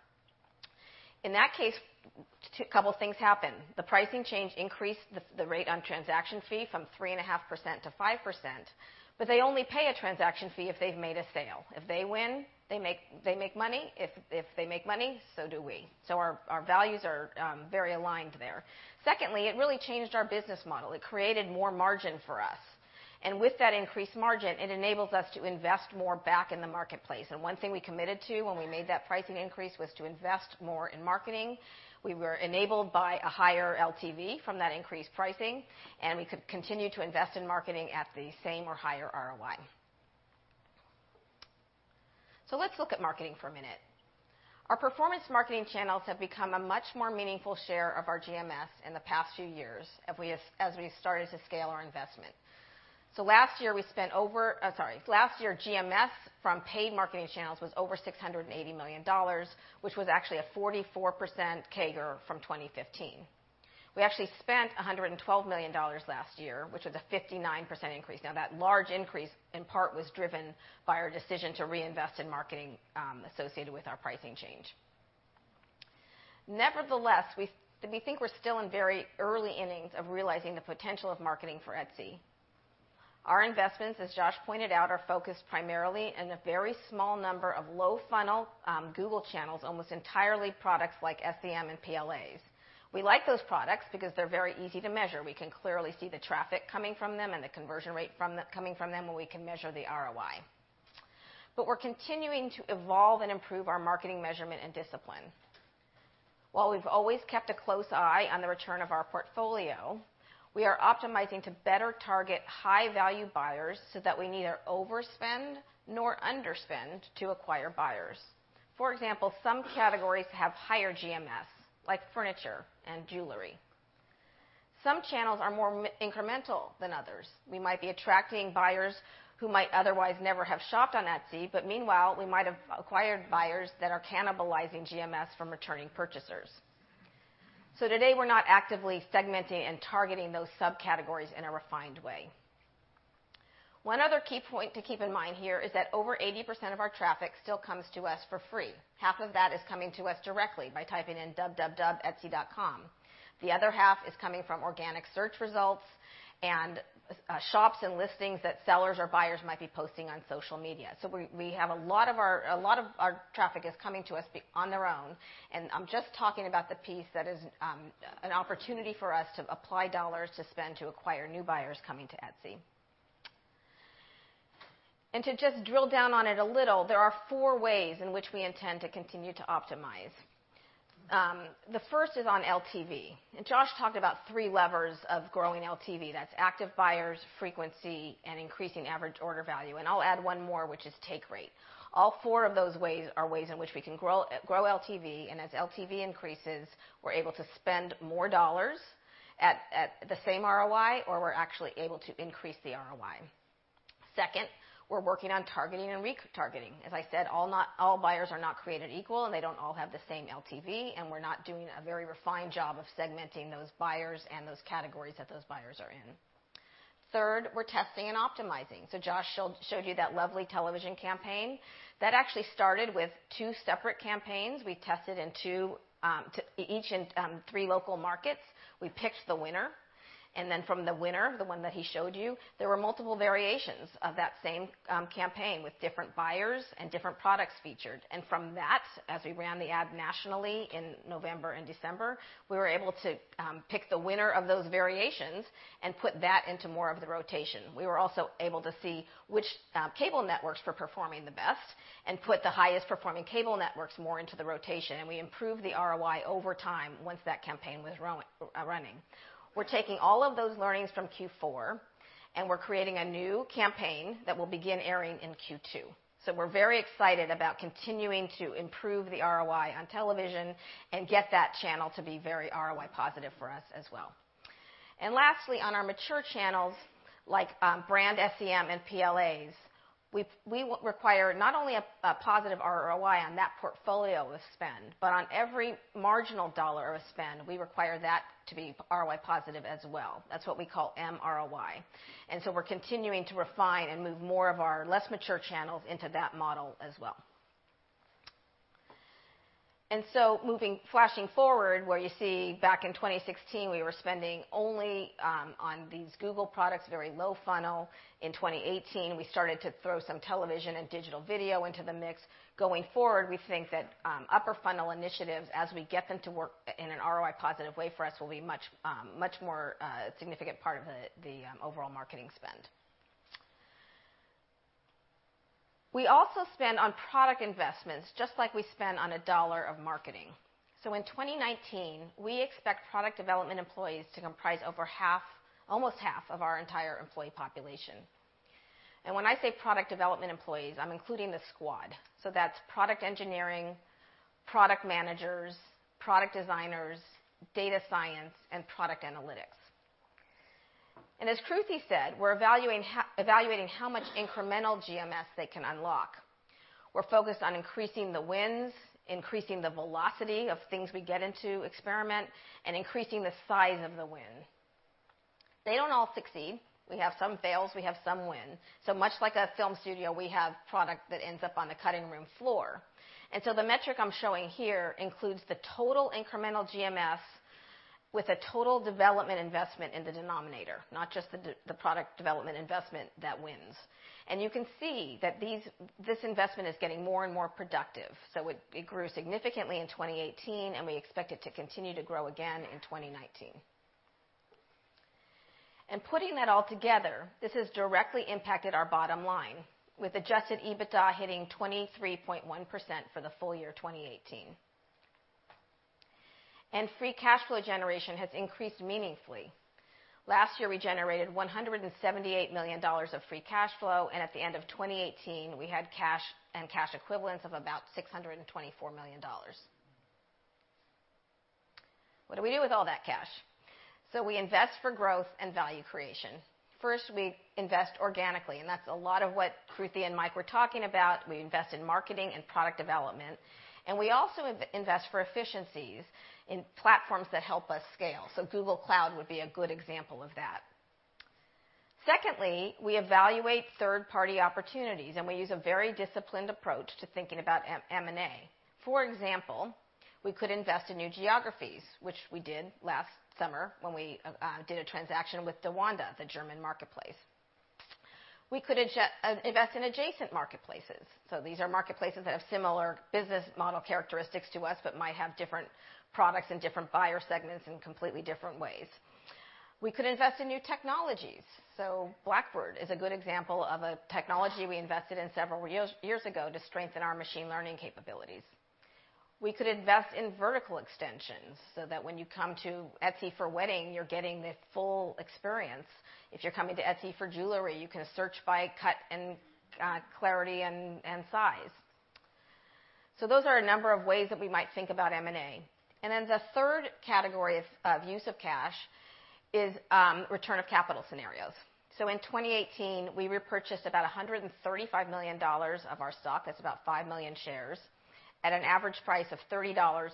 In that case, a couple of things happened. The pricing change increased the rate on transaction fee from 3.5% to 5%, but they only pay a transaction fee if they've made a sale. If they win, they make money. If they make money, so do we. Our values are very aligned there. Secondly, it really changed our business model. It created more margin for us. With that increased margin, it enables us to invest more back in the marketplace. One thing we committed to when we made that pricing increase was to invest more in marketing. We were enabled by a higher LTV from that increased pricing, and we could continue to invest in marketing at the same or higher ROI. Let's look at marketing for a minute. Our performance marketing channels have become a much more meaningful share of our GMS in the past few years as we've started to scale our investment. Last year, GMS from paid marketing channels was over $680 million, which was actually a 44% CAGR from 2015. We actually spent $112 million last year, which was a 59% increase. Now, that large increase, in part, was driven by our decision to reinvest in marketing associated with our pricing change. Nevertheless, we think we're still in very early innings of realizing the potential of marketing for Etsy. Our investments, as Josh pointed out, are focused primarily in a very small number of low-funnel Google channels, almost entirely products like SEM and PLAs. We like those products because they're very easy to measure. We can clearly see the traffic coming from them and the conversion rate coming from them, and we can measure the ROI. We're continuing to evolve and improve our marketing measurement and discipline. While we've always kept a close eye on the return of our portfolio, we are optimizing to better target high-value buyers so that we neither overspend nor underspend to acquire buyers. For example, some categories have higher GMS, like furniture and jewelry. Some channels are more incremental than others. We might be attracting buyers who might otherwise never have shopped on Etsy, but meanwhile, we might have acquired buyers that are cannibalizing GMS from returning purchasers. Today, we're not actively segmenting and targeting those subcategories in a refined way. One other key point to keep in mind here is that over 80% of our traffic still comes to us for free. Half of that is coming to us directly by typing in www.etsy.com. The other half is coming from organic search results and shops and listings that sellers or buyers might be posting on social media. A lot of our traffic is coming to us on their own, and I'm just talking about the piece that is an opportunity for us to apply dollars to spend to acquire new buyers coming to Etsy. To just drill down on it a little, there are four ways in which we intend to continue to optimize. The first is on LTV. Josh talked about three levers of growing LTV. That's active buyers, frequency, and increasing average order value. I'll add one more, which is take rate. All four of those ways are ways in which we can grow LTV, and as LTV increases, we're able to spend more dollars at the same ROI, or we're actually able to increase the ROI. Second, we're working on targeting and re-targeting. As I said, all buyers are not created equal, and they don't all have the same LTV, and we're not doing a very refined job of segmenting those buyers and those categories that those buyers are in. Third, we're testing and optimizing. Josh showed you that lovely television campaign. That actually started with two separate campaigns. We tested each in three local markets. We picked the winner, and then from the winner, the one that he showed you, there were multiple variations of that same campaign with different buyers and different products featured. From that, as we ran the ad nationally in November and December, we were able to pick the winner of those variations and put that into more of the rotation. We were also able to see which cable networks were performing the best and put the highest-performing cable networks more into the rotation, and we improved the ROI over time once that campaign was running. We're taking all of those learnings from Q4, and we're creating a new campaign that will begin airing in Q2. We're very excited about continuing to improve the ROI on television and get that channel to be very ROI positive for us as well. Lastly, on our mature channels, like brand SEM and PLAs, we require not only a positive ROI on that portfolio of spend, but on every marginal dollar of spend, we require that to be ROI positive as well. That's what we call MROI. We're continuing to refine and move more of our less mature channels into that model as well. Flashing forward, where you see back in 2016, we were spending only on these Google products, very low funnel. In 2018, we started to throw some television and digital video into the mix. Going forward, we think that upper funnel initiatives, as we get them to work in an ROI positive way for us, will be much more a significant part of the overall marketing spend. We also spend on product investments just like we spend on a dollar of marketing. In 2019, we expect product development employees to comprise over almost half of our entire employee population. When I say product development employees, I'm including the squad. That's product engineering, product managers, product designers, data science, and product analytics. As Kruti said, we're evaluating how much incremental GMS they can unlock. We're focused on increasing the wins, increasing the velocity of things we get into experiment, and increasing the size of the win. They don't all succeed. We have some fails, we have some wins. Much like a film studio, we have product that ends up on the cutting room floor. The metric I am showing here includes the total incremental GMS with a total development investment in the denominator, not just the product development investment that wins. You can see that this investment is getting more and more productive. It grew significantly in 2018, and we expect it to continue to grow again in 2019. Putting that all together, this has directly impacted our bottom line, with adjusted EBITDA hitting 23.1% for the full year 2018. Free cash flow generation has increased meaningfully. Last year, we generated $178 million of free cash flow, and at the end of 2018, we had cash and cash equivalents of about $624 million. What do we do with all that cash? We invest for growth and value creation. First, we invest organically, and that is a lot of what Kruti and Mike were talking about. We invest in marketing and product development. We also invest for efficiencies in platforms that help us scale. Google Cloud would be a good example of that. Secondly, we evaluate third-party opportunities, and we use a very disciplined approach to thinking about M&A. For example, we could invest in new geographies, which we did last summer when we did a transaction with DaWanda, the German marketplace. We could invest in adjacent marketplaces. These are marketplaces that have similar business model characteristics to us but might have different products and different buyer segments in completely different ways. We could invest in new technologies. Blackbird is a good example of a technology we invested in several years ago to strengthen our machine learning capabilities. We could invest in vertical extensions so that when you come to Etsy for wedding, you are getting the full experience. If you are coming to Etsy for jewelry, you can search by cut and clarity and size. Those are a number of ways that we might think about M&A. The third category of use of cash is return of capital scenarios. In 2018, we repurchased about $135 million of our stock. That is about 5 million shares, at an average price of $30.28,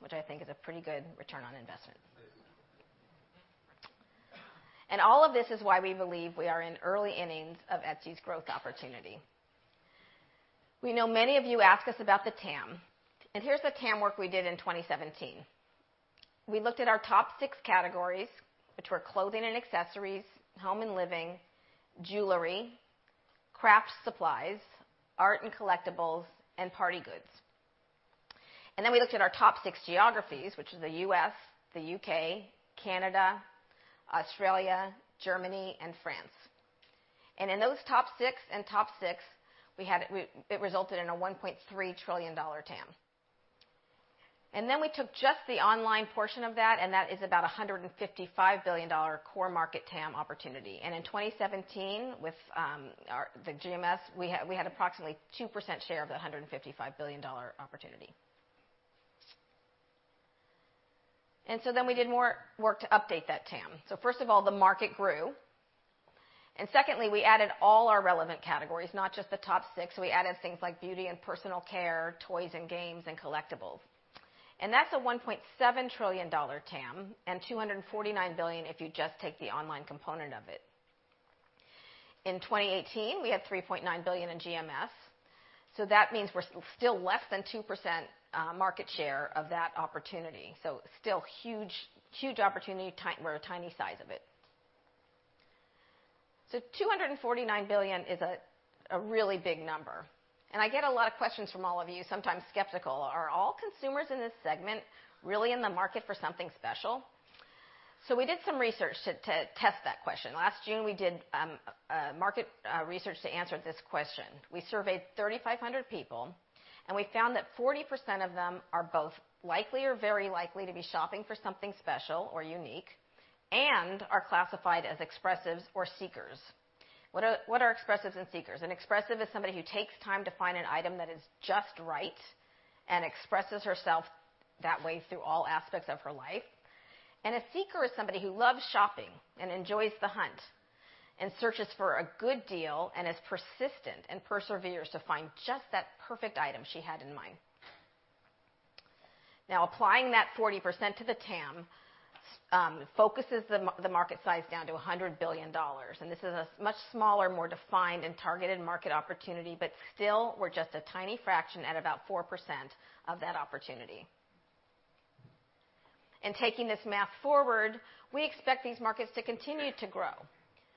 which I think is a pretty good return on investment. All of this is why we believe we are in early innings of Etsy's growth opportunity. We know many of you ask us about the TAM, and here is the TAM work we did in 2017. We looked at our top six categories, which were clothing and accessories, home and living, jewelry, craft supplies, art and collectibles, and party goods. We looked at our top six geographies, which is the U.S., the U.K., Canada, Australia, Germany, and France. In those top six and top six, it resulted in a $1.3 trillion TAM. We took just the online portion of that, and that is about $155 billion core market TAM opportunity. In 2017, with the GMS, we had approximately 2% share of the $155 billion opportunity. We did more work to update that TAM. First of all, the market grew. Secondly, we added all our relevant categories, not just the top six. We added things like beauty and personal care, toys and games, and collectibles. That's a $1.7 trillion TAM and $249 billion if you just take the online component of it. In 2018, we had $3.9 billion in GMS. That means we're still less than 2% market share of that opportunity. Still huge opportunity. We're a tiny size of it. $249 billion is a really big number. I get a lot of questions from all of you, sometimes skeptical. Are all consumers in this segment really in the market for something special? We did some research to test that question. Last June, we did market research to answer this question. We surveyed 3,500 people, and we found that 40% of them are both likely or very likely to be shopping for something special or unique and are classified as expressives or seekers. What are expressives and seekers? An expressive is somebody who takes time to find an item that is just right and expresses herself that way through all aspects of her life. A seeker is somebody who loves shopping and enjoys the hunt and searches for a good deal and is persistent and perseveres to find just that perfect item she had in mind. Applying that 40% to the TAM, focuses the market size down to $100 billion. This is a much smaller, more defined, and targeted market opportunity, but still, we're just a tiny fraction at about 4% of that opportunity. Taking this math forward, we expect these markets to continue to grow,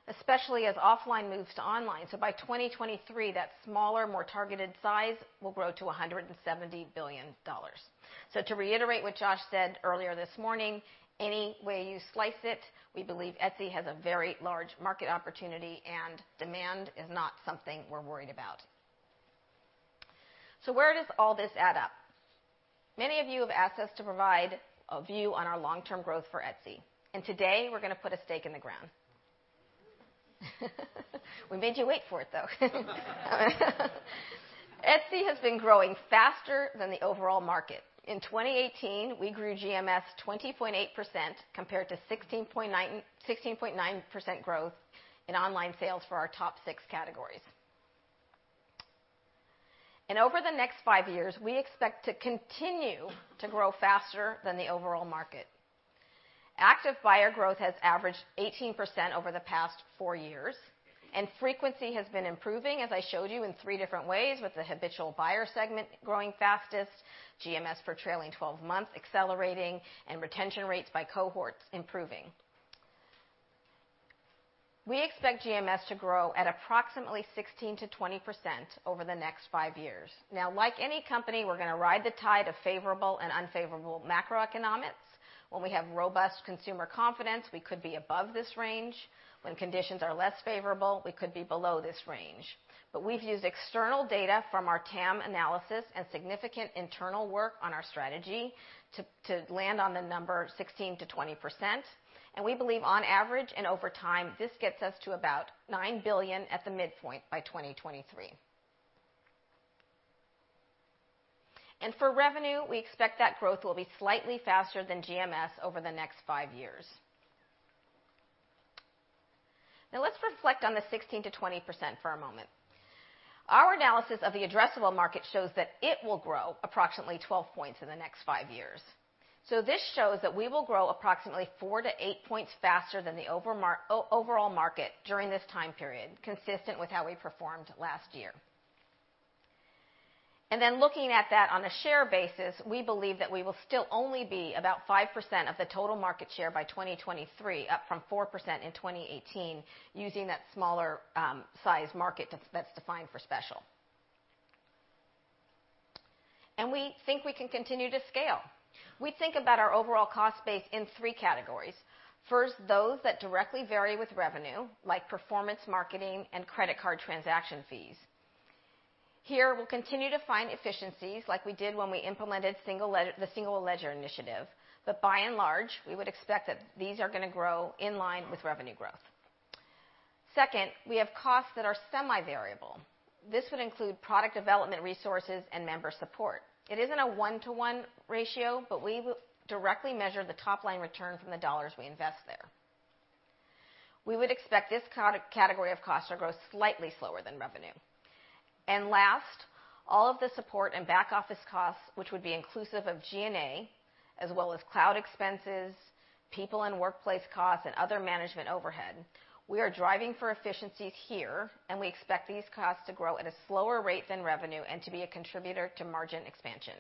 especially as offline moves to online. By 2023, that smaller, more targeted size will grow to $170 billion. To reiterate what Josh said earlier this morning, any way you slice it, we believe Etsy has a very large market opportunity, and demand is not something we're worried about. Where does all this add up? Many of you have asked us to provide a view on our long-term growth for Etsy, and today we're going to put a stake in the ground. We made you wait for it, though. Etsy has been growing faster than the overall market. In 2018, we grew GMS 20.8%, compared to 16.9% growth in online sales for our top 6 categories. Over the next five years, we expect to continue to grow faster than the overall market. Active buyer growth has averaged 18% over the past four years, and frequency has been improving, as I showed you, in three different ways, with the habitual buyer segment growing fastest, GMS for trailing 12 months accelerating, and retention rates by cohorts improving. We expect GMS to grow at approximately 16%-20% over the next five years. Like any company, we're going to ride the tide of favorable and unfavorable macroeconomics. When we have robust consumer confidence, we could be above this range. When conditions are less favorable, we could be below this range. We've used external data from our TAM analysis and significant internal work on our strategy to land on the number 16%-20%, and we believe, on average and over time, this gets us to about $9 billion at the midpoint by 2023. For revenue, we expect that growth will be slightly faster than GMS over the next 5 years. Let's reflect on the 16%-20% for a moment. Our analysis of the addressable market shows that it will grow approximately 12 points in the next 5 years. This shows that we will grow approximately 4-8 points faster than the overall market during this time period, consistent with how we performed last year. Looking at that on a share basis, we believe that we will still only be about 5% of the total market share by 2023, up from 4% in 2018, using that smaller size market that's defined for special. We think we can continue to scale. We think about our overall cost base in 3 categories. First, those that directly vary with revenue, like performance marketing and credit card transaction fees. Here, we'll continue to find efficiencies like we did when we implemented the single ledger initiative. By and large, we would expect that these are going to grow in line with revenue growth. Second, we have costs that are semi-variable. This would include product development resources and member support. It isn't a one-to-one ratio, but we directly measure the top-line return from the dollars we invest there. We would expect this category of costs to grow slightly slower than revenue. Last, all of the support and back-office costs, which would be inclusive of G&A as well as cloud expenses, people and workplace costs, and other management overhead. We are driving for efficiencies here, and we expect these costs to grow at a slower rate than revenue and to be a contributor to margin expansion.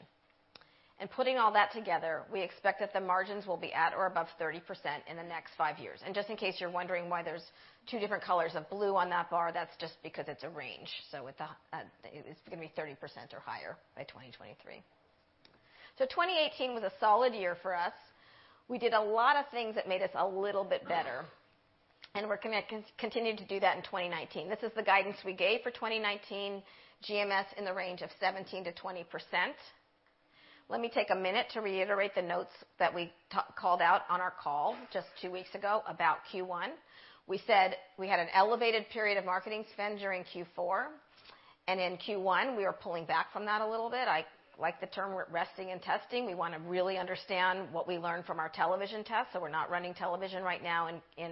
Putting all that together, we expect that the margins will be at or above 30% in the next 5 years. Just in case you're wondering why there's two different colors of blue on that bar, that's just because it's a range. It's going to be 30% or higher by 2023. 2018 was a solid year for us. We did a lot of things that made us a little bit better, and we're going to continue to do that in 2019. This is the guidance we gave for 2019 GMS in the range of 17%-20%. Let me take a minute to reiterate the notes that we called out on our call just two weeks ago about Q1. We said we had an elevated period of marketing spend during Q4, and in Q1, we are pulling back from that a little bit. I like the term we're resting and testing. We want to really understand what we learn from our television test. We're not running television right now in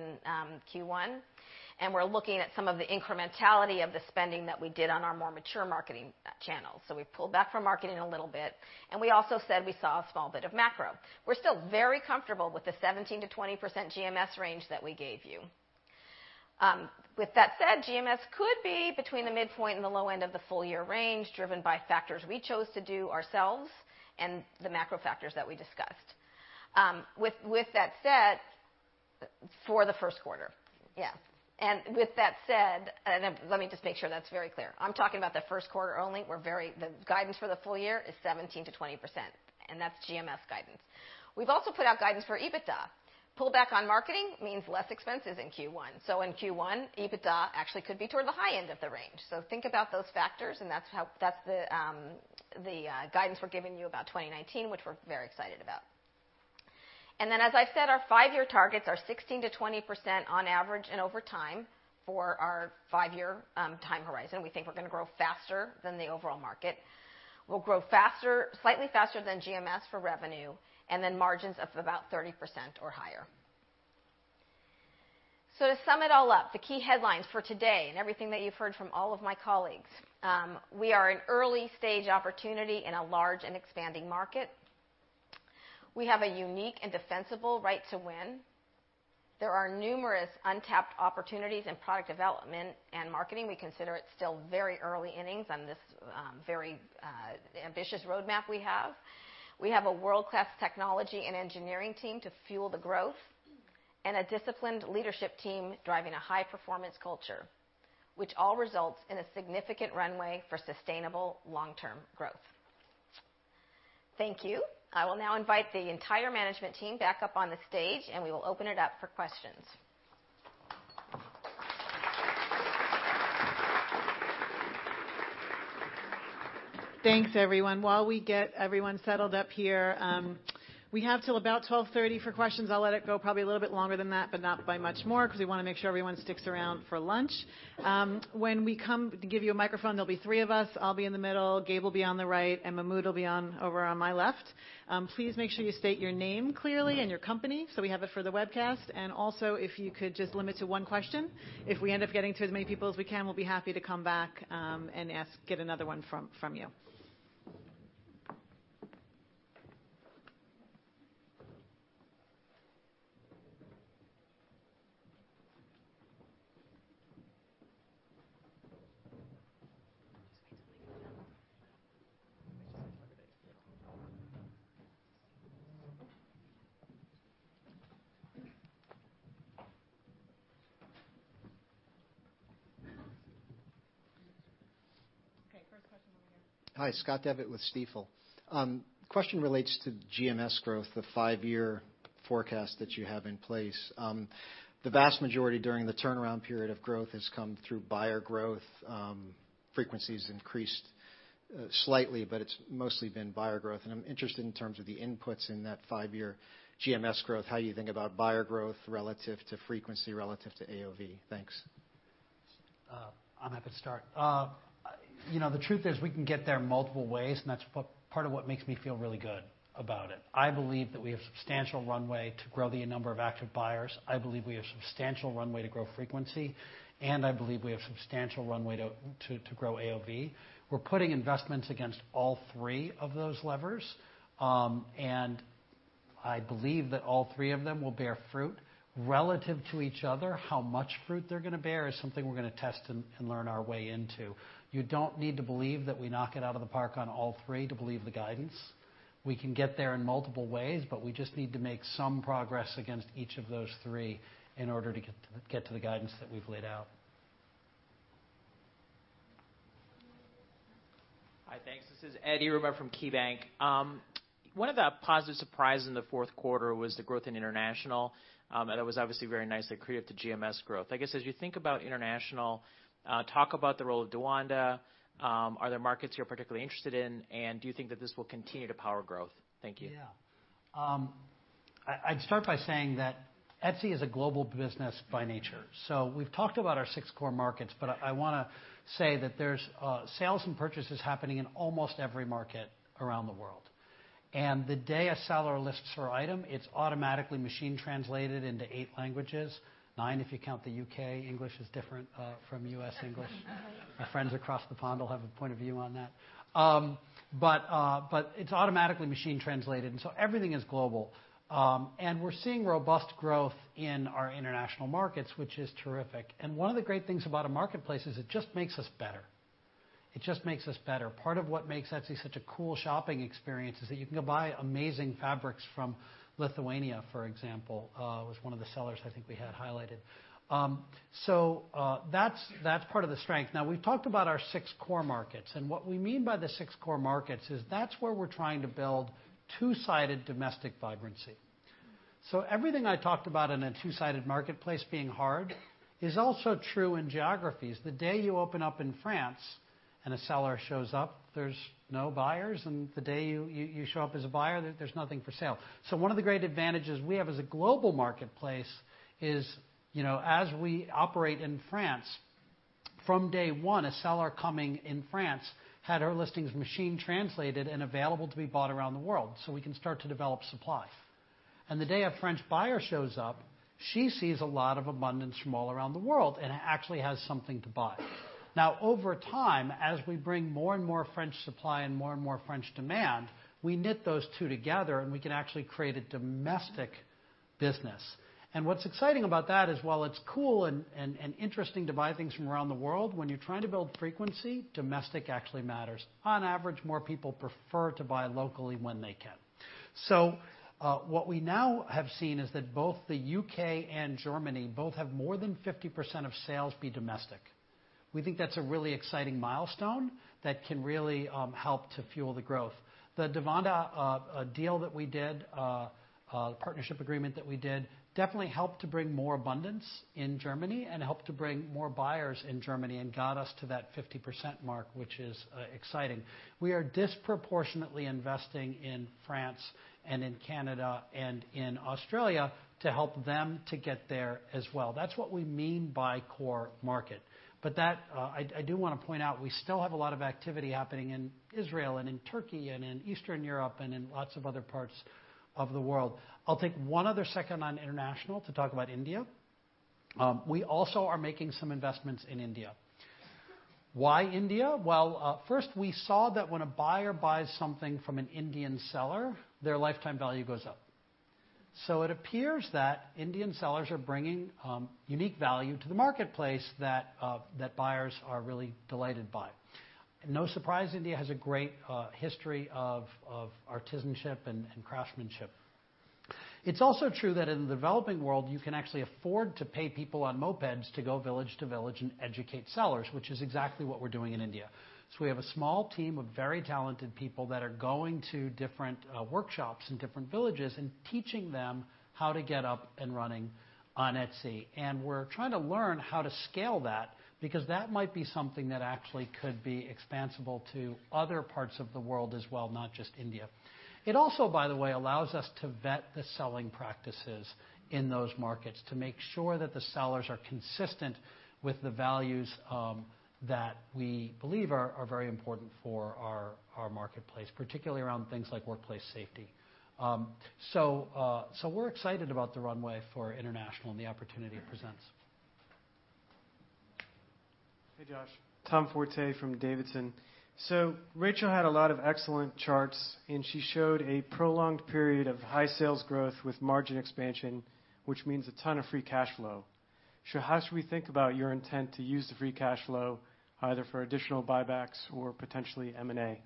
Q1, and we're looking at some of the incrementality of the spending that we did on our more mature marketing channels. We pulled back from marketing a little bit, and we also said we saw a small bit of macro. We're still very comfortable with the 17%-20% GMS range that we gave you. With that said, GMS could be between the midpoint and the low end of the full-year range, driven by factors we chose to do ourselves and the macro factors that we discussed. With that said, for the first quarter. With that said, let me just make sure that's very clear. I'm talking about the first quarter only. The guidance for the full year is 17%-20%, that's GMS guidance. We've also put out guidance for EBITDA. Pullback on marketing means less expenses in Q1. In Q1, EBITDA actually could be toward the high end of the range. Think about those factors, and that's the guidance we're giving you about 2019, which we're very excited about. Then, as I said, our five-year targets are 16%-20% on average and over time for our five-year time horizon. We think we're going to grow faster than the overall market. We'll grow slightly faster than GMS for revenue, and then margins of about 30% or higher. To sum it all up, the key headlines for today and everything that you've heard from all of my colleagues, we are an early-stage opportunity in a large and expanding market. We have a unique and defensible right to win. There are numerous untapped opportunities in product development and marketing. We consider it still very early innings on this very ambitious roadmap we have. We have a world-class technology and engineering team to fuel the growth and a disciplined leadership team driving a high-performance culture, which all results in a significant runway for sustainable long-term growth. Thank you. I will now invite the entire management team back up on the stage, and we will open it up for questions. Thanks, everyone. While we get everyone settled up here, we have till about 12:30 P.M. for questions. I'll let it go probably a little bit longer than that, but not by much more because we want to make sure everyone sticks around for lunch. When we come to give you a microphone, there'll be three of us. I'll be in the middle, Gabe will be on the right, and Mahmood will be over on my left. Please make sure you state your name clearly and your company, so we have it for the webcast. Also, if you could just limit to one question. If we end up getting to as many people as we can, we'll be happy to come back and get another one from you. Okay, first question over here. Hi, Scott Devitt with Stifel. Question relates to GMS growth, the five-year forecast that you have in place. The vast majority during the turnaround period of growth has come through buyer growth. Frequency's increased slightly, but it's mostly been buyer growth. I'm interested in terms of the inputs in that five-year GMS growth, how you think about buyer growth relative to frequency relative to AOV. Thanks. I'm happy to start. The truth is, we can get there multiple ways, and that's part of what makes me feel really good about it. I believe that we have substantial runway to grow the number of active buyers. I believe we have substantial runway to grow frequency, and I believe we have substantial runway to grow AOV. We're putting investments against all three of those levers, and I believe that all three of them will bear fruit. Relative to each other, how much fruit they're going to bear is something we're going to test and learn our way into. You don't need to believe that we knock it out of the park on all three to believe the guidance. We can get there in multiple ways. We just need to make some progress against each of those three in order to get to the guidance that we've laid out. Hi, thanks. This is Ed Yruma from KeyBanc. One of the positive surprise in the fourth quarter was the growth in international. That was obviously very nice. It created the GMS growth. I guess, as you think about international, talk about the role of DaWanda. Are there markets you're particularly interested in, and do you think that this will continue to power growth? Thank you. Yeah. I'd start by saying that Etsy is a global business by nature. We've talked about our six core markets, but I want to say that there's sales and purchases happening in almost every market around the world. The day a seller lists her item, it's automatically machine translated into 8 languages, 9 if you count the U.K. English is different from U.S. English. My friends across the pond will have a point of view on that. It's automatically machine translated, everything is global. We're seeing robust growth in our international markets, which is terrific. One of the great things about a marketplace is it just makes us better. Part of what makes Etsy such a cool shopping experience is that you can go buy amazing fabrics from Lithuania, for example, was one of the sellers I think we had highlighted. That's part of the strength. Now, we've talked about our 6 core markets, what we mean by the 6 core markets is that's where we're trying to build two-sided domestic vibrancy. Everything I talked about in a two-sided marketplace being hard is also true in geographies. The day you open up in France and a seller shows up, there's no buyers, the day you show up as a buyer, there's nothing for sale. One of the great advantages we have as a global marketplace is as we operate in France, from day one, a seller coming in France had her listings machine translated and available to be bought around the world, so we can start to develop supply. The day a French buyer shows up, she sees a lot of abundance from all around the world and actually has something to buy. Now, over time, as we bring more and more French supply and more and more French demand, we knit those 2 together, and we can actually create a domestic business. What's exciting about that is while it's cool and interesting to buy things from around the world, when you're trying to build frequency, domestic actually matters. On average, more people prefer to buy locally when they can. What we now have seen is that both the U.K. and Germany both have more than 50% of sales be domestic. We think that's a really exciting milestone that can really help to fuel the growth. The DaWanda deal that we did, partnership agreement that we did, definitely helped to bring more abundance in Germany and helped to bring more buyers in Germany and got us to that 50% mark, which is exciting. We are disproportionately investing in France and in Canada and in Australia to help them to get there as well. That's what we mean by core market. I do want to point out, we still have a lot of activity happening in Israel and in Turkey and in Eastern Europe and in lots of other parts of the world. I'll take one other second on international to talk about India. We also are making some investments in India. Why India? First we saw that when a buyer buys something from an Indian seller, their lifetime value goes up. It appears that Indian sellers are bringing unique value to the marketplace that buyers are really delighted by. No surprise, India has a great history of artisanship and craftsmanship. It's also true that in the developing world, you can actually afford to pay people on mopeds to go village to village and educate sellers, which is exactly what we're doing in India. We have a small team of very talented people that are going to different workshops in different villages and teaching them how to get up and running on Etsy. We're trying to learn how to scale that because that might be something that actually could be expansible to other parts of the world as well, not just India. It also, by the way, allows us to vet the selling practices in those markets to make sure that the sellers are consistent with the values that we believe are very important for our marketplace, particularly around things like workplace safety. We're excited about the runway for international and the opportunity it presents. Hey, Josh. Tom Forte from Davidson. Rachel had a lot of excellent charts, and she showed a prolonged period of high sales growth with margin expansion, which means a ton of free cash flow. How should we think about your intent to use the free cash flow, either for additional buybacks or potentially M&A?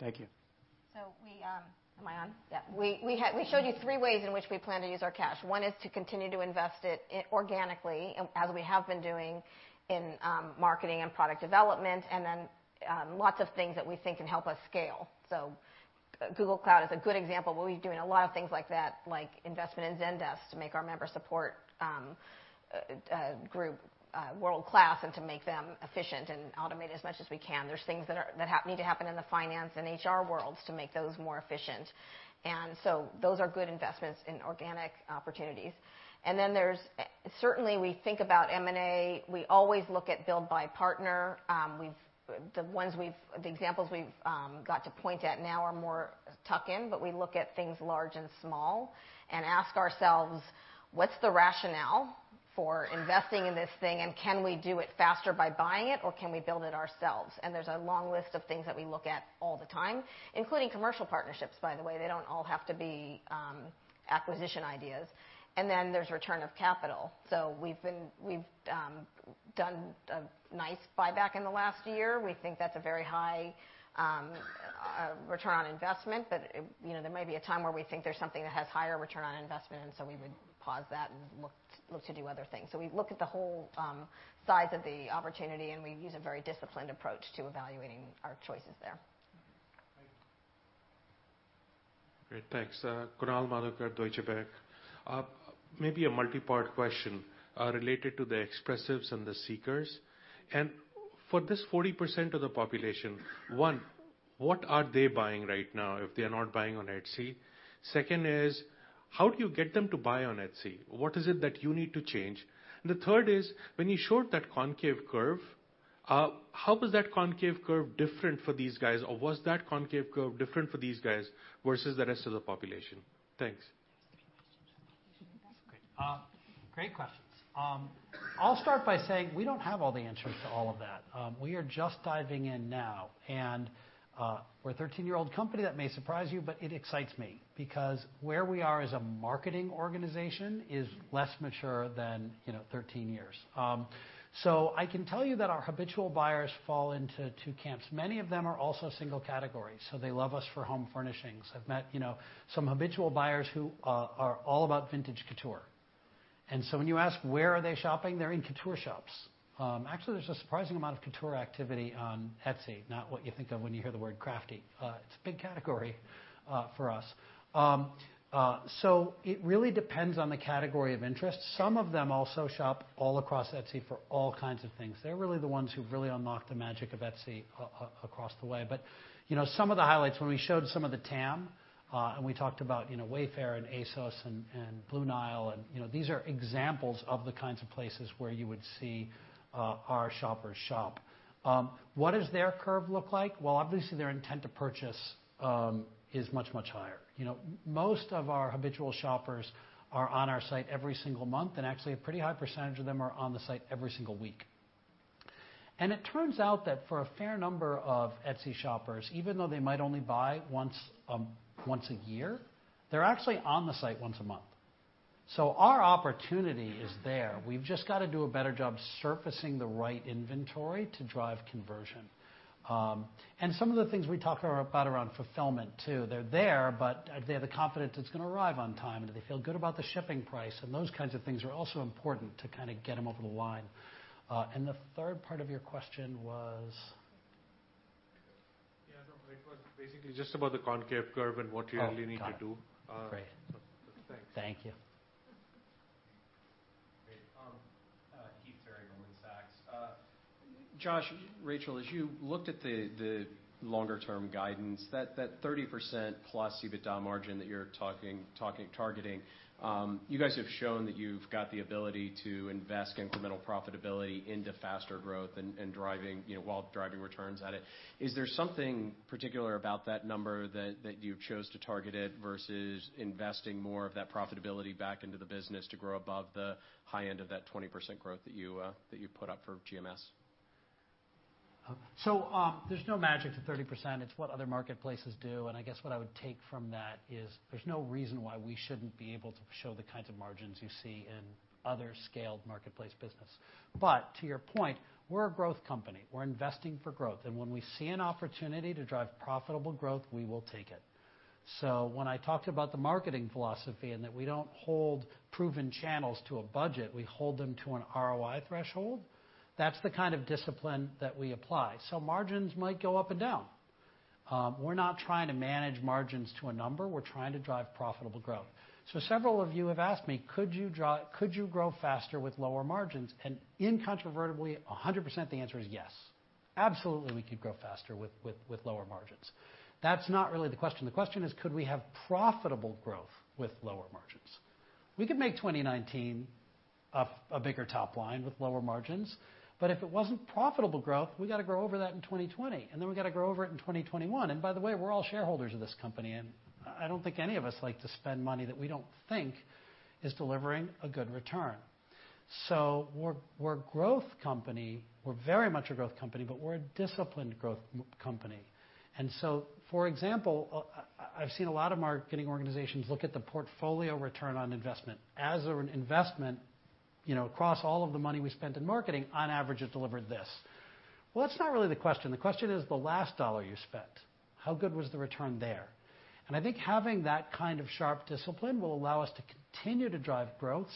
Thank you. We, am I on? We showed you three ways in which we plan to use our cash. One is to continue to invest it organically, as we have been doing in marketing and product development, lots of things that we think can help us scale. Google Cloud is a good example. We'll be doing a lot of things like that, like investment in Zendesk to make our member support group world-class and to make them efficient and automate as much as we can. There's things that need to happen in the finance and HR worlds to make those more efficient. Those are good investments in organic opportunities. There's certainly, we think about M&A. We always look at build by partner. The examples we've got to point at now are more tuck-in. We look at things large and small and ask ourselves, "What's the rationale for investing in this thing, and can we do it faster by buying it, or can we build it ourselves?" There's a long list of things that we look at all the time, including commercial partnerships, by the way. They don't all have to be acquisition ideas. Then there's return of capital. We've done a nice buyback in the last year. We think that's a very high return on investment. There may be a time where we think there's something that has higher return on investment, so we would pause that and look to do other things. We look at the whole size of the opportunity, and we use a very disciplined approach to evaluating our choices there. Thank you. Great. Thanks. Kunal Madhukar, Deutsche Bank. Maybe a multi-part question related to the expressives and the seekers. For this 40% of the population, one, what are they buying right now if they're not buying on Etsy? Second is, how do you get them to buy on Etsy? What is it that you need to change? The third is, when you showed that concave curve, how was that concave curve different for these guys, or was that concave curve different for these guys versus the rest of the population? Thanks. Great questions. I'll start by saying we don't have all the answers to all of that. We are just diving in now, and we're a 13-year-old company. That may surprise you, but it excites me because where we are as a marketing organization is less mature than 13 years. I can tell you that our habitual buyers fall into two camps. Many of them are also single category, so they love us for home furnishings. I've met some habitual buyers who are all about vintage couture. When you ask where are they shopping, they're in couture shops. Actually, there's a surprising amount of couture activity on Etsy, not what you think of when you hear the word crafty. It's a big category for us. It really depends on the category of interest. Some of them also shop all across Etsy for all kinds of things. They're really the ones who've really unlocked the magic of Etsy across the way. Some of the highlights, when we showed some of the TAM, and we talked about Wayfair and ASOS and Blue Nile, these are examples of the kinds of places where you would see our shoppers shop. What does their curve look like? Well, obviously their intent to purchase is much, much higher. Most of our habitual shoppers are on our site every single month, and actually a pretty high percentage of them are on the site every single week. It turns out that for a fair number of Etsy shoppers, even though they might only buy once a year, they're actually on the site once a month. Our opportunity is there. We've just got to do a better job surfacing the right inventory to drive conversion. Some of the things we talk about around fulfillment, too, they're there, do they have the confidence it's going to arrive on time, do they feel good about the shipping price, those kinds of things are also important to kind of get them over the line. The third part of your question was? Yeah, no, it was basically just about the concave curve and what you really need to do. Great. Thanks. Thank you. Great. Heath Terry, Goldman Sachs. Josh, Rachel, as you looked at the longer-term guidance, that 30% plus EBITDA margin that you're targeting, you guys have shown that you've got the ability to invest incremental profitability into faster growth while driving returns at it. Is there something particular about that number that you chose to target it versus investing more of that profitability back into the business to grow above the high end of that 20% growth that you put up for GMS? There's no magic to 30%. It's what other marketplaces do, and I guess what I would take from that is there's no reason why we shouldn't be able to show the kinds of margins you see in other scaled marketplace business. To your point, we're a growth company. We're investing for growth, and when we see an opportunity to drive profitable growth, we will take it. When I talked about the marketing philosophy and that we don't hold proven channels to a budget, we hold them to an ROI threshold, that's the kind of discipline that we apply. Margins might go up and down. We're not trying to manage margins to a number. We're trying to drive profitable growth. Several of you have asked me, could you grow faster with lower margins, and incontrovertibly, 100% the answer is yes. Absolutely, we could grow faster with lower margins. That's not really the question. The question is, could we have profitable growth with lower margins? We could make 2019 a bigger top line with lower margins, if it wasn't profitable growth, we've got to grow over that in 2020, then we've got to grow over it in 2021. By the way, we're all shareholders of this company, and I don't think any of us like to spend money that we don't think is delivering a good return. We're a growth company. We're very much a growth company, we're a disciplined growth company. For example, I've seen a lot of marketing organizations look at the portfolio return on investment as an investment, across all of the money we spent in marketing, on average, it delivered this. Well, that's not really the question. The question is the last dollar you spent, how good was the return there? I think having that kind of sharp discipline will allow us to continue to drive growth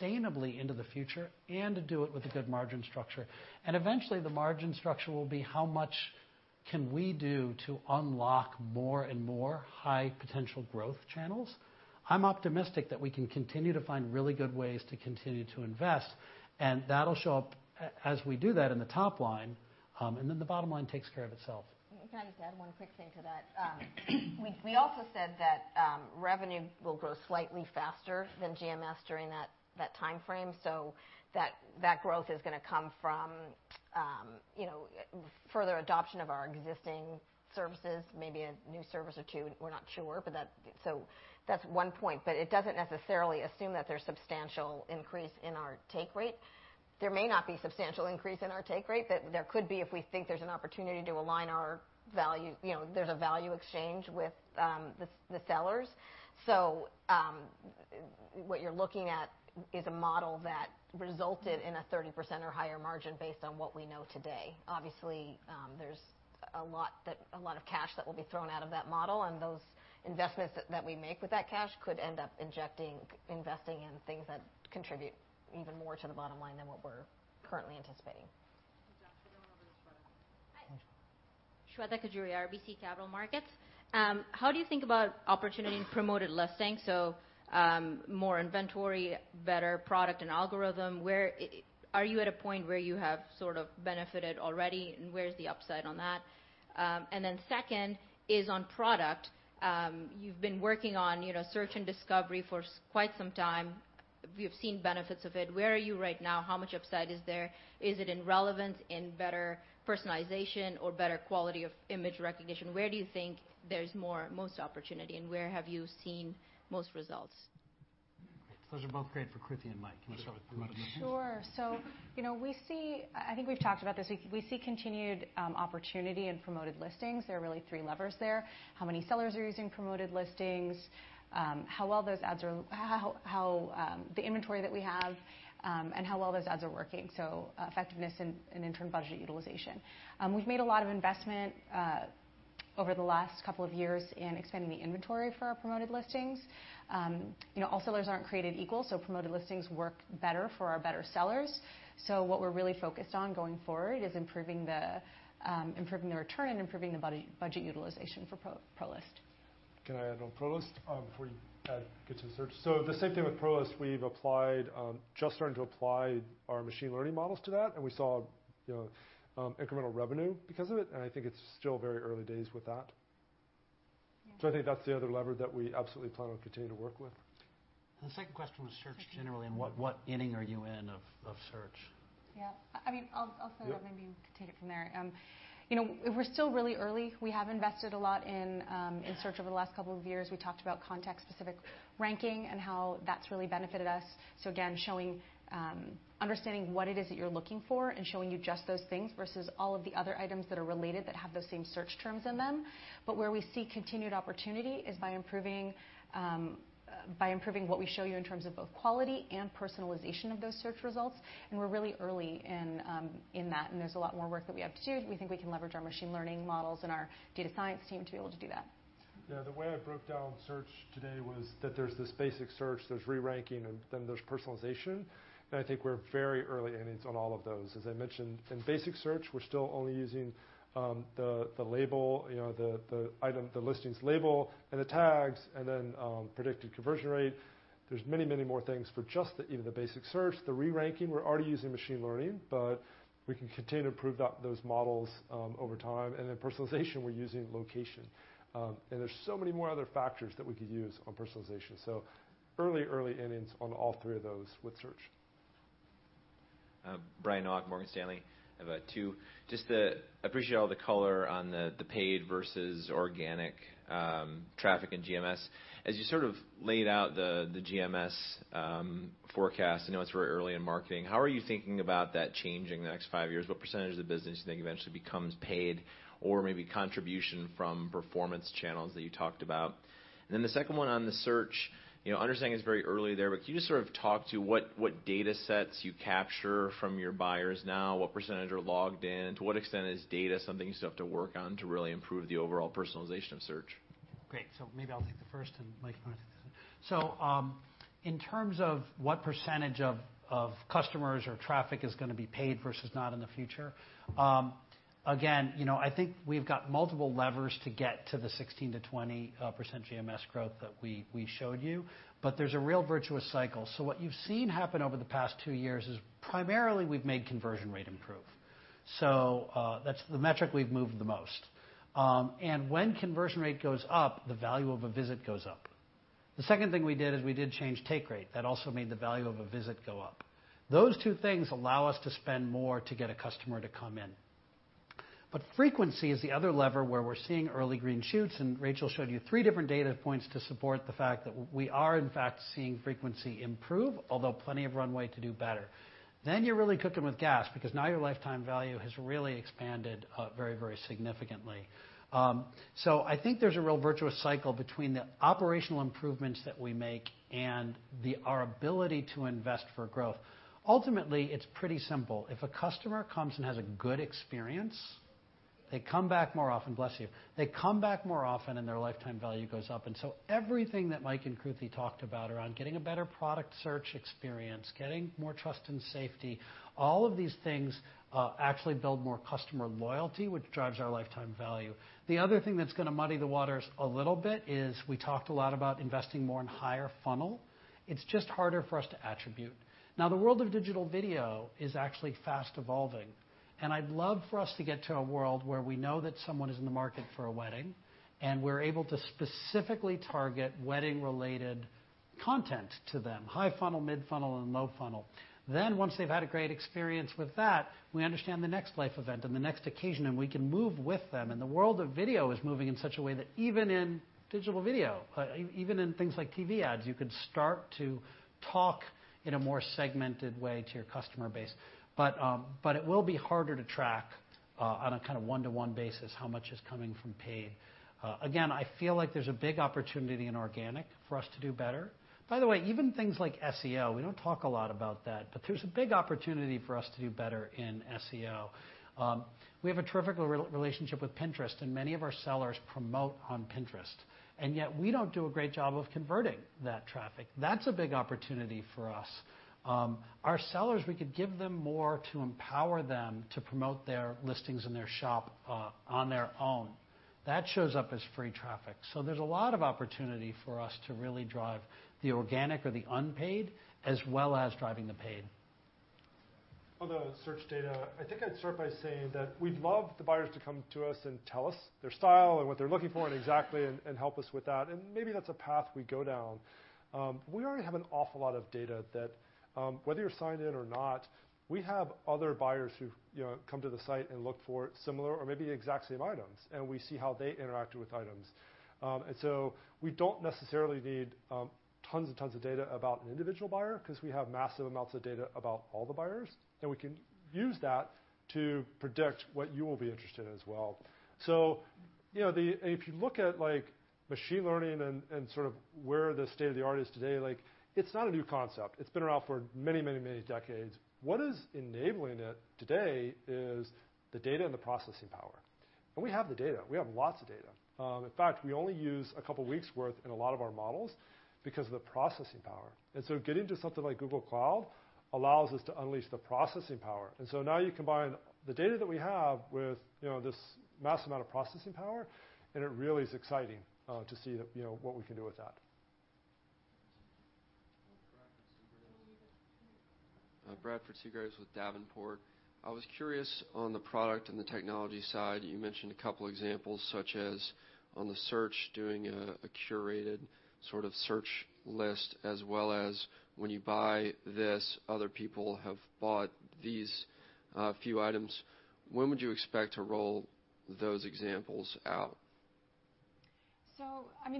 sustainably into the future and do it with a good margin structure. Eventually, the margin structure will be how much can we do to unlock more and more high-potential growth channels. I'm optimistic that we can continue to find really good ways to continue to invest, and that'll show up as we do that in the top line, then the bottom line takes care of itself. Can I just add one quick thing to that? We also said that revenue will grow slightly faster than GMS during that time frame, that growth is going to come from further adoption of our existing services, maybe a new service or two. We're not sure, that's one point, it doesn't necessarily assume that there's substantial increase in our take rate. There may not be substantial increase in our take rate, there could be if we think there's an opportunity to align our value, there's a value exchange with the sellers. What you're looking at is a model that resulted in a 30% or higher margin based on what we know today. Obviously, there's a lot of cash that will be thrown out of that model, those investments that we make with that cash could end up investing in things that contribute even more to the bottom line than what we're currently anticipating. Thanks. Shweta. Shweta Khajuria, RBC Capital Markets. How do you think about opportunity in Promoted Listings? More inventory, better product and algorithm. Are you at a point where you have sort of benefited already, where's the upside on that? Second is on product. You've been working on search and discovery for quite some time. We've seen benefits of it. Where are you right now? How much upside is there? Is it in relevance, in better personalization, or better quality of image recognition? Where do you think there's most opportunity, where have you seen most results? Those are both great for Kruti and Mike. You want to start with Promoted Listings? Sure. I think we've talked about this. We see continued opportunity in Promoted Listings. There are really three levers there. How many sellers are using Promoted Listings, the inventory that we have, and how well those ads are working. Effectiveness and in turn, budget utilization. We've made a lot of investment over the last couple of years in expanding the inventory for our Promoted Listings. All sellers aren't created equal, Promoted Listings work better for our better sellers. What we're really focused on going forward is improving the return and improving the budget utilization for ProList. Can I add on ProList before you get to the search? The same thing with ProList, we've just started to apply our machine learning models to that, and we saw incremental revenue because of it, and I think it's still very early days with that. Yeah. I think that's the other lever that we absolutely plan on continuing to work with. The second question was search generally, and what inning are you in of search? Yeah. I'll start, and maybe you can take it from there. We're still really early. We have invested a lot in search over the last couple of years. We talked about context-specific ranking and how that's really benefited us. Again, understanding what it is that you're looking for and showing you just those things versus all of the other items that are related that have those same search terms in them. Where we see continued opportunity is by improving what we show you in terms of both quality and personalization of those search results, and we're really early in that, and there's a lot more work that we have to do. We think we can leverage our machine learning models and our data science team to be able to do that. Yeah. The way I broke down search today was that there's this basic search, there's re-ranking, and then there's personalization, and I think we're very early innings on all of those. As I mentioned, in basic search, we're still only using the listing's label and the tags and then predicted conversion rate. There's many more things for just even the basic search. The re-ranking, we're already using machine learning, but we can continue to improve those models over time. Then personalization, we're using location. There's so many more other factors that we could use on personalization. Early innings on all three of those with search. Brian Nowak, Morgan Stanley. I have two. Just appreciate all the color on the paid versus organic traffic in GMS. As you laid out the GMS forecast, I know it's very early in marketing, how are you thinking about that changing in the next five years? What % of the business do you think eventually becomes paid or maybe contribution from performance channels that you talked about? Then the second one on the search, understanding it's very early there, but can you just sort of talk to what data sets you capture from your buyers now, what % are logged in? To what extent is data something you still have to work on to really improve the overall personalization of search? Great. Maybe I'll take the first, and Mike, you want to take the second? In terms of what % of customers or traffic is going to be paid versus not in the future, again, I think we've got multiple levers to get to the 16%-20% GMS growth that we showed you, but there's a real virtuous cycle. What you've seen happen over the past two years is primarily we've made conversion rate improve. That's the metric we've moved the most. When conversion rate goes up, the value of a visit goes up. The second thing we did is we did change take rate. That also made the value of a visit go up. Those two things allow us to spend more to get a customer to come in. Frequency is the other lever where we're seeing early green shoots, and Rachel showed you three different data points to support the fact that we are in fact seeing frequency improve, although plenty of runway to do better. You're really cooking with gas because now your lifetime value has really expanded very significantly. I think there's a real virtuous cycle between the operational improvements that we make and our ability to invest for growth. Ultimately, it's pretty simple. If a customer comes and has a good experience, they come back more often. Bless you. They come back more often, and their lifetime value goes up. Everything that Mike and Kruti talked about around getting a better product search experience, getting more trust and safety, all of these things actually build more customer loyalty, which drives our lifetime value. The other thing that's going to muddy the waters a little bit is we talked a lot about investing more in higher funnel. It's just harder for us to attribute. The world of digital video is actually fast evolving, and I'd love for us to get to a world where we know that someone is in the market for a wedding, and we're able to specifically target wedding-related content to them, high funnel, mid funnel, and low funnel. Once they've had a great experience with that, we understand the next life event and the next occasion, and we can move with them, and the world of video is moving in such a way that even in digital video, even in things like TV ads, you could start to talk in a more segmented way to your customer base. It will be harder to track on a kind of one-to-one basis how much is coming from paid. Again, I feel like there's a big opportunity in organic for us to do better. By the way, even things like SEO, we don't talk a lot about that, but there's a big opportunity for us to do better in SEO. We have a terrific relationship with Pinterest, and many of our sellers promote on Pinterest, and yet we don't do a great job of converting that traffic. That's a big opportunity for us. Our sellers, we could give them more to empower them to promote their listings and their shop on their own. That shows up as free traffic. There's a lot of opportunity for us to really drive the organic or the unpaid as well as driving the paid. On the search data, I think I'd start by saying that we'd love the buyers to come to us and tell us their style and what they're looking for and exactly, and help us with that, and maybe that's a path we go down. We already have an awful lot of data that, whether you're signed in or not, we have other buyers who come to the site and look for similar or maybe the exact same items. So we don't necessarily need tons and tons of data about an individual buyer because we have massive amounts of data about all the buyers, and we can use that to predict what you will be interested in as well. If you look at machine learning and sort of where the state of the art is today, it's not a new concept. It's been around for many, many, many decades. What is enabling it today is the data and the processing power. We have the data. We have lots of data. In fact, we only use a couple of weeks' worth in a lot of our models because of the processing power. Getting to something like Google Cloud allows us to unleash the processing power. Now you combine the data that we have with this massive amount of processing power, and it really is exciting to see what we can do with that. Bradford Seagraves with Davenport. I was curious on the product and the technology side, you mentioned a couple examples, such as on the search, doing a curated sort of search list, as well as when you buy this, other people have bought these few items. When would you expect to roll those examples out?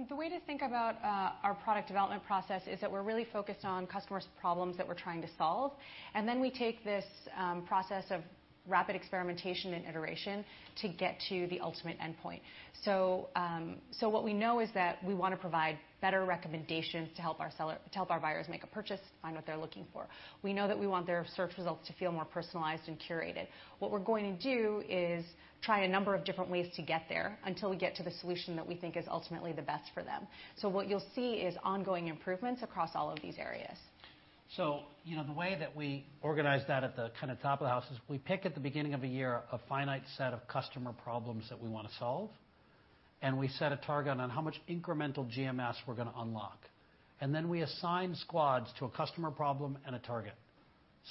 The way to think about our product development process is that we're really focused on customers' problems that we're trying to solve, and then we take this process of rapid experimentation and iteration to get to the ultimate endpoint. What we know is that we want to provide better recommendations to help our buyers make a purchase, find what they're looking for. We know that we want their search results to feel more personalized and curated. What we're going to do is try a number of different ways to get there until we get to the solution that we think is ultimately the best for them. What you'll see is ongoing improvements across all of these areas. The way that we organize that at the top of the house is we pick at the beginning of a year a finite set of customer problems that we want to solve, and we set a target on how much incremental GMS we're going to unlock. We assign squads to a customer problem and a target.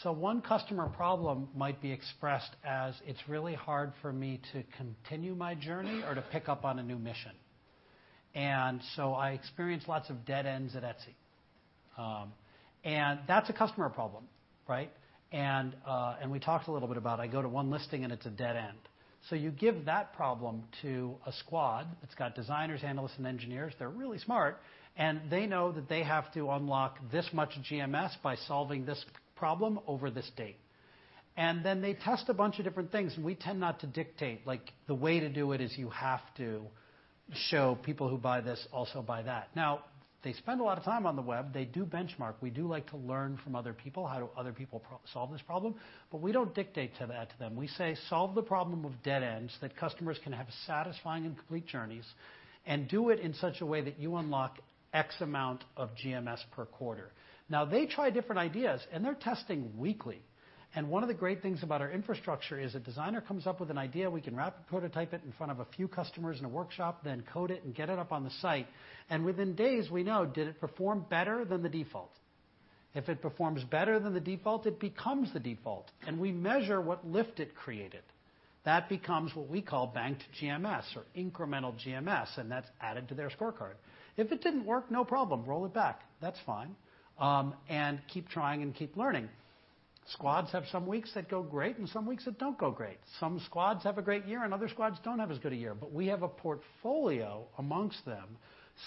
One customer problem might be expressed as, it's really hard for me to continue my journey or to pick up on a new mission. I experience lots of dead ends at Etsy. That's a customer problem, right? We talked a little bit about, I go to one listing, and it's a dead end. You give that problem to a squad. It's got designers, analysts, and engineers. They're really smart, they know that they have to unlock this much GMS by solving this problem over this date. They test a bunch of different things, we tend not to dictate, like the way to do it is you have to show people who buy this also buy that. They spend a lot of time on the web. They do benchmark. We do like to learn from other people, how do other people solve this problem, we don't dictate to them. We say, "Solve the problem of dead ends that customers can have satisfying and complete journeys, and do it in such a way that you unlock X amount of GMS per quarter." They try different ideas, and they're testing weekly. One of the great things about our infrastructure is a designer comes up with an idea, we can rapid prototype it in front of a few customers in a workshop, then code it and get it up on the site. Within days, we know, did it perform better than the default? If it performs better than the default, it becomes the default, and we measure what lift it created. That becomes what we call banked GMS or incremental GMS, that's added to their scorecard. If it didn't work, no problem, roll it back. That's fine. Keep trying and keep learning. Squads have some weeks that go great and some weeks that don't go great. Some squads have a great year, and other squads don't have as good a year. We have a portfolio amongst them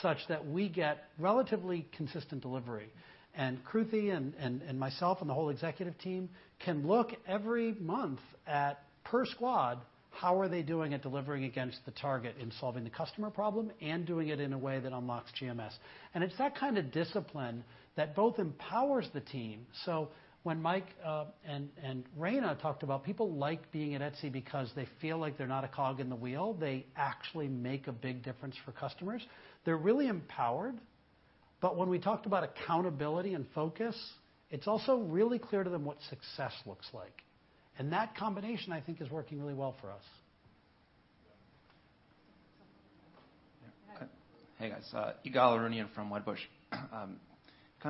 such that we get relatively consistent delivery. Kruti and myself and the whole executive team can look every month at, per squad, how are they doing at delivering against the target in solving the customer problem and doing it in a way that unlocks GMS. It's that kind of discipline that both empowers the team. When Mike and Raina talked about people like being at Etsy because they feel like they're not a cog in the wheel, they actually make a big difference for customers. They're really empowered. When we talked about accountability and focus, it's also really clear to them what success looks like. That combination, I think, is working really well for us. Hey, guys. Ygal Arounian from Wedbush. Kind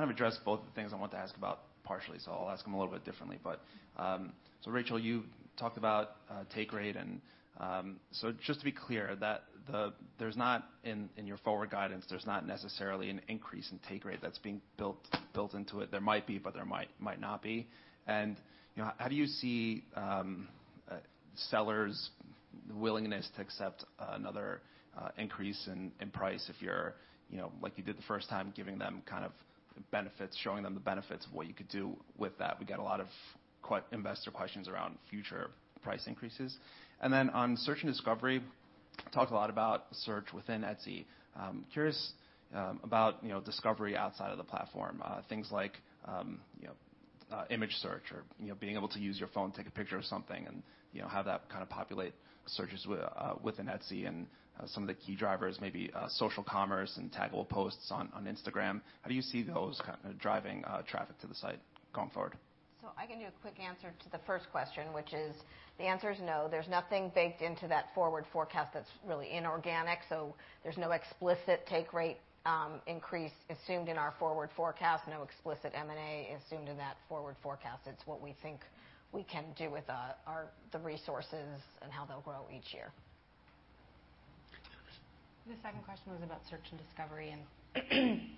of addressed both of the things I want to ask about partially, so I'll ask them a little bit differently. Rachel, you talked about take rate, just to be clear, in your forward guidance, there's not necessarily an increase in take rate that's being built into it. There might be, but there might not be. How do you see sellers' willingness to accept another increase in price if you're, like you did the first time, giving them kind of benefits, showing them the benefits of what you could do with that? We get a lot of investor questions around future price increases. Then on search and discovery, talked a lot about search within Etsy. I'm curious about discovery outside of the platform. Things like image search or being able to use your phone, take a picture of something, and have that kind of populate searches within Etsy. Some of the key drivers, maybe social commerce and taggable posts on Instagram. How do you see those kind of driving traffic to the site going forward? I can do a quick answer to the first question, which is, the answer is no. There's nothing baked into that forward forecast that's really inorganic. There's no explicit take rate increase assumed in our forward forecast. No explicit M&A assumed in that forward forecast. It's what we think we can do with the resources and how they'll grow each year. The second question was about search and discovery and-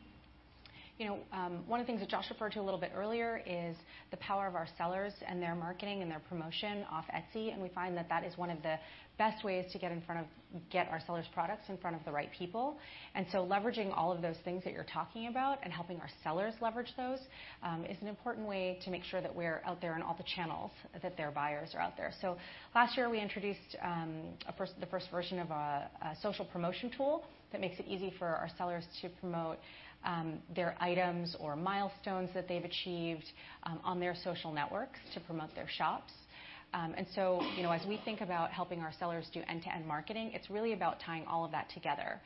One of the things that Josh referred to a little bit earlier is the power of our sellers and their marketing and their promotion off Etsy. We find that that is one of the best ways to get our sellers' products in front of the right people. Leveraging all of those things that you're talking about and helping our sellers leverage those, is an important way to make sure that we're out there on all the channels that their buyers are out there. Last year, we introduced the first version of a social promotion tool that makes it easy for our sellers to promote their items or milestones that they've achieved on their social networks to promote their shops. As we think about helping our sellers do end-to-end marketing, it's really about tying all of that together.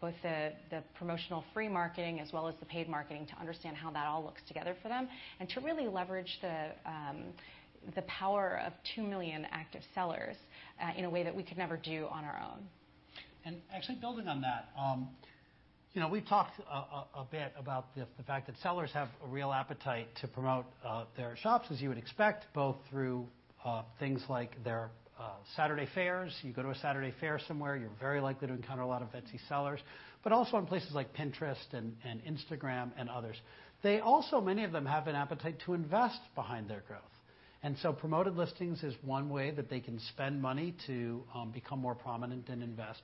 Both the promotional free marketing as well as the paid marketing to understand how that all looks together for them, and to really leverage the power of 2 million active sellers in a way that we could never do on our own. Actually building on that. We've talked a bit about the fact that sellers have a real appetite to promote their shops, as you would expect, both through things like their Saturday fairs. You go to a Saturday fair somewhere, you're very likely to encounter a lot of Etsy sellers, but also on places like Pinterest and Instagram and others. Many of them have an appetite to invest behind their growth. Promoted Listings is one way that they can spend money to become more prominent and invest.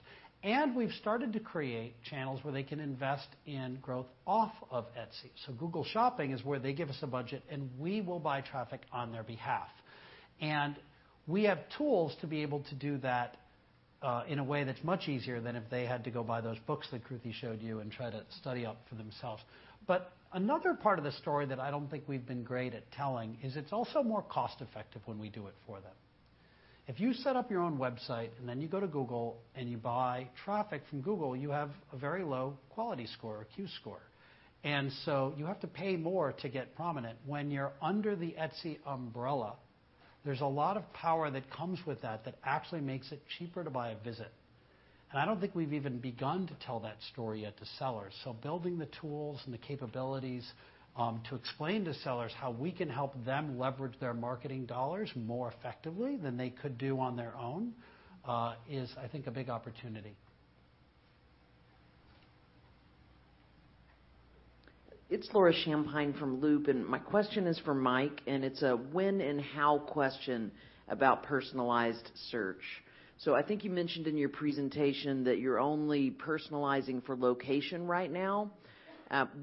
We've started to create channels where they can invest in growth off of Etsy. Google Shopping is where they give us a budget, and we will buy traffic on their behalf. We have tools to be able to do that, in a way that's much easier than if they had to go buy those books that Kruti showed you and try to study up for themselves. Another part of the story that I don't think we've been great at telling is it's also more cost-effective when we do it for them. If you set up your own website and then you go to Google and you buy traffic from Google, you have a very low Quality Score, a Quality Score. You have to pay more to get prominent. When you're under the Etsy umbrella, there's a lot of power that comes with that actually makes it cheaper to buy a visit. I don't think we've even begun to tell that story yet to sellers. Building the tools and the capabilities, to explain to sellers how we can help them leverage their marketing dollars more effectively than they could do on their own, is, I think, a big opportunity. It is Laura Champine from Loop, and my question is for Mike, and it is a when and how question about personalized search. I think you mentioned in your presentation that you are only personalizing for location right now.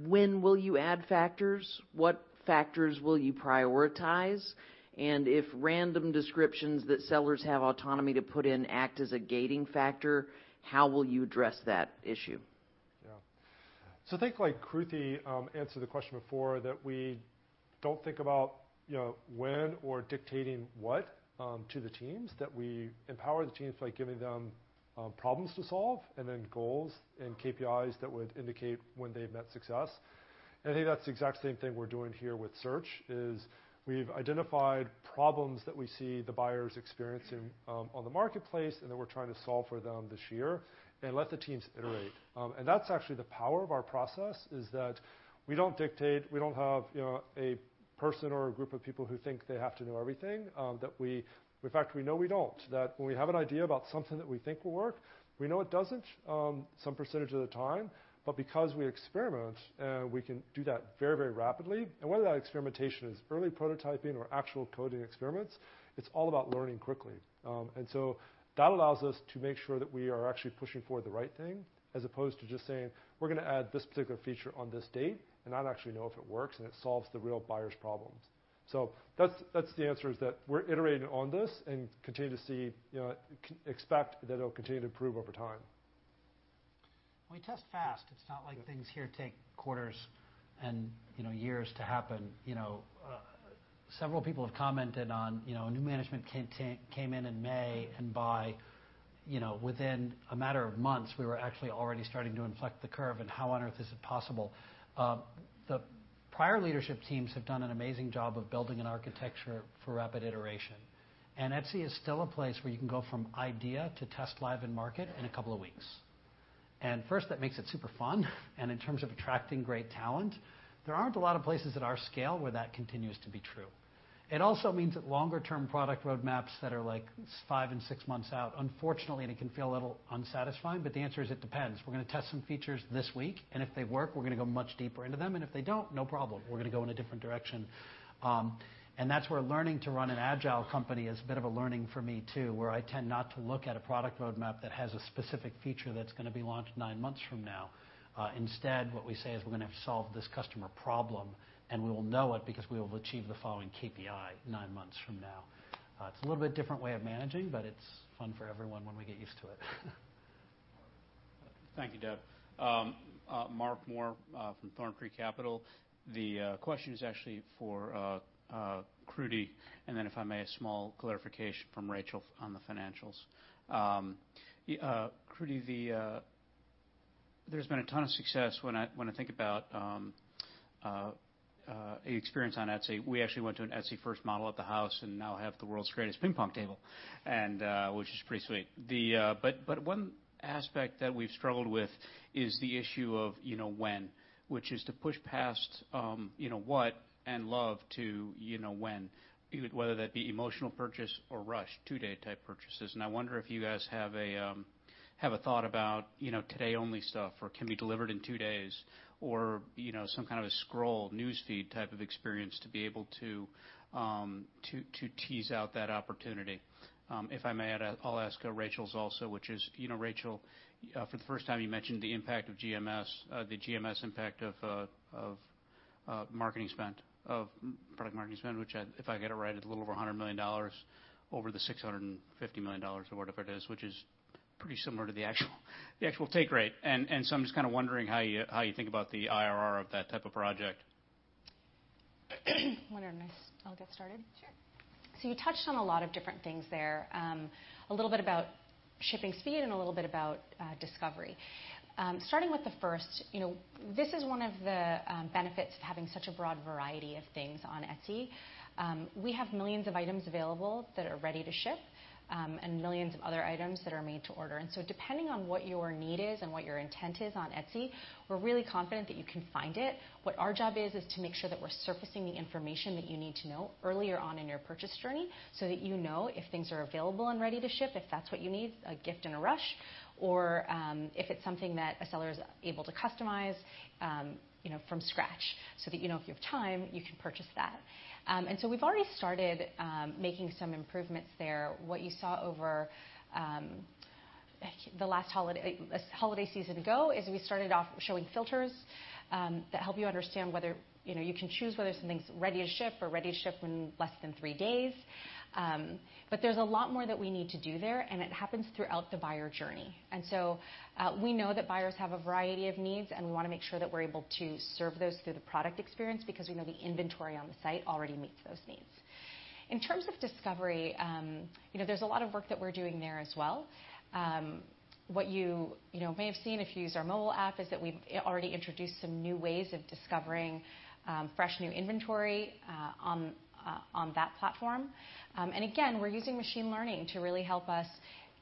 When will you add factors? What factors will you prioritize? If random descriptions that sellers have autonomy to put in act as a gating factor, how will you address that issue? I think like Kruti answered the question before, that we do not think about when or dictating what to the teams, that we empower the teams by giving them problems to solve and then goals and KPIs that would indicate when they have met success. I think that is the exact same thing we are doing here with search, is we have identified problems that we see the buyers experiencing on the marketplace, and that we are trying to solve for them this year and let the teams iterate. That is actually the power of our process, is that we do not dictate. We do not have a person or a group of people who think they have to know everything. In fact, we know we do not. That when we have an idea about something that we think will work, we know it does not, some % of the time. Because we experiment, we can do that very rapidly. Whether that experimentation is early prototyping or actual coding experiments, it is all about learning quickly. That allows us to make sure that we are actually pushing for the right thing, as opposed to just saying, "We are going to add this particular feature on this date," and not actually know if it works and it solves the real buyer's problems. That is the answer, is that we are iterating on this and continue to expect that it will continue to improve over time. We test fast. It is not like things here take quarters and years to happen. Several people have commented on new management came in in May, within a matter of months, we were actually already starting to inflect the curve and how on earth is it possible. The prior leadership teams have done an amazing job of building an architecture for rapid iteration. Etsy is still a place where you can go from idea to test live and market in a couple of weeks. First, that makes it super fun. In terms of attracting great talent, there are not a lot of places at our scale where that continues to be true. It also means that longer-term product roadmaps that are five and six months out, unfortunately, it can feel a little unsatisfying, the answer is it depends. We're going to test some features this week, and if they work, we're going to go much deeper into them. If they don't, no problem, we're going to go in a different direction. That's where learning to run an agile company is a bit of a learning for me, too, where I tend not to look at a product roadmap that has a specific feature that's going to be launched nine months from now. Instead, what we say is we're going to have to solve this customer problem, and we will know it because we will achieve the following KPI nine months from now. It's a little bit different way of managing, but it's fun for everyone when we get used to it. Thank you, Deb. Mark Moore, from Thorncreek Capital. The question is actually for Kruti, and then if I may, a small clarification from Rachel on the financials. Kruti. There's been a ton of success when I think about experience on Etsy. We actually went to an Etsy first model at the house, and now have the world's greatest ping pong table, which is pretty sweet. One aspect that we've struggled with is the issue of when, which is to push past what and love to when, whether that be emotional purchase or rush, two-day type purchases. I wonder if you guys have a thought about today-only stuff, or can be delivered in two days, or some kind of a scroll news feed type of experience to be able to tease out that opportunity. If I may add, I'll ask Rachel also, which is, Rachel, for the first time, you mentioned the GMS impact of product marketing spend, which, if I get it right, is a little over $100 million over the $650 million or whatever it is, which is pretty similar to the actual take rate. I'm just kind of wondering how you think about the IRR of that type of project. Wondering if I'll get started. Sure. You touched on a lot of different things there. A little bit about shipping speed and a little bit about discovery. Starting with the first, this is one of the benefits of having such a broad variety of things on Etsy. We have millions of items available that are ready to ship, and millions of other items that are made to order. Depending on what your need is and what your intent is on Etsy, we're really confident that you can find it. What our job is to make sure that we're surfacing the information that you need to know earlier on in your purchase journey, that you know if things are available and ready to ship, if that's what you need, a gift in a rush, or if it's something that a seller is able to customize from scratch, that you know if you have time, you can purchase that. We've already started making some improvements there. What you saw over the last holiday season ago is we started off showing filters that help you understand whether you can choose whether something's ready to ship or ready to ship in less than three days. There's a lot more that we need to do there, and it happens throughout the buyer journey. We know that buyers have a variety of needs, and we want to make sure that we're able to serve those through the product experience because we know the inventory on the site already meets those needs. In terms of discovery, there's a lot of work that we're doing there as well. What you may have seen if you use our mobile app is that we've already introduced some new ways of discovering fresh new inventory on that platform. Again, we're using machine learning to really help us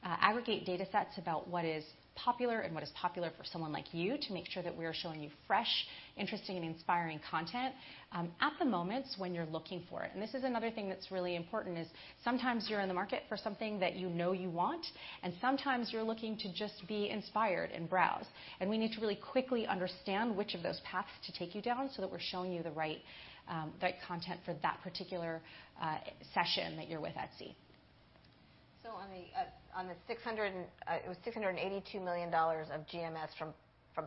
aggregate data sets about what is popular and what is popular for someone like you to make sure that we are showing you fresh, interesting, and inspiring content at the moments when you're looking for it. This is another thing that's really important is sometimes you're in the market for something that you know you want. Sometimes you're looking to just be inspired and browse. We need to really quickly understand which of those paths to take you down so that we're showing you the right content for that particular session that you're with Etsy. On the $682 million of GMS from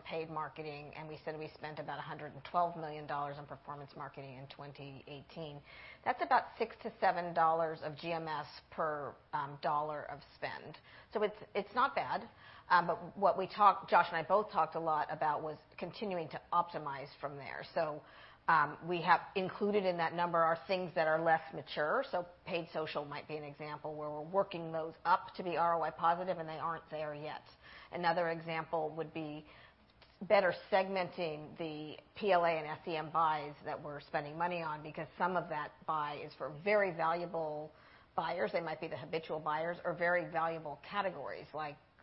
paid marketing, we said we spent about $112 million on performance marketing in 2018. That's about $6 to $7 of GMS per dollar of spend. It's not bad. What Josh and I both talked a lot about was continuing to optimize from there. We have included in that number are things that are less mature. Paid social might be an example where we're working those up to be ROI positive, they aren't there yet. Another example would be better segmenting the PLA and SEM buys that we're spending money on because some of that buy is for very valuable buyers, they might be the habitual buyers, or very valuable categories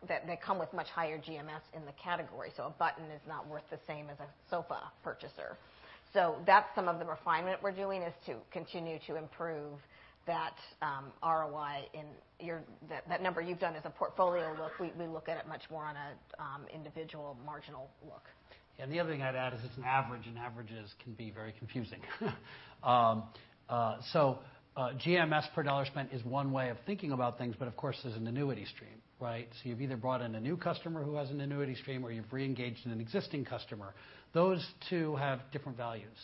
that come with much higher GMS in the category. A button is not worth the same as a sofa purchaser. That's some of the refinement we're doing is to continue to improve that ROI in that number you've done as a portfolio look, we look at it much more on a individual marginal look. The other thing I'd add is it's an average. Averages can be very confusing. GMS per dollar spent is one way of thinking about things, of course, there's an annuity stream, right? You've either brought in a new customer who has an annuity stream, or you've reengaged an existing customer. Those two have different values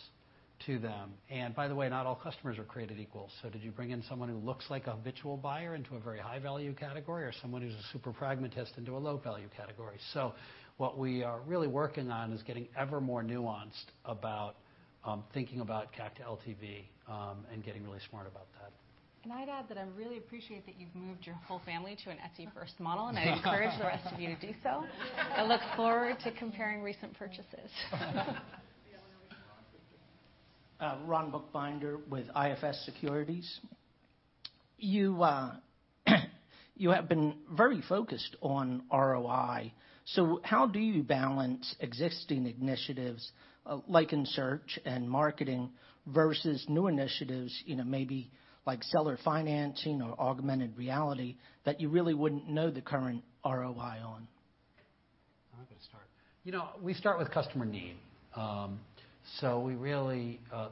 to them. By the way, not all customers are created equal. Did you bring in someone who looks like a habitual buyer into a very high-value category, or someone who's a super pragmatist into a low-value category? What we are really working on is getting ever more nuanced about thinking about CAC to LTV, getting really smart about that. I'd add that I really appreciate that you've moved your whole family to an Etsy first model, and I encourage the rest of you to do so. I look forward to comparing recent purchases. We have one over here. Ron Buchbinder with IFS Securities. You have been very focused on ROI. How do you balance existing initiatives, like in search and marketing, versus new initiatives maybe like seller financing or augmented reality that you really wouldn't know the current ROI on? I'm going to start. We start with customer need.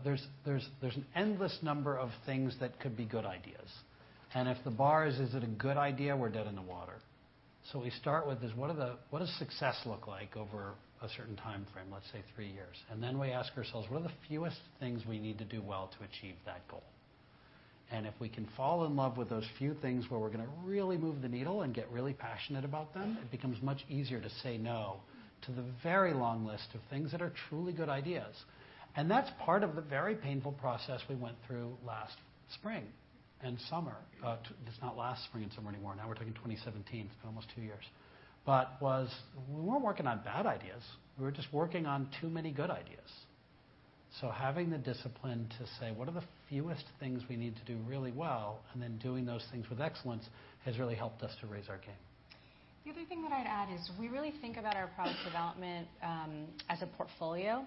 There's an endless number of things that could be good ideas. If the bar is it a good idea, we're dead in the water. We start with is, what does success look like over a certain time frame, let's say three years? Then we ask ourselves, what are the fewest things we need to do well to achieve that goal? If we can fall in love with those few things where we're going to really move the needle and get really passionate about them, it becomes much easier to say no to the very long list of things that are truly good ideas. That's part of the very painful process we went through last spring and summer. It's not last spring and summer anymore. Now we're talking 2017. It's been almost two years. We weren't working on bad ideas. We were just working on too many good ideas. Having the discipline to say what are the fewest things we need to do really well, and then doing those things with excellence has really helped us to raise our game. The other thing that I'd add is we really think about our product development as a portfolio.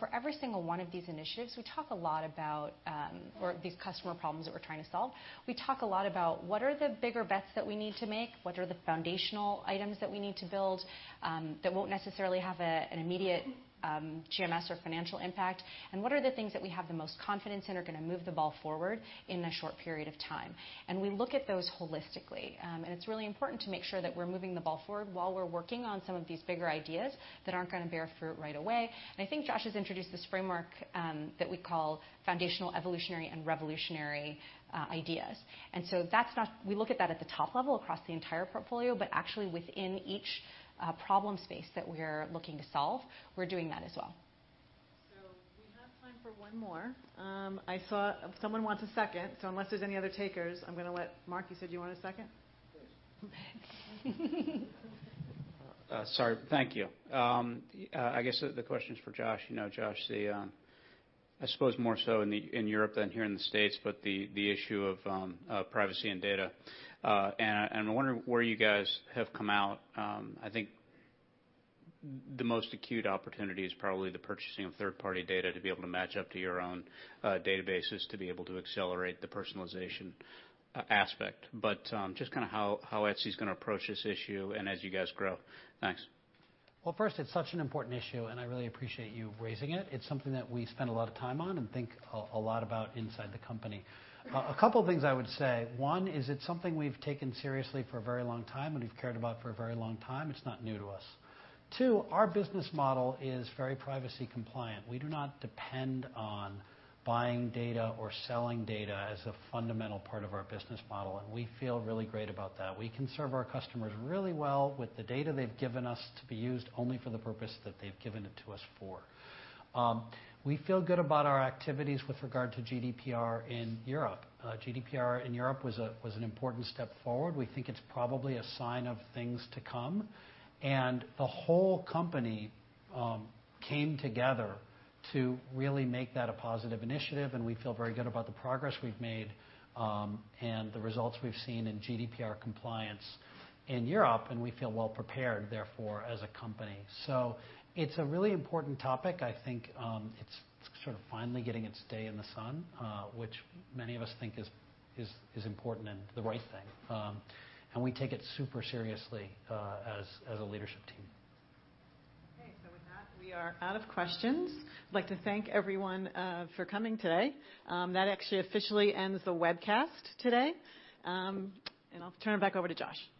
For every single one of these initiatives, or these customer problems that we're trying to solve. We talk a lot about what are the bigger bets that we need to make, what are the foundational items that we need to build, that won't necessarily have an immediate GMS or financial impact, and what are the things that we have the most confidence in are going to move the ball forward in a short period of time. We look at those holistically. It's really important to make sure that we're moving the ball forward while we're working on some of these bigger ideas that aren't going to bear fruit right away. I think Josh has introduced this framework that we call foundational, evolutionary, and revolutionary ideas. We look at that at the top level across the entire portfolio, but actually within each problem space that we're looking to solve, we're doing that as well. We have time for one more. I saw someone wants a second, unless there's any other takers, I'm going to let, Mark, you said you want a second? Yes. Sorry. Thank you. I guess the question is for Josh. Josh, I suppose more so in Europe than here in the U.S., the issue of privacy and data, and I'm wondering where you guys have come out. I think the most acute opportunity is probably the purchasing of third-party data to be able to match up to your own databases, to be able to accelerate the personalization aspect. Just how Etsy's going to approach this issue and as you guys grow. Thanks. First, it's such an important issue, and I really appreciate you raising it. It's something that we spend a lot of time on and think a lot about inside the company. A couple things I would say. One, is it's something we've taken seriously for a very long time and we've cared about for a very long time. It's not new to us. Two, our business model is very privacy compliant. We do not depend on buying data or selling data as a fundamental part of our business model, and we feel really great about that. We can serve our customers really well with the data they've given us to be used only for the purpose that they've given it to us for. We feel good about our activities with regard to GDPR in Europe. GDPR in Europe was an important step forward. We think it's probably a sign of things to come, the whole company came together to really make that a positive initiative, we feel very good about the progress we've made, the results we've seen in GDPR compliance in Europe, we feel well prepared, therefore, as a company. It's a really important topic. I think it's sort of finally getting its day in the sun, which many of us think is important and the right thing. We take it super seriously, as a leadership team. Okay. With that, we are out of questions. I'd like to thank everyone for coming today. That actually officially ends the webcast today. I'll turn it back over to Josh. Great.